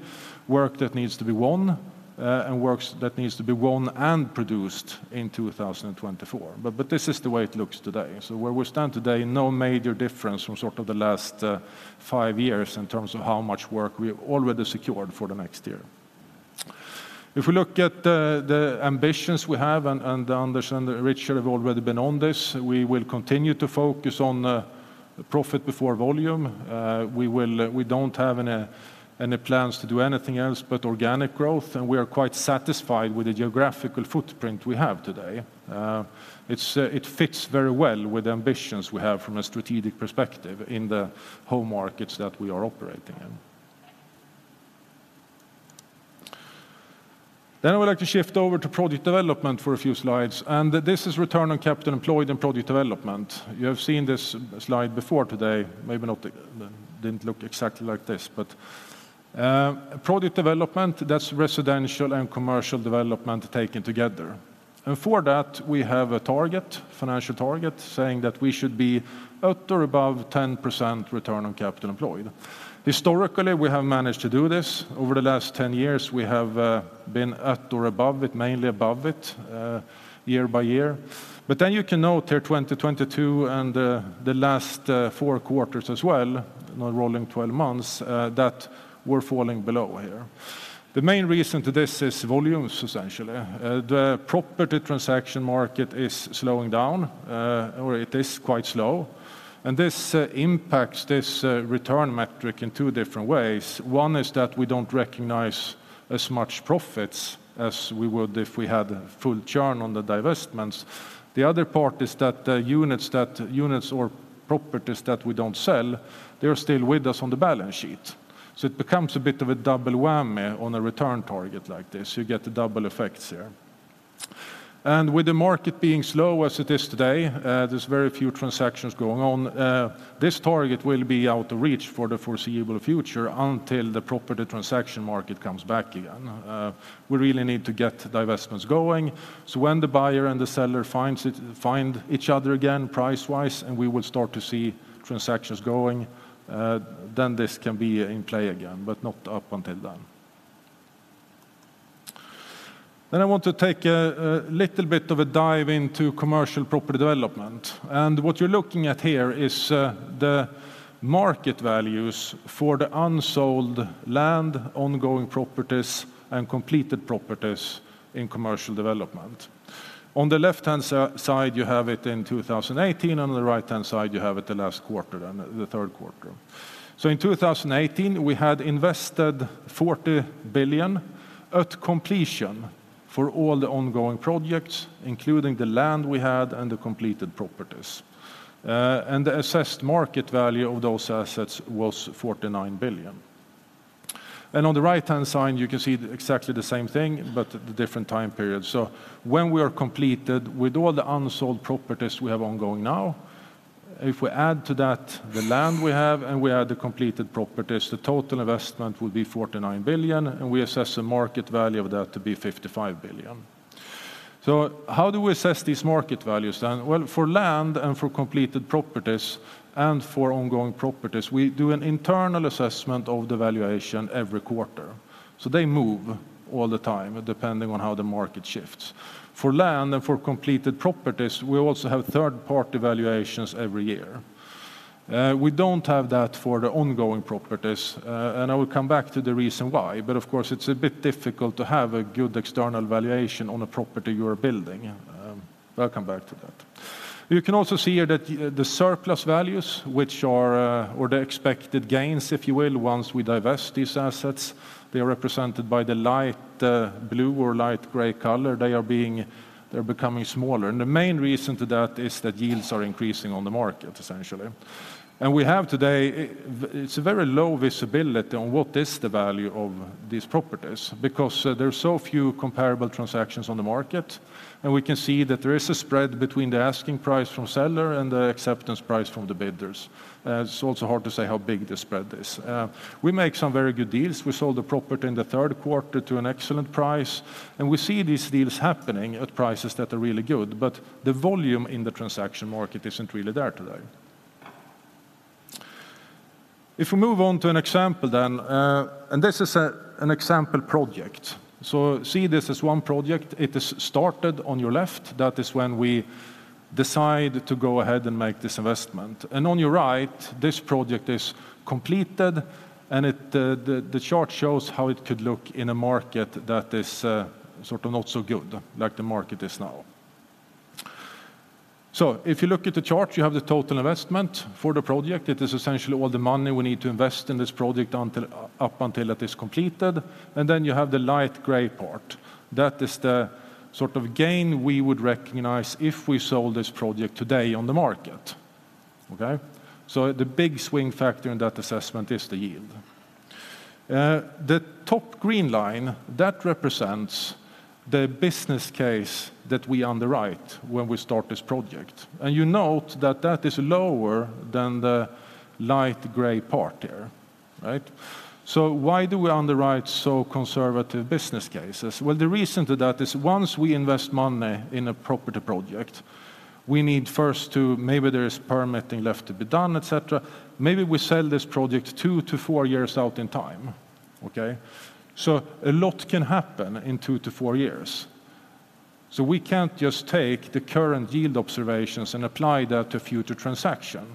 work that needs to be won, and works that needs to be won and produced in 2024. But this is the way it looks today. So where we stand today, no major difference from sort of the last five years in terms of how much work we have already secured for the next year. If we look at the ambitions we have, and Anders and Richard have already been on this, we will continue to focus on profit before volume. We will, we don't have any plans to do anything else but organic growth, and we are quite satisfied with the geographical footprint we have today. It's, it fits very well with the ambitions we have from a strategic perspective in the home markets that we are operating in. Then I would like to shift over to project development for a few slides, and this is return on capital employed in project development. You have seen this slide before today. Maybe not, it didn't look exactly like this, but, project development, that's residential and commercial development taken together. And for that, we have a target, financial target, saying that we should be at or above 10% return on capital employed. Historically, we have managed to do this. Over the last 10 years, we have, been at or above it, mainly above it, year by year. But then you can note here, 2022 and the last four quarters as well, not rolling 12 months, that we're falling below here. The main reason to this is volumes, essentially. The property transaction market is slowing down or it is quite slow, and this impacts this return metric in two different ways. One is that we don't recognize as much profits as we would if we had full churn on the divestments. The other part is that the units or properties that we don't sell, they're still with us on the balance sheet. So it becomes a bit of a double whammy on a return target like this. You get the double effects here. And with the market being slow as it is today, there's very few transactions going on. This target will be out of reach for the foreseeable future until the property transaction market comes back again. We really need to get divestments going, so when the buyer and the seller find each other again, price-wise, and we will start to see transactions going, then this can be in play again, but not up until then. I want to take a little bit of a dive into commercial property development. What you're looking at here is the market values for the unsold land, ongoing properties, and completed properties in commercial development. On the left-hand side, you have it in 2018, on the right-hand side, you have it the last quarter, then the third quarter. So in 2018, we had invested 40 billion at completion for all the ongoing projects, including the land we had and the completed properties. And the assessed market value of those assets was 49 billion. And on the right-hand side, you can see exactly the same thing, but the different time periods. So when we are completed with all the unsold properties we have ongoing now, if we add to that the land we have and we add the completed properties, the total investment would be 49 billion, and we assess the market value of that to be 55 billion. So how do we assess these market values then? Well, for land and for completed properties and for ongoing properties, we do an internal assessment of the valuation every quarter. So they move all the time, depending on how the market shifts. For land and for completed properties, we also have third-party valuations every year. We don't have that for the ongoing properties, and I will come back to the reason why. But of course, it's a bit difficult to have a good external valuation on a property you are building. We'll come back to that. You can also see here that the surplus values, which are, or the expected gains, if you will, once we divest these assets, they are represented by the light blue or light gray color. They're becoming smaller. The main reason to that is that yields are increasing on the market, essentially. And we have today, it's a very low visibility on what is the value of these properties because there are so few comparable transactions on the market, and we can see that there is a spread between the asking price from seller and the acceptance price from the bidders. It's also hard to say how big the spread is. We make some very good deals. We sold the property in the third quarter to an excellent price, and we see these deals happening at prices that are really good, but the volume in the transaction market isn't really there today. If we move on to an example then, and this is an example project. So see this as one project. It is started on your left. That is when we decide to go ahead and make this investment. And on your right, this project is completed, and it, the chart shows how it could look in a market that is sort of not so good, like the market is now. So if you look at the chart, you have the total investment for the project. It is essentially all the money we need to invest in this project until, up until it is completed. And then you have the light gray part. That is the sort of gain we would recognize if we sold this project today on the market, okay? So the big swing factor in that assessment is the yield. The top green line, that represents the business case that we underwrite when we start this project. And you note that that is lower than the light gray part there, right? So why do we underwrite so conservative business cases? Well, the reason to that is once we invest money in a property project, we need first to maybe there is permitting left to be done, et cetera. Maybe we sell this project 2-4 years out in time, okay? So a lot can happen in 2-4 years. So we can't just take the current yield observations and apply that to future transaction.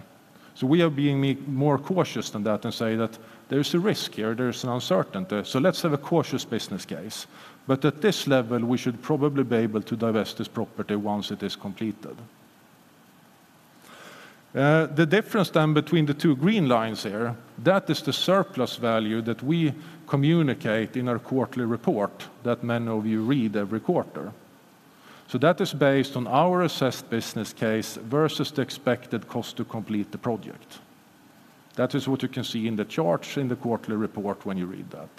So we are being more cautious than that and say that there is a risk here, there is an uncertainty. So let's have a cautious business case. But at this level, we should probably be able to divest this property once it is completed. The difference then between the two green lines here, that is the surplus value that we communicate in our quarterly report that many of you read every quarter. So that is based on our assessed business case versus the expected cost to complete the project. That is what you can see in the charts in the quarterly report when you read that.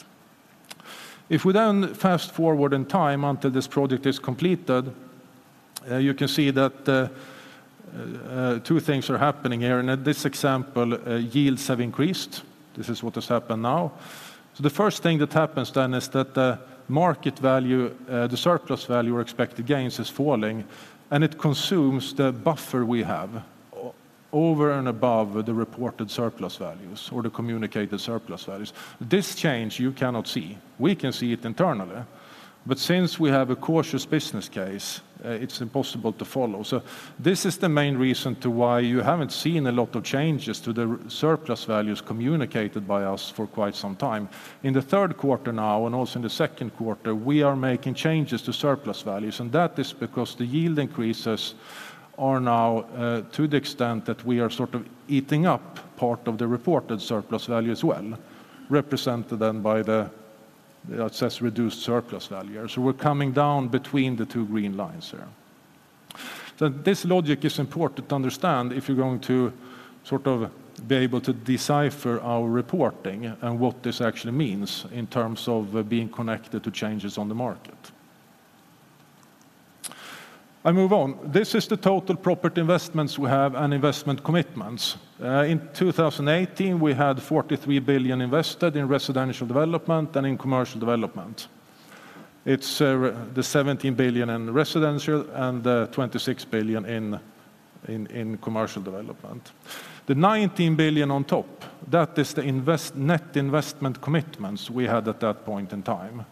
If we then fast-forward in time until this project is completed, you can see that, two things are happening here, and in this example, yields have increased. This is what has happened now. So the first thing that happens then is that the market value, the surplus value or expected gains, is falling, and it consumes the buffer we have over and above the reported surplus values or the communicated surplus values. This change, you cannot see. We can see it internally, but since we have a cautious business case, it's impossible to follow. So this is the main reason to why you haven't seen a lot of changes to the surplus values communicated by us for quite some time. In the third quarter now, and also in the second quarter, we are making changes to surplus values, and that is because the yield increases are now to the extent that we are sort of eating up part of the reported surplus value as well, represented then by the... It says, "Reduced surplus value." So we're coming down between the two green lines here. So this logic is important to understand if you're going to sort of be able to decipher our reporting and what this actually means in terms of being connected to changes on the market. I move on. This is the total property investments we have and investment commitments. In 2018, we had 43 billion invested in residential development and in commercial development. It's the 17 billion in residential and the 26 billion in commercial development. The 19 billion on top, that is the net investment commitments we had at that point in time.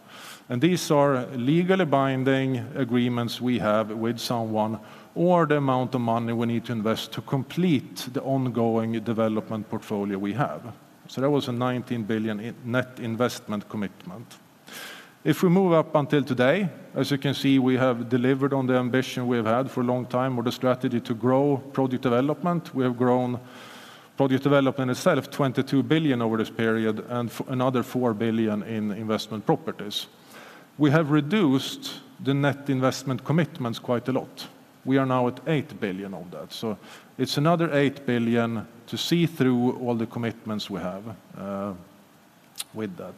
And these are legally binding agreements we have with someone, or the amount of money we need to invest to complete the ongoing development portfolio we have. So that was a 19 billion in net investment commitment. If we move up until today, as you can see, we have delivered on the ambition we have had for a long time, or the strategy to grow project development. We have grown project development itself, 22 billion over this period, and another 4 billion in investment properties. We have reduced the net investment commitments quite a lot. We are now at 8 billion on that. So it's another 8 billion to see through all the commitments we have with that.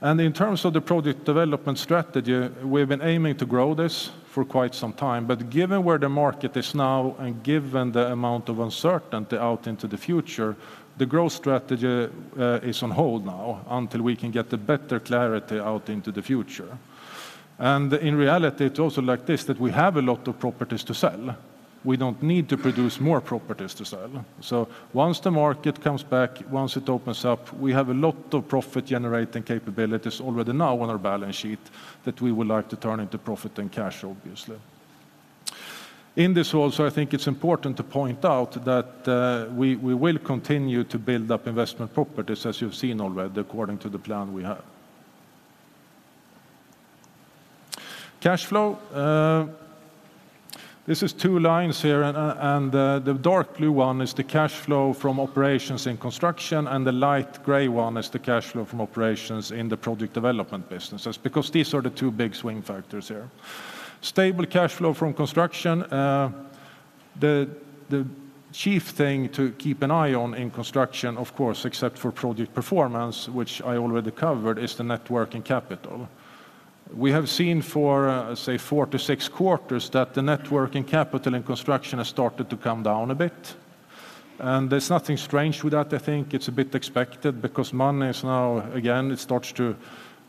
And in terms of the project development strategy, we've been aiming to grow this for quite some time, but given where the market is now and given the amount of uncertainty out into the future, the growth strategy is on hold now until we can get a better clarity out into the future. And in reality, it's also like this, that we have a lot of properties to sell. We don't need to produce more properties to sell. So once the market comes back, once it opens up, we have a lot of profit-generating capabilities already now on our balance sheet that we would like to turn into profit and cash, obviously. In this also, I think it's important to point out that we will continue to build up investment properties, as you've seen already, according to the plan we have. Cash flow, this is 2 lines here, and the dark blue one is the cash flow from operations in construction, and the light gray one is the cash flow from operations in the project development businesses, because these are the 2 big swing factors here. Stable cash flow from construction, the chief thing to keep an eye on in construction, of course, except for project performance, which I already covered, is the net working capital. We have seen for, say, 4-6 quarters that the net working capital in construction has started to come down a bit, and there's nothing strange with that. I think it's a bit expected because money is now, again, it starts to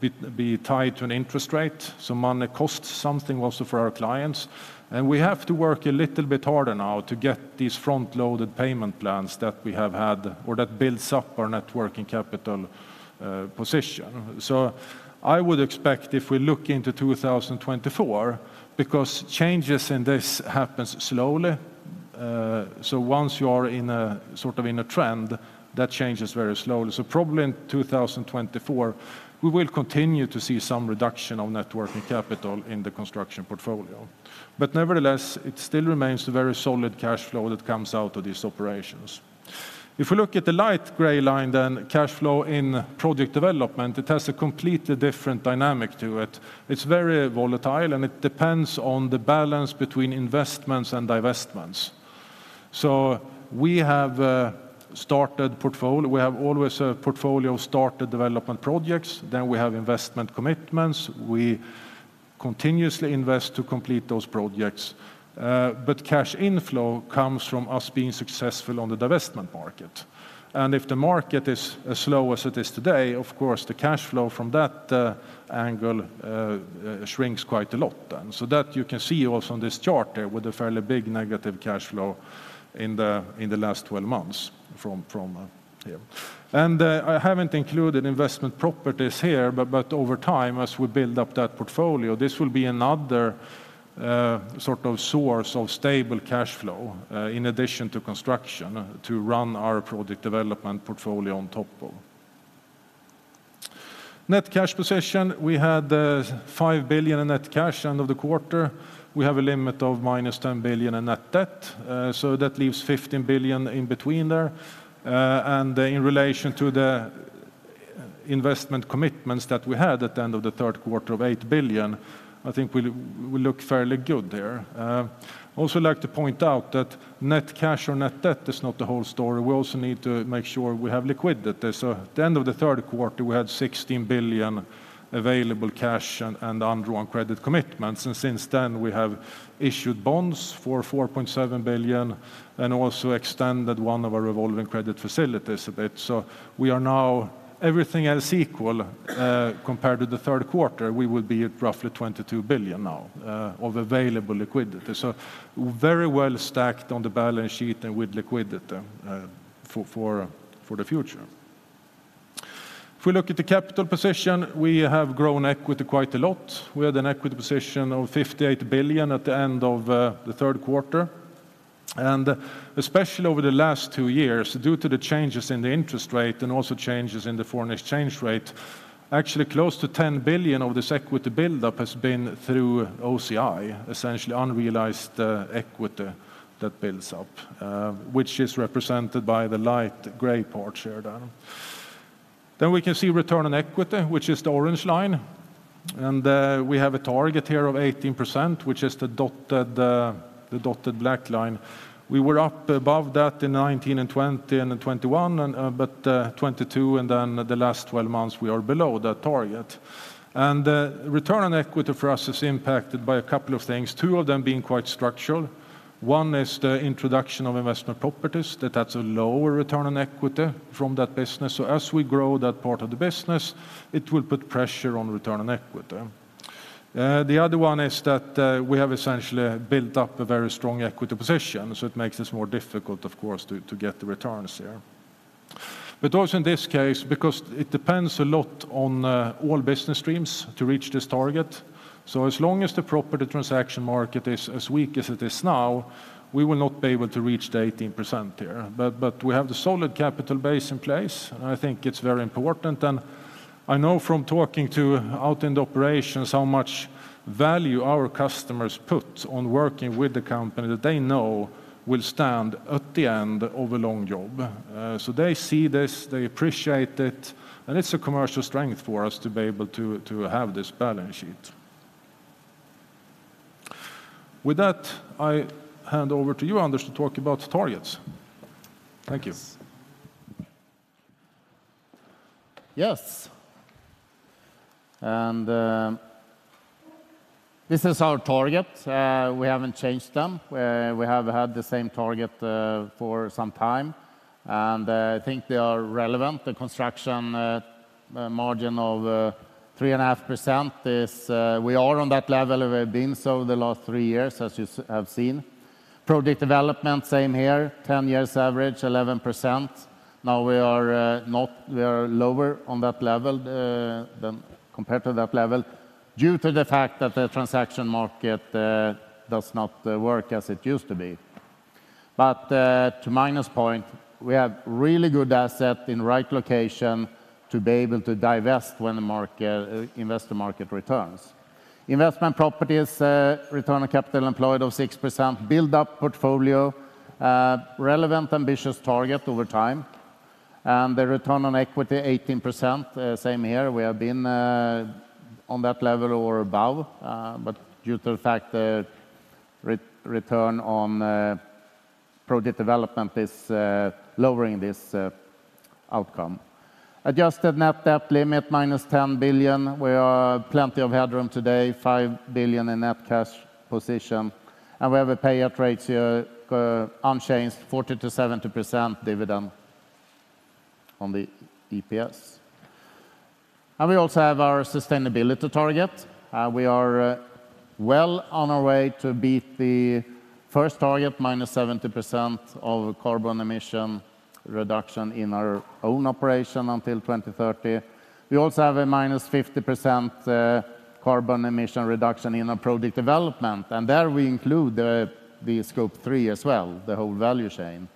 be tied to an interest rate, so money costs something also for our clients, and we have to work a little bit harder now to get these front-loaded payment plans that we have had or that builds up our Net working capital position. So I would expect if we look into 2024, because changes in this happens slowly, so once you are in a sort of in a trend, that changes very slowly. So probably in 2024, we will continue to see some reduction of Net working capital in the construction portfolio. But nevertheless, it still remains a very solid cash flow that comes out of these operations. If we look at the light gray line, then cash flow in project development, it has a completely different dynamic to it. It's very volatile, and it depends on the balance between investments and divestments. So we have always a portfolio of started development projects, then we have investment commitments. We continuously invest to complete those projects, but cash inflow comes from us being successful on the divestment market. And if the market is as slow as it is today, of course, the cash flow from that angle shrinks quite a lot then. So that you can see also on this chart there with a fairly big negative cash flow in the last 12 months from here. I haven't included investment properties here, but, but over time, as we build up that portfolio, this will be another, sort of source of stable cash flow, in addition to construction, to run our project development portfolio on top of. Net cash position, we had 5 billion in net cash end of the quarter. We have a limit of -10 billion in net debt, so that leaves 15 billion in between there. And in relation to the investment commitments that we had at the end of the third quarter of 8 billion, I think we look fairly good there. Also like to point out that net cash or net debt is not the whole story. We also need to make sure we have liquidity. So at the end of the third quarter, we had 16 billion available cash and undrawn credit commitments, and since then, we have issued bonds for 4.7 billion and also extended one of our revolving credit facilities a bit. So we are now, everything else equal, compared to the third quarter, we will be at roughly 22 billion now, of available liquidity. So very well stacked on the balance sheet and with liquidity, for the future. If we look at the capital position, we have grown equity quite a lot. We had an equity position of 58 billion at the end of the third quarter. Especially over the last two years, due to the changes in the interest rate and also changes in the foreign exchange rate, actually close to 10 billion of this equity buildup has been through OCI, essentially unrealized equity that builds up, which is represented by the light gray part here, down. Then we can see return on equity, which is the orange line, and we have a target here of 18%, which is the dotted black line. We were up above that in 2019 and 2020 and in 2021, and but 2022, and then the last twelve months, we are below that target. Return on equity for us is impacted by a couple of things, two of them being quite structural. One is the introduction of investment properties, that that's a lower return on equity from that business. So as we grow that part of the business, it will put pressure on return on equity. The other one is that we have essentially built up a very strong equity position, so it makes it more difficult, of course, to, to get the returns here. But also in this case, because it depends a lot on all business streams to reach this target. So as long as the property transaction market is as weak as it is now, we will not be able to reach the 18% here. But, but we have the solid capital base in place, and I think it's very important. And I know from talking to our in the operations how much value our customers put on working with the company that they know will stand at the end of a long job. So they see this, they appreciate it, and it's a commercial strength for us to be able to have this balance sheet. With that, I hand over to you, Anders, to talk about targets. Thank you. Yes. This is our target. We haven't changed them. We have had the same target for some time, and I think they are relevant. The construction margin of 3.5% is, we are on that level, and we've been so the last three years, as you have seen. Project development, same here, 10 years average, 11%. Now we are lower on that level than compared to that level, due to the fact that the transaction market does not work as it used to be. But to Magnus' point, we have really good asset in right location to be able to divest when the market investor market returns. Investment properties, return on capital employed of 6%, build up portfolio, relevant, ambitious target over time, and the return on equity, 18%, same here. We have been on that level or above, but due to the fact the return on project development is lowering this outcome. Adjusted net debt limit, -10 billion. We are plenty of headroom today, 5 billion in net cash position, and we have a payout ratio, unchanged, 40%-70% dividend on the EPS. And we also have our sustainability target. We are well on our way to beat the first target, -70% of carbon emission reduction in our own operation until 2030. We also have a -50% carbon emission reduction in our product development, and there we include the Scope 3 as well, the whole value chain.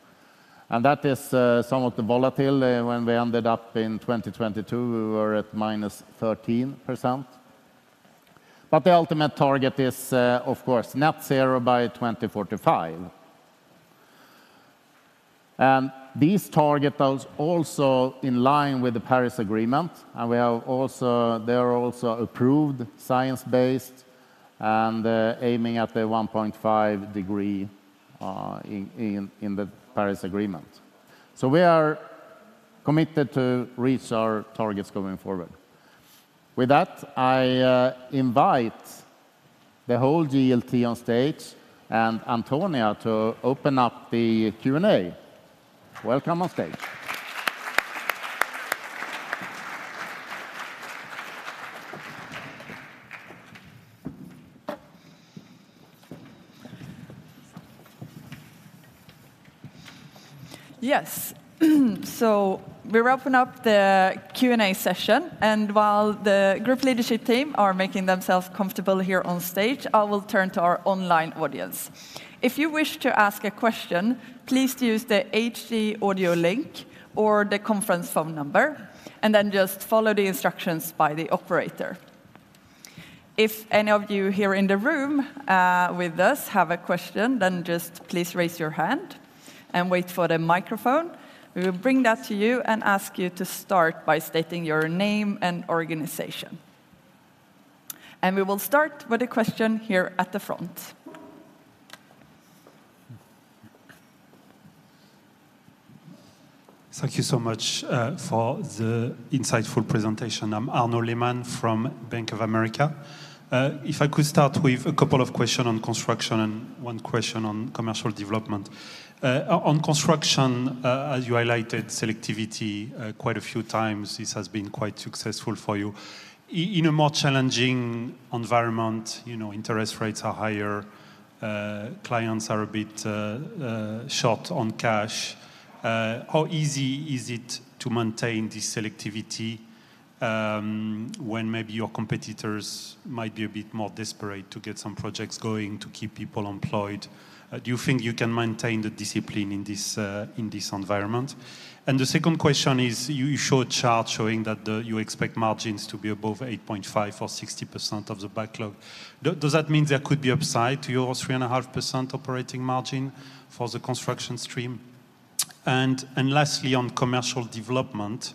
And that is somewhat volatile. When we ended up in 2022, we were at -13%. But the ultimate target is, of course, net zero by 2045. And these targets are also in line with the Paris Agreement, they are also approved, science-based, and aiming at the 1.5 degree in the Paris Agreement. So we are committed to reach our targets going forward. With that, I invite the whole GLT on stage and Antonia to open up the Q&A. Welcome on stage. Yes. So we're opening up the Q&A session, and while the group leadership team are making themselves comfortable here on stage, I will turn to our online audience. If you wish to ask a question, please use the HD audio link or the conference phone number, and then just follow the instructions by the operator. If any of you here in the room with us have a question, then just please raise your hand and wait for the microphone. We will bring that to you and ask you to start by stating your name and organization. And we will start with a question here at the front. Thank you so much for the insightful presentation. I'm Arnaud Lehmann from Bank of America. If I could start with a couple of question on construction and one question on commercial development. On construction, as you highlighted selectivity quite a few times, this has been quite successful for you. In a more challenging environment, you know, interest rates are higher, clients are a bit short on cash, how easy is it to maintain this selectivity, when maybe your competitors might be a bit more desperate to get some projects going to keep people employed? Do you think you can maintain the discipline in this environment? And the second question is, you showed a chart showing that you expect margins to be above 8.5% or 60% of the backlog. Does that mean there could be upside to your 3.5% operating margin for the construction stream? And lastly, on commercial development,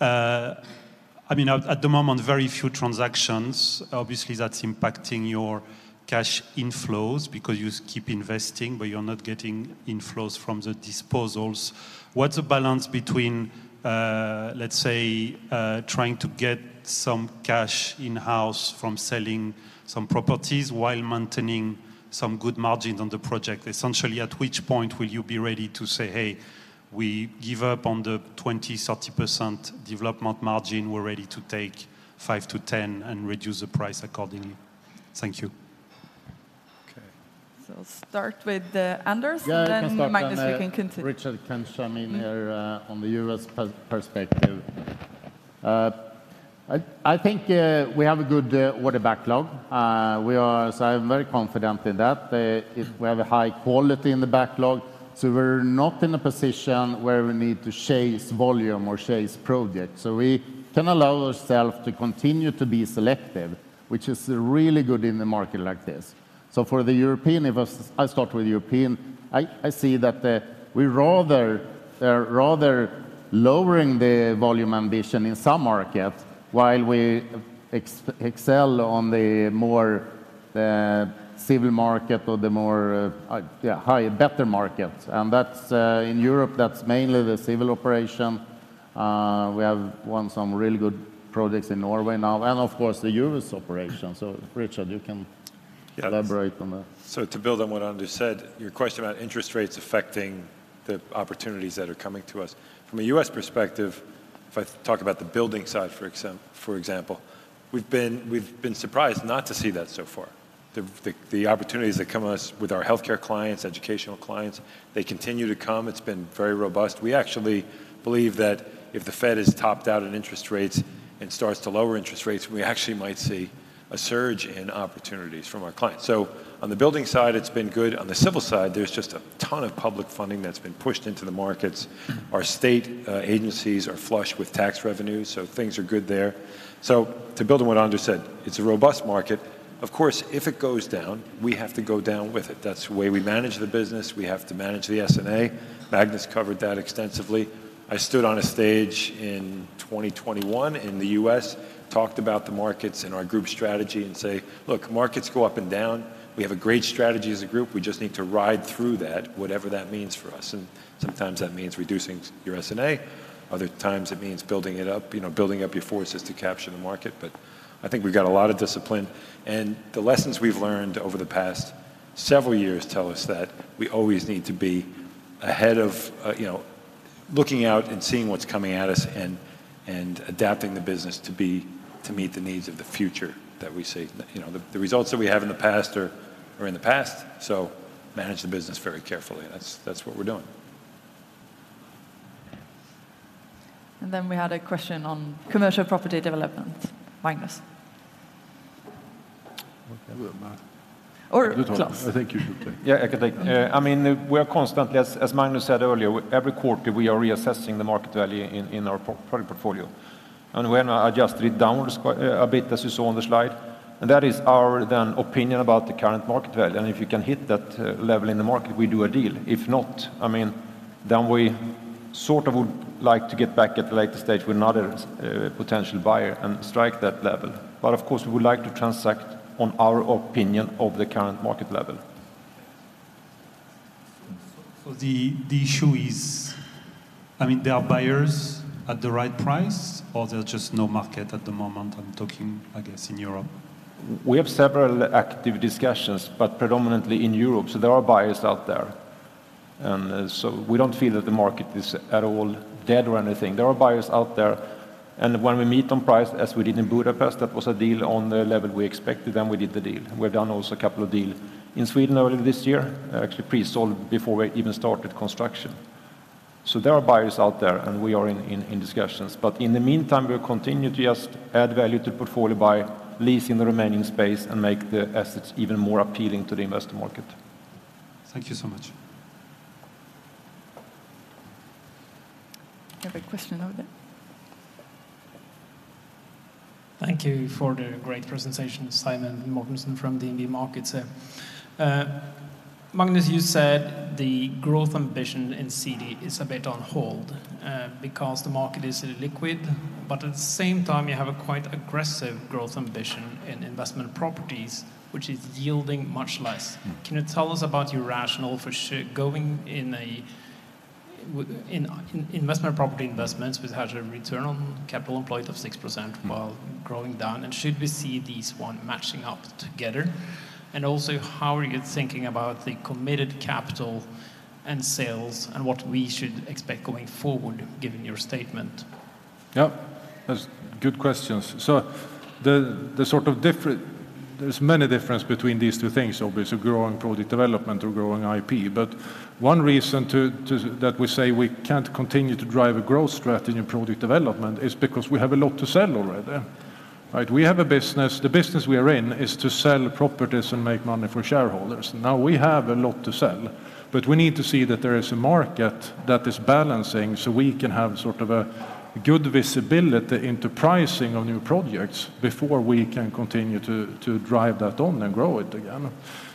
I mean, at the moment, very few transactions, obviously, that's impacting your cash inflows because you keep investing, but you're not getting inflows from the disposals. What's the balance between, let's say, trying to get some cash in-house from selling some properties while maintaining some good margins on the project? Essentially, at which point will you be ready to say, "Hey, we give up on the 20-30% development margin. We're ready to take 5%-10% and reduce the price accordingly"? Thank you. Okay. So I'll start with, Anders- Yeah, I can start- And then, Magnus, you can continue.... Richard can chime in here on the U.S. perspective. I think we have a good order backlog. We are... So I'm very confident in that. If we have a high quality in the backlog, so we're not in a position where we need to chase volume or chase projects. So we can allow ourself to continue to be selective, which is really good in a market like this. So for the European, if I start with European, I see that we rather lowering the volume ambition in some markets, while we excel on the more civil market or the more yeah high better markets. And that's in Europe, that's mainly the civil operation. We have won some really good projects in Norway now, and of course, the U.S. operation. Richard, you can- Yes. elaborate on that. So to build on what Anders said, your question about interest rates affecting the opportunities that are coming to us. From a U.S. perspective, if I talk about the building side, for example, we've been surprised not to see that so far. The opportunities that come to us with our healthcare clients, educational clients, they continue to come. It's been very robust. We actually believe that if the Fed is topped out in interest rates and starts to lower interest rates, we actually might see a surge in opportunities from our clients. So on the building side, it's been good. On the civil side, there's just a ton of public funding that's been pushed into the markets. Our state agencies are flush with tax revenues, so things are good there. So to build on what Anders said, it's a robust market. Of course, if it goes down, we have to go down with it. That's the way we manage the business. We have to manage the S&A. Magnus covered that extensively. I stood on a stage in 2021 in the U.S., talked about the markets and our group strategy and say, "Look, markets go up and down. We have a great strategy as a group. We just need to ride through that, whatever that means for us." And sometimes that means reducing your S&A. Other times, it means building it up, you know, building up your forces to capture the market. But I think we've got a lot of discipline, and the lessons we've learned over the past several years tell us that we always need to be ahead of, you know, looking out and seeing what's coming at us and adapting the business to be- ... to meet the needs of the future that we see. You know, the results that we have in the past are in the past, so manage the business very carefully, and that's what we're doing. And then we had a question on commercial property development. Magnus? Well, uh- Or Claes. I think you should take it. Yeah, I can take. I mean, we are constantly, as Magnus said earlier, every quarter we are reassessing the market value in our property portfolio. And when I adjusted it downwards quite a bit, as you saw on the slide, and that is our then opinion about the current market value. And if you can hit that level in the market, we do a deal. If not, I mean, then we sort of would like to get back at a later stage with another potential buyer and strike that level. But of course, we would like to transact on our opinion of the current market level. So the issue is... I mean, there are buyers at the right price, or there's just no market at the moment? I'm talking, I guess, in Europe. We have several active discussions, but predominantly in Europe, so there are buyers out there. So we don't feel that the market is at all dead or anything. There are buyers out there, and when we meet on price, as we did in Budapest, that was a deal on the level we expected, then we did the deal. We've done also a couple of deal in Sweden earlier this year, actually pre-sold before we even started construction. So there are buyers out there, and we are in discussions. But in the meantime, we'll continue to just add value to portfolio by leasing the remaining space and make the assets even more appealing to the investor market. Thank you so much. You have a question over there. Thank you for the great presentation, Simen Mortensen from DNB Markets. Magnus, you said the growth ambition in CD is a bit on hold, because the market is illiquid, but at the same time, you have a quite aggressive growth ambition in investment properties, which is yielding much less. Mm. Can you tell us about your rationale for going into investment property investments, which has a return on capital employed of 6%? Mm... while growing down? And should we see these one matching up together? And also, how are you thinking about the committed capital and sales, and what we should expect going forward, given your statement? Yeah, that's good questions. So the sort of difference—there's many differences between these two things, obviously, growing project development or growing IP. But one reason that we say we can't continue to drive a growth strategy in project development is because we have a lot to sell already, right? We have a business, the business we are in is to sell properties and make money for shareholders. Now, we have a lot to sell, but we need to see that there is a market that is balancing, so we can have sort of a good visibility into pricing of new projects before we can continue to drive that on and grow it again.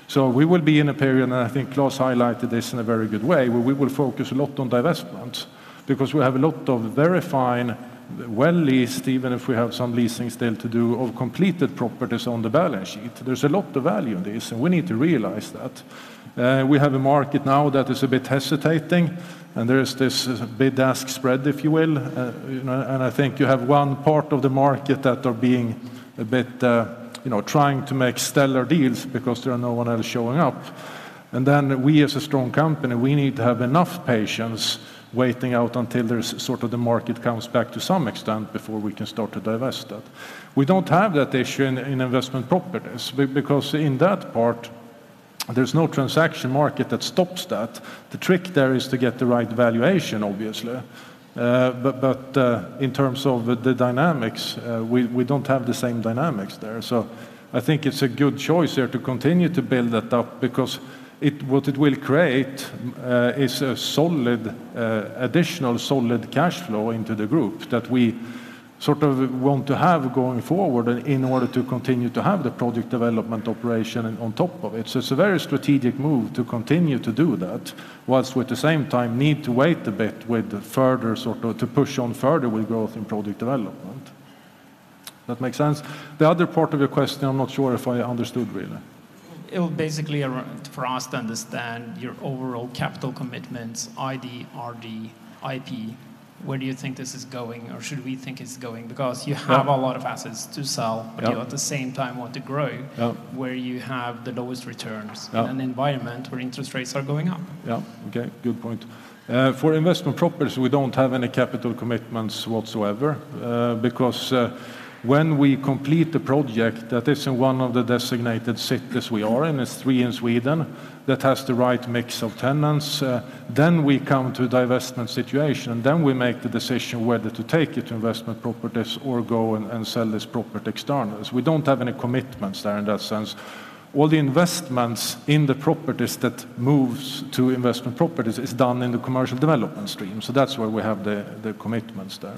So we will be in a period, and I think Claes highlighted this in a very good way, where we will focus a lot on divestment, because we have a lot of very fine, well-leased, even if we have some leasing still to do, of completed properties on the balance sheet. There's a lot of value in this, and we need to realize that. We have a market now that is a bit hesitating, and there is this bid-ask spread, if you will. You know, and I think you have one part of the market that are being a bit, you know, trying to make stellar deals because there are no one else showing up. And then we, as a strong company, we need to have enough patience, waiting out until there's sort of the market comes back to some extent before we can start to divest that. We don't have that issue in investment properties because in that part, there's no transaction market that stops that. The trick there is to get the right valuation, obviously. But in terms of the dynamics, we don't have the same dynamics there. So I think it's a good choice here to continue to build that up because it... what it will create is a solid, additional solid cash flow into the group that we sort of want to have going forward in order to continue to have the project development operation on top of it. So it's a very strategic move to continue to do that, while at the same time, need to wait a bit with the further, sort of, to push on further with growth in project development. That makes sense? The other part of your question, I'm not sure if I understood, really. It was basically around for us to understand your overall capital commitments, ID, RD, IP. Where do you think this is going, or should we think it's going? Because you have- Yeah... a lot of assets to sell- Yeah... but you, at the same time, want to grow- Yeah... where you have the lowest returns- Yeah... in an environment where interest rates are going up. Yeah. Okay, good point. For investment properties, we don't have any capital commitments whatsoever, because when we complete the project that is in one of the designated cities we are in, it's three in Sweden, that has the right mix of tenants, then we come to a divestment situation, and then we make the decision whether to take it to investment properties or go and sell this property externally. We don't have any commitments there in that sense. All the investments in the properties that moves to investment properties is done in the commercial development stream, so that's where we have the commitments there.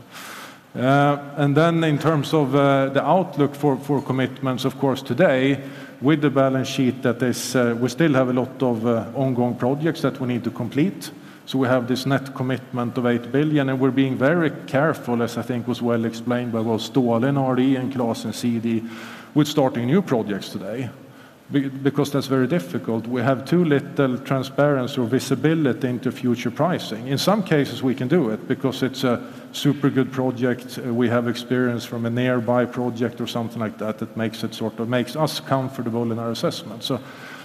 And then in terms of the outlook for commitments, of course, today, with the balance sheet that is... We still have a lot of ongoing projects that we need to complete. So we have this net commitment of 8 billion, and we're being very careful, as I think was well explained by both Ståle in RD and Claes in CD, with starting new projects today, because that's very difficult. We have too little transparency or visibility into future pricing. In some cases, we can do it because it's a super good project. We have experience from a nearby project or something like that, that makes it sort of makes us comfortable in our assessment. So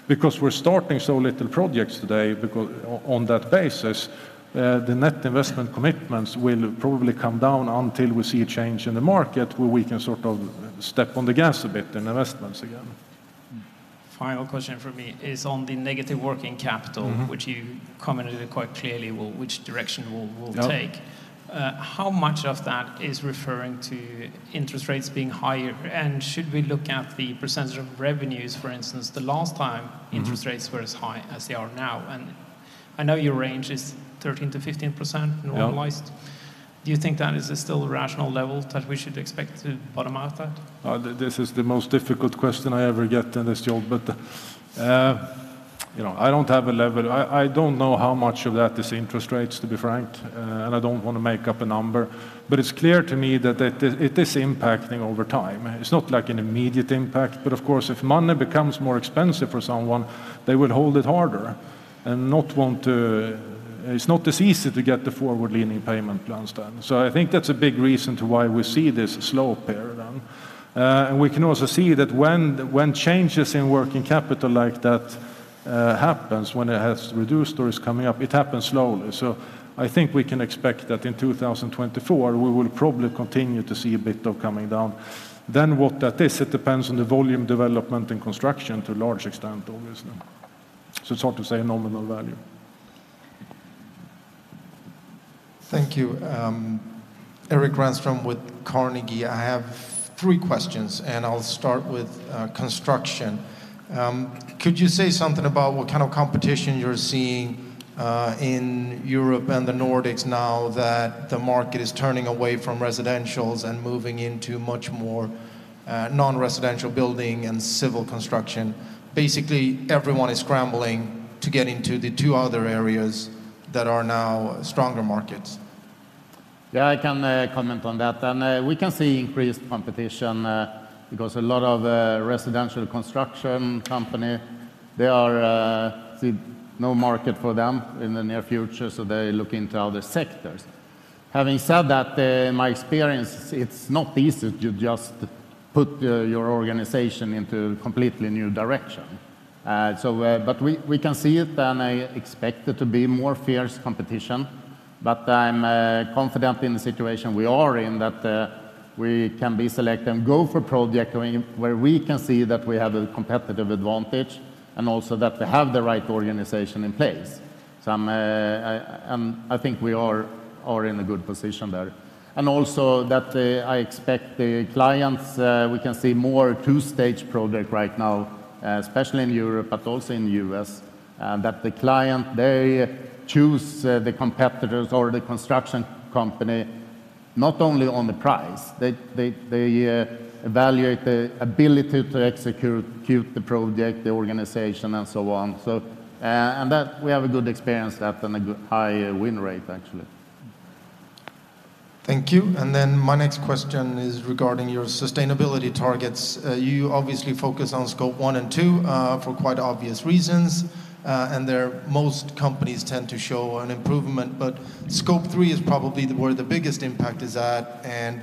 because we're starting so little projects today, because on that basis, the net investment commitments will probably come down until we see a change in the market, where we can sort of step on the gas a bit in investments again. ... final question for me is on the negative working capital- Mm-hmm. which you commented quite clearly, well, which direction we'll take. Yeah. How much of that is referring to interest rates being higher? Should we look at the percentage of revenues, for instance, the last time- Mm-hmm... interest rates were as high as they are now? I know your range is 13%-15% normalized. Yeah. Do you think that is still a rational level that we should expect to bottom out that? This is the most difficult question I ever get in this job. But, you know, I don't have a level—I don't know how much of that is interest rates, to be frank, and I don't want to make up a number. But it's clear to me that it is impacting over time. It's not like an immediate impact, but of course, if money becomes more expensive for someone, they will hold it harder and not want to—it's not as easy to get the forward-leaning payment plans done. So I think that's a big reason to why we see this slope here, then. And we can also see that when changes in working capital like that happens, when it has reduced or is coming up, it happens slowly. I think we can expect that in 2024, we will probably continue to see a bit of coming down. What that is, it depends on the volume, development, and construction to a large extent, obviously. It's hard to say a nominal value. Thank you. Erik Granström with Carnegie. I have three questions, and I'll start with construction. Could you say something about what kind of competition you're seeing in Europe and the Nordics now that the market is turning away from residentials and moving into much more non-residential building and civil construction? Basically, everyone is scrambling to get into the two other areas that are now stronger markets. Yeah, I can comment on that. And we can see increased competition, because a lot of residential construction company there are see no market for them in the near future, so they look into other sectors. Having said that, in my experience, it's not easy to just put your organization into a completely new direction. So but we can see it, and I expect there to be more fierce competition, but I'm confident in the situation we are in that we can be select and go for project where we can see that we have a competitive advantage, and also that they have the right organization in place. So I'm, I think we are in a good position there. And also that, I expect the clients, we can see more two-stage project right now, especially in Europe, but also in the U.S., that the client, they choose, the competitors or the construction company, not only on the price. They, they, they, evaluate the ability to execute the project, the organization, and so on. So, and that we have a good experience at and a good high win rate, actually. Thank you. My next question is regarding your sustainability targets. You obviously focus on Scope 1 and 2, for quite obvious reasons, and there, most companies tend to show an improvement, but Scope 3 is probably where the biggest impact is at and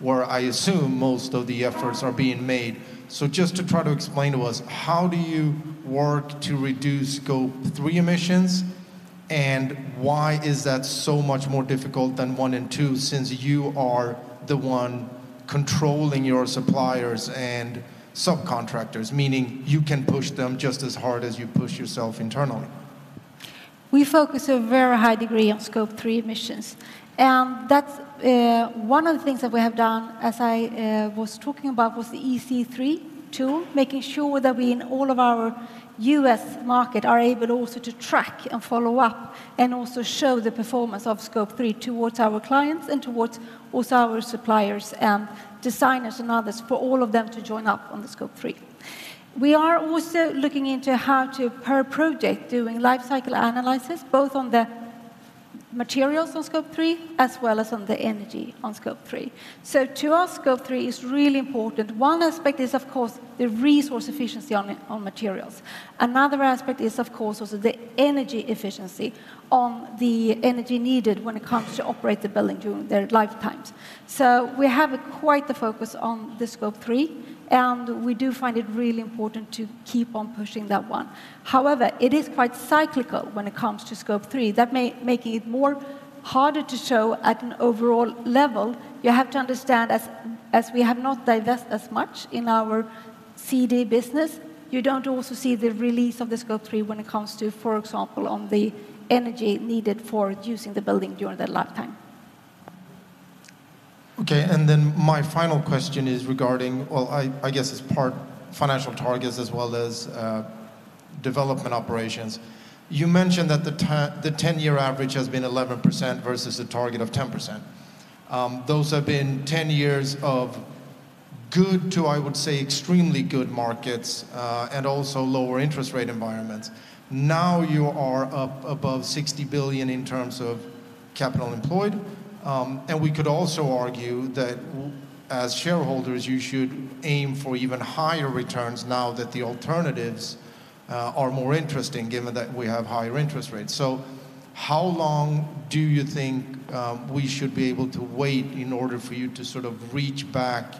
where I assume most of the efforts are being made. So just to try to explain to us, how do you work to reduce Scope 3 emissions, and why is that so much more difficult than 1 and 2, since you are the one controlling your suppliers and subcontractors, meaning you can push them just as hard as you push yourself internally? We focus a very high degree on Scope 3 emissions. And that's one of the things that we have done, as I was talking about, was the EC3 tool, making sure that we, in all of our U.S. market, are able also to track and follow up and also show the performance of Scope 3 towards our clients and towards also our suppliers and designers and others, for all of them to join up on the Scope 3. We are also looking into how to, per project, doing life cycle analysis, both on the materials on Scope 3, as well as on the energy on Scope 3. So to us, Scope 3 is really important. One aspect is, of course, the resource efficiency on materials. Another aspect is, of course, also the energy efficiency on the energy needed when it comes to operate the building during their lifetimes. So we have quite the focus on the Scope 3, and we do find it really important to keep on pushing that one. However, it is quite cyclical when it comes to Scope 3. That may making it more harder to show at an overall level. You have to understand, as we have not divested as much in our CD business, you don't also see the release of the Scope 3 when it comes to, for example, on the energy needed for using the building during their lifetime. Okay, and then my final question is regarding... Well, I guess it's part financial targets as well as development operations. You mentioned that the 10-year average has been 11% versus a target of 10%. Those have been 10 years of good to, I would say, extremely good markets, and also lower interest rate environments. Now, you are up above 60 billion in terms of capital employed, and we could also argue that as shareholders, you should aim for even higher returns now that the alternatives are more interesting, given that we have higher interest rates. So how long do you think we should be able to wait in order for you to sort of reach back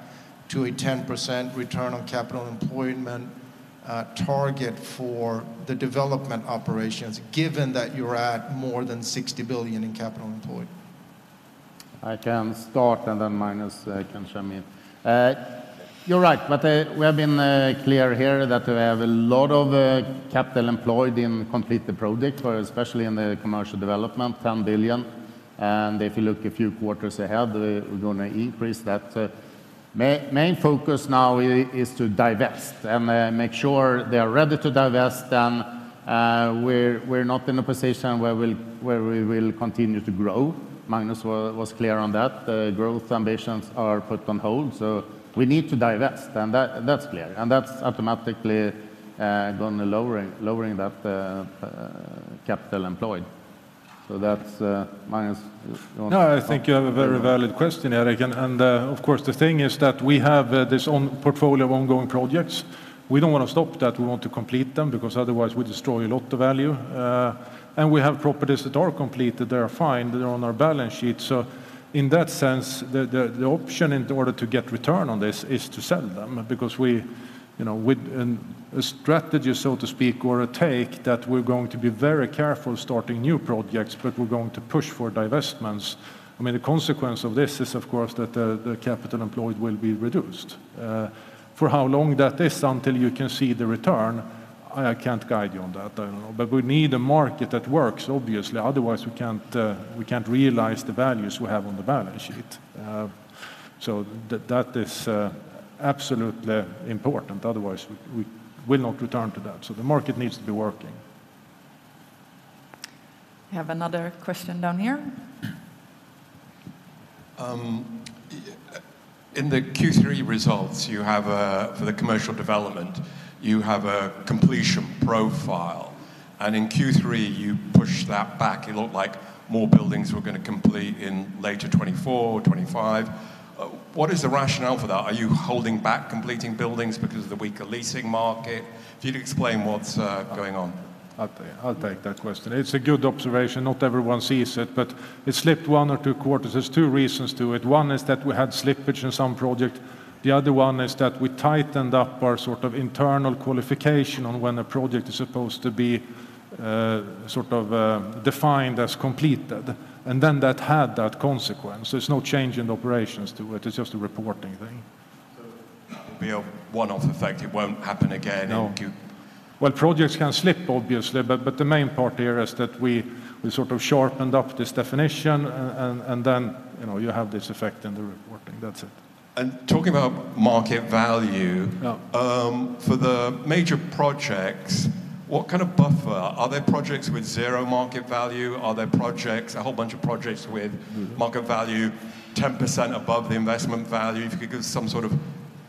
to a 10% return on capital employed target for the development operations, given that you're at more than 60 billion in capital employed?... I can start, and then Magnus can chime in. You're right, but we have been clear here that we have a lot of capital employed in complete the project, but especially in the commercial development, 10 billion. And if you look a few quarters ahead, we're gonna increase that. Main focus now is to divest and make sure they are ready to divest, and we're not in a position where we will continue to grow. Magnus was clear on that. The growth ambitions are put on hold, so we need to divest, and that's clear, and that's automatically gonna lowering that capital employed. So that's... Magnus, you want- No, I think you have a very valid question, Erik. And, of course, the thing is that we have this ongoing portfolio of ongoing projects. We don't want to stop that. We want to complete them, because otherwise we destroy a lot of value. And we have properties that are completed, they are fine, they're on our balance sheet. So in that sense, the option in order to get return on this is to sell them, because we, you know, with a strategy, so to speak, or a tack, that we're going to be very careful starting new projects, but we're going to push for divestments. I mean, the consequence of this is, of course, that the capital employed will be reduced. For how long that is until you can see the return, I can't guide you on that. I don't know. But we need a market that works, obviously. Otherwise, we can't realize the values we have on the balance sheet. So that is absolutely important. Otherwise, we will not return to that. So the market needs to be working. We have another question down here. In the Q3 results, you have, for the commercial development, you have a completion profile, and in Q3, you pushed that back. It looked like more buildings were gonna complete in later 2024 or 2025. What is the rationale for that? Are you holding back completing buildings because of the weaker leasing market? If you'd explain what's going on. I'll take that question. It's a good observation. Not everyone sees it, but it slipped one or two quarters. There's two reasons to it. One is that we had slippage in some project. The other one is that we tightened up our sort of internal qualification on when a project is supposed to be sort of defined as completed, and then that had that consequence. There's no change in the operations to it. It's just a reporting thing. It'll be a one-off effect. It won't happen again in Q- No. Well, projects can slip, obviously, but the main part here is that we sort of sharpened up this definition, and then, you know, you have this effect in the reporting. That's it. Talking about market value- Yeah... for the major projects, what kind of buffer? Are there projects with zero market value? Are there projects, a whole bunch of projects with- Mm... market value 10% above the investment value? If you could give some sort of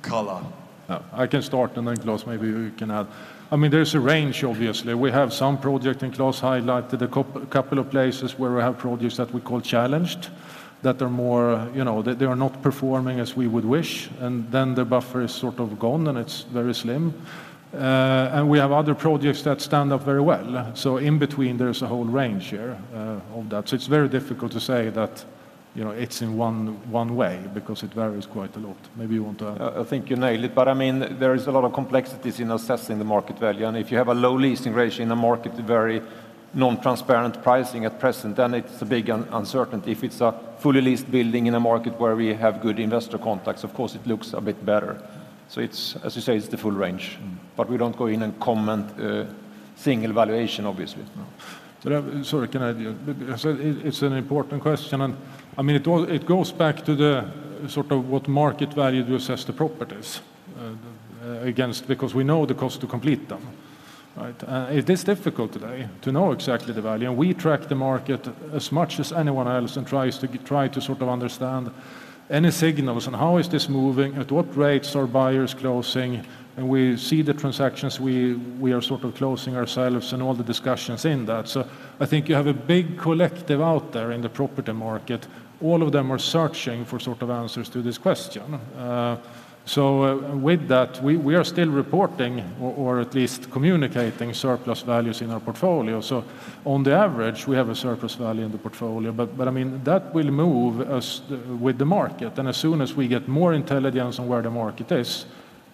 color. Yeah, I can start, and then Claes, maybe you can add. I mean, there's a range, obviously. We have some project, and Claes highlighted a couple of places where we have projects that we call challenged, that are more... You know, they, they are not performing as we would wish, and then the buffer is sort of gone, and it's very slim. And we have other projects that stand up very well. So in between, there's a whole range here, of that. So it's very difficult to say that, you know, it's in one, one way, because it varies quite a lot. Maybe you want to- I think you nailed it, but, I mean, there is a lot of complexities in assessing the market value. And if you have a low leasing ratio in the market, a very non-transparent pricing at present, then it's a big uncertainty. If it's a fully leased building in a market where we have good investor contacts, of course, it looks a bit better. So it's, as you say, it's the full range. Mm. But we don't go in and comment, single valuation, obviously. No. But, sorry, can I add here? Because it's an important question, and, I mean, it all goes back to the sort of what market value to assess the properties against, because we know the cost to complete them, right? It is difficult today to know exactly the value, and we track the market as much as anyone else and try to sort of understand any signals, and how is this moving? At what rates are buyers closing? And we see the transactions we are sort of closing ourselves and all the discussions in that. So I think you have a big collective out there in the property market. All of them are searching for sort of answers to this question. So, with that, we are still reporting or at least communicating surplus values in our portfolio. So on the average, we have a surplus value in the portfolio, but, I mean, that will move as... with the market. And as soon as we get more intelligence on where the market is,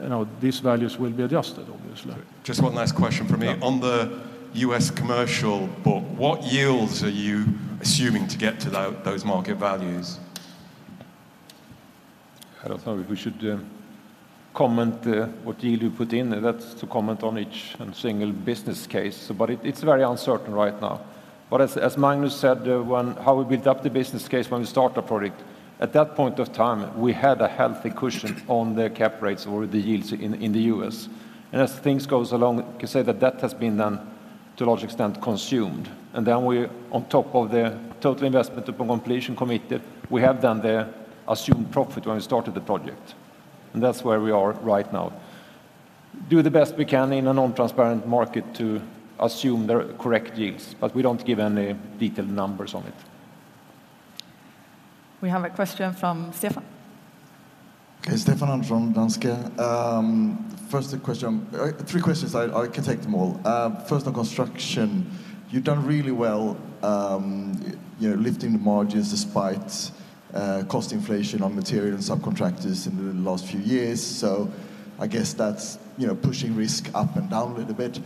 you know, these values will be adjusted, obviously. Just one last question from me. Yeah. On the U.S. commercial book, what yields are you assuming to get to those market values? I don't know if we should comment what yield we put in. That's to comment on each and single business case, but it, it's very uncertain right now. But as, as Magnus said, how we build up the business case when we start a project, at that point of time, we had a healthy cushion on the cap rates or the yields in, in the U.S.. And as things goes along, you can say that that has been, to a large extent, consumed. And then we, on top of the total investment upon completion committed, we have done the assumed profit when we started the project, and that's where we are right now. Do the best we can in a non-transparent market to assume the correct yields, but we don't give any detailed numbers on it. We have a question from Stefan. Okay, Stefan Andersson from Danske. First question, three questions. I can take them all. First, on construction, you've done really well, you know, lifting the margins despite cost inflation on material and subcontractors in the last few years, so I guess that's, you know, pushing risk up and down a little bit.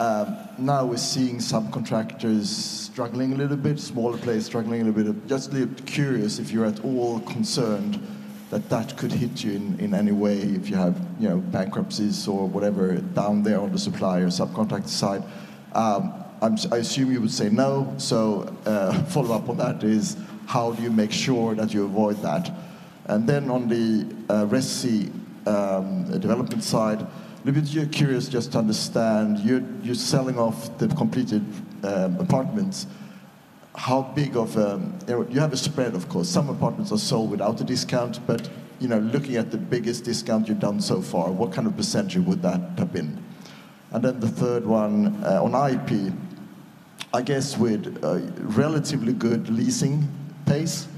Now we're seeing some contractors struggling a little bit, smaller players struggling a little bit. Just curious if you're at all concerned that that could hit you in any way if you have, you know, bankruptcies or whatever down there on the supplier subcontract side? I'm assuming you would say no. So, follow-up on that is: How do you make sure that you avoid that? And then on the Resi development side, a little bit you're curious just to understand, you're selling off the completed apartments. How big of a... You have a spread, of course. Some apartments are sold without a discount, but you know, looking at the biggest discount you've done so far, what kind of percentage would that have been? And then the third one, on IP, I guess with a relatively good leasing pace,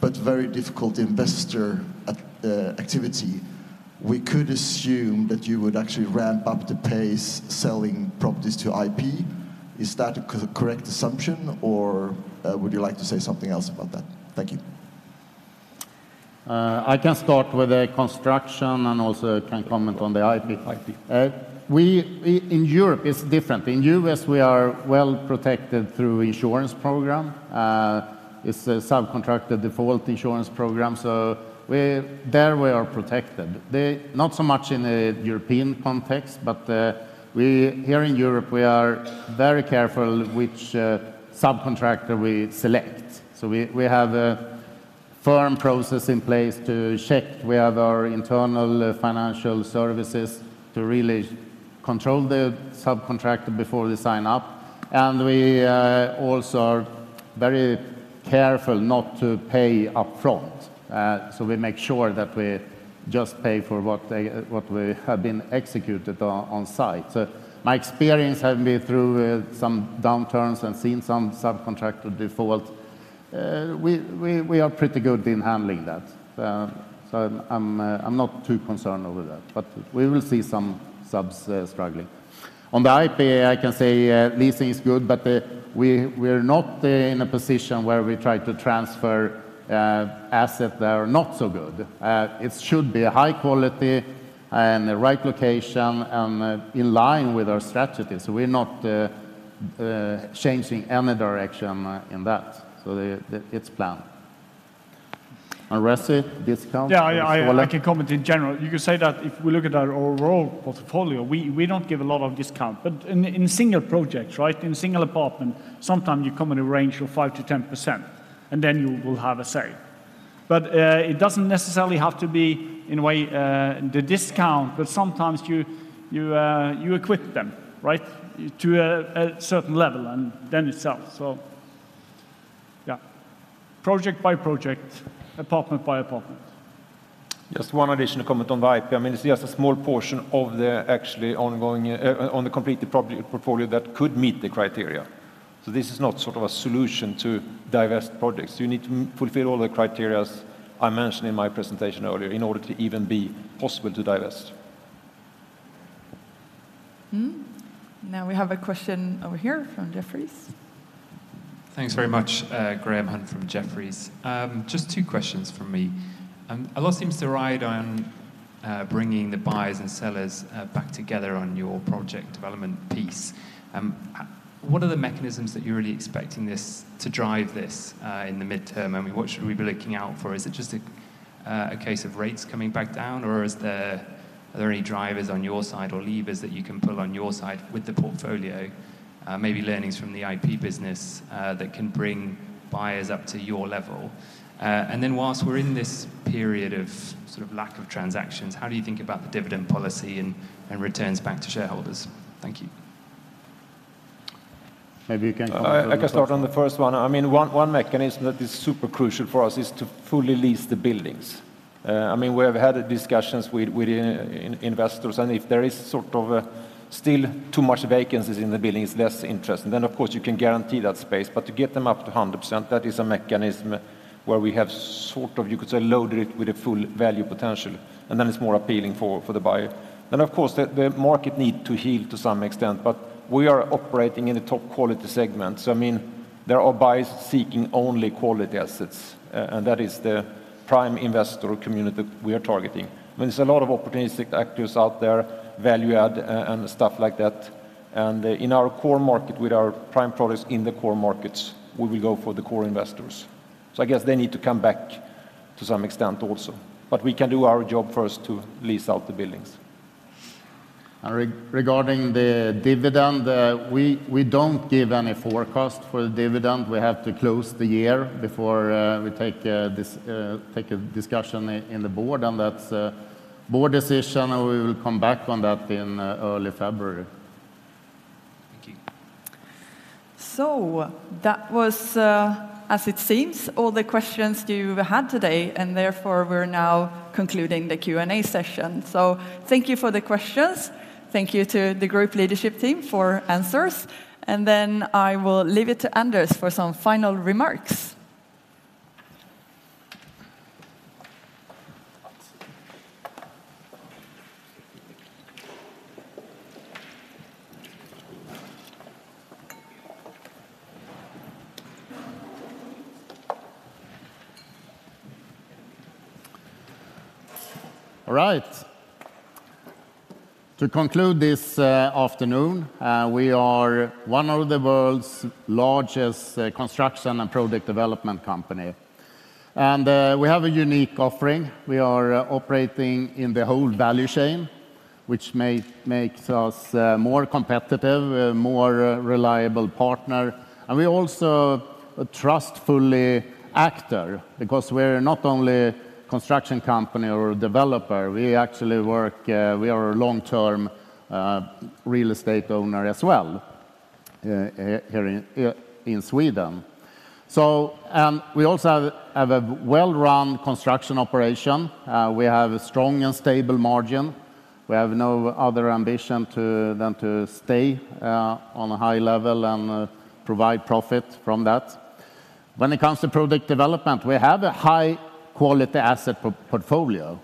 but very difficult investor activity, we could assume that you would actually ramp up the pace selling properties to IP. Is that a correct assumption, or would you like to say something else about that? Thank you. I can start with the construction, and also can comment on the IP. IP. In Europe, it's different. In U.S., we are well-protected through insurance program. It's a subcontractor default insurance program, so we there we are protected. Not so much in a European context, but we here in Europe, we are very careful which subcontractor we select. So we have a firm process in place to check. We have our internal financial services to really control the subcontractor before they sign up, and we also are very careful not to pay upfront. So we make sure that we just pay for what they, what we have been executed on, on site. So my experience having been through some downturns and seen some subcontractor default, we are pretty good in handling that. So I'm not too concerned over that, but we will see some subs struggling. On the IP, I can say leasing is good, but we're not in a position where we try to transfer asset that are not so good. It should be a high quality and the right location, and in line with our strategy. So we're not changing any direction in that. So the... It's planned. And Resi discount? Yeah, I- Ståle?... I can comment in general. You could say that if we look at our overall portfolio, we don't give a lot of discount. But in single projects, right, in single apartment, sometimes you come in a range of 5%-10%, and then you will have a sale. But it doesn't necessarily have to be in a way, the discount, but sometimes you equip them, right? To a certain level, and then you sell. So yeah, project by project, apartment by apartment. Just one additional comment on the IP. I mean, it's just a small portion of the actually ongoing, on the completed property portfolio that could meet the criteria. So this is not sort of a solution to divest projects. You need to fulfill all the criteria I mentioned in my presentation earlier in order to even be possible to divest. Mm-hmm. Now we have a question over here from Jefferies. Thanks very much. Graham Hunt from Jefferies. Just two questions from me. A lot seems to ride on bringing the buyers and sellers back together on your project development piece. What are the mechanisms that you're really expecting this to drive this in the midterm? I mean, what should we be looking out for? Is it just a case of rates coming back down, or are there any drivers on your side or levers that you can pull on your side with the portfolio, maybe learnings from the IP business, that can bring buyers up to your level? And then whilst we're in this period of sort of lack of transactions, how do you think about the dividend policy and returns back to shareholders? Thank you. Maybe you can comment on that- I can start on the first one. I mean, one mechanism that is super crucial for us is to fully lease the buildings. I mean, we have had discussions with investors, and if there is sort of a still too much vacancies in the building, it's less interesting. Then, of course, you can guarantee that space, but to get them up to 100%, that is a mechanism where we have sort of, you could say, loaded it with a full value potential, and then it's more appealing for the buyer. Then, of course, the market need to heal to some extent, but we are operating in a top quality segment. So, I mean, there are buyers seeking only quality assets, and that is the prime investor community we are targeting. There's a lot of opportunistic actors out there, value add, and stuff like that, and in our core market, with our prime products in the core markets, we will go for the core investors. So I guess they need to come back to some extent also. But we can do our job first to lease out the buildings. Regarding the dividend, we don't give any forecast for the dividend. We have to close the year before we take a discussion in the board, and that's a board decision, and we will come back on that in early February. Thank you. That was, as it seems, all the questions you had today, and therefore, we're now concluding the Q&A session. Thank you for the questions. Thank you to the group leadership team for answers, and then I will leave it to Anders for some final remarks. All right.... To conclude this afternoon, we are one of the world's largest construction and product development company. We have a unique offering. We are operating in the whole value chain, which makes us more competitive, a more reliable partner, and we also a trustworthy actor, because we're not only a construction company or a developer, we actually work we are a long-term real estate owner as well here in Sweden. So we also have a well-run construction operation. We have a strong and stable margin. We have no other ambition than to stay on a high level and provide profit from that. When it comes to product development, we have a high-quality asset portfolio.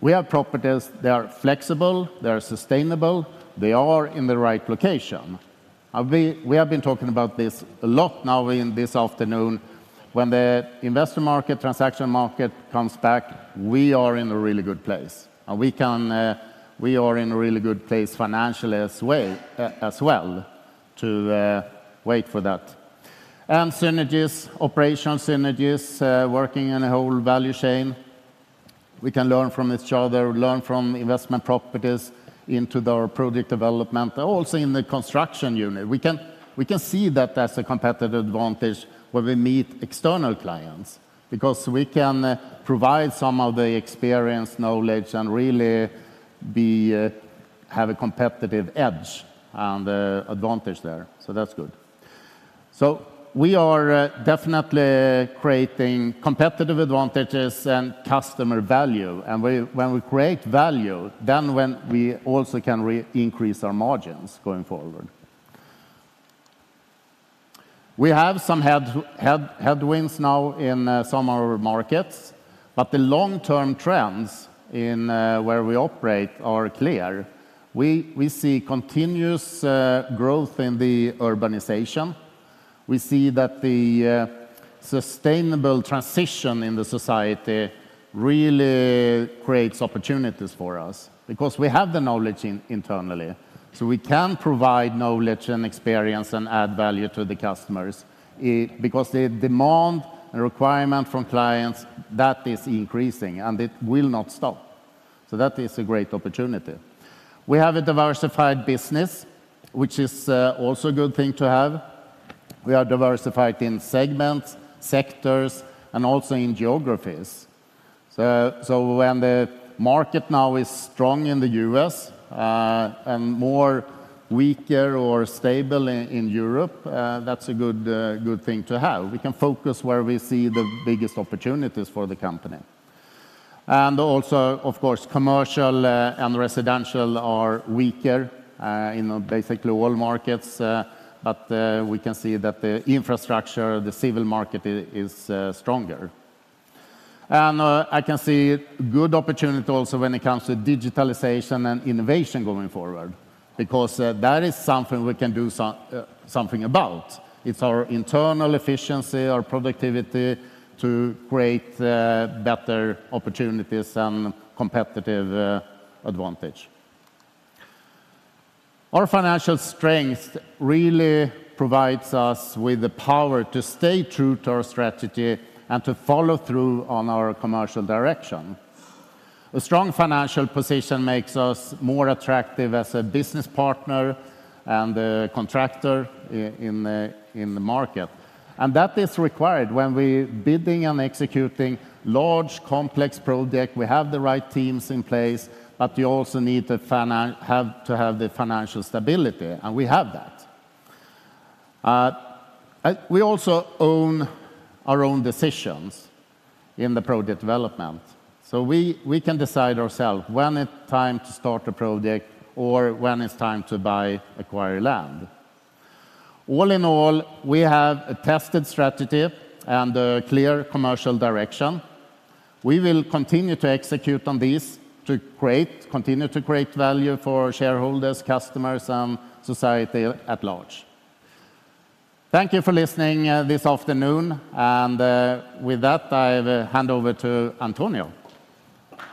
We have properties, they are flexible, they are sustainable, they are in the right location. We have been talking about this a lot now in this afternoon. When the investor market, transaction market comes back, we are in a really good place, and we can, we are in a really good place financially as well, to wait for that. Synergies, operational synergies, working in a whole value chain. We can learn from each other, learn from investment properties into our project development, and also in the construction unit. We can see that as a competitive advantage when we meet external clients, because we can provide some of the experience, knowledge, and really have a competitive edge and advantage there, so that's good. So we are definitely creating competitive advantages and customer value, and when we create value, then we also can increase our margins going forward. We have some headwinds now in some of our markets, but the long-term trends in where we operate are clear. We see continuous growth in the urbanization. We see that the sustainable transition in the society really creates opportunities for us because we have the knowledge internally, so we can provide knowledge and experience and add value to the customers, because the demand and requirement from clients, that is increasing, and it will not stop, so that is a great opportunity. We have a diversified business, which is also a good thing to have. We are diversified in segments, sectors, and also in geographies. So when the market now is strong in the U.S., and more weaker or stable in Europe, that's a good thing to have. We can focus where we see the biggest opportunities for the company. And also, of course, commercial and residential are weaker in basically all markets, but we can see that the infrastructure, the civil market is stronger. And I can see good opportunity also when it comes to digitalization and innovation going forward, because that is something we can do something about. It's our internal efficiency, our productivity to create better opportunities and competitive advantage. Our financial strength really provides us with the power to stay true to our strategy and to follow through on our commercial direction. A strong financial position makes us more attractive as a business partner and a contractor in the market, and that is required when we're bidding and executing large, complex project. We have the right teams in place, but you also need to have the financial stability, and we have that. We also own our own decisions in the project development, so we can decide ourselves when it's time to start a project or when it's time to buy, acquire land. All in all, we have a tested strategy and a clear commercial direction. We will continue to execute on this to continue to create value for shareholders, customers, and society at large. Thank you for listening this afternoon, and with that, I hand over to Antonia.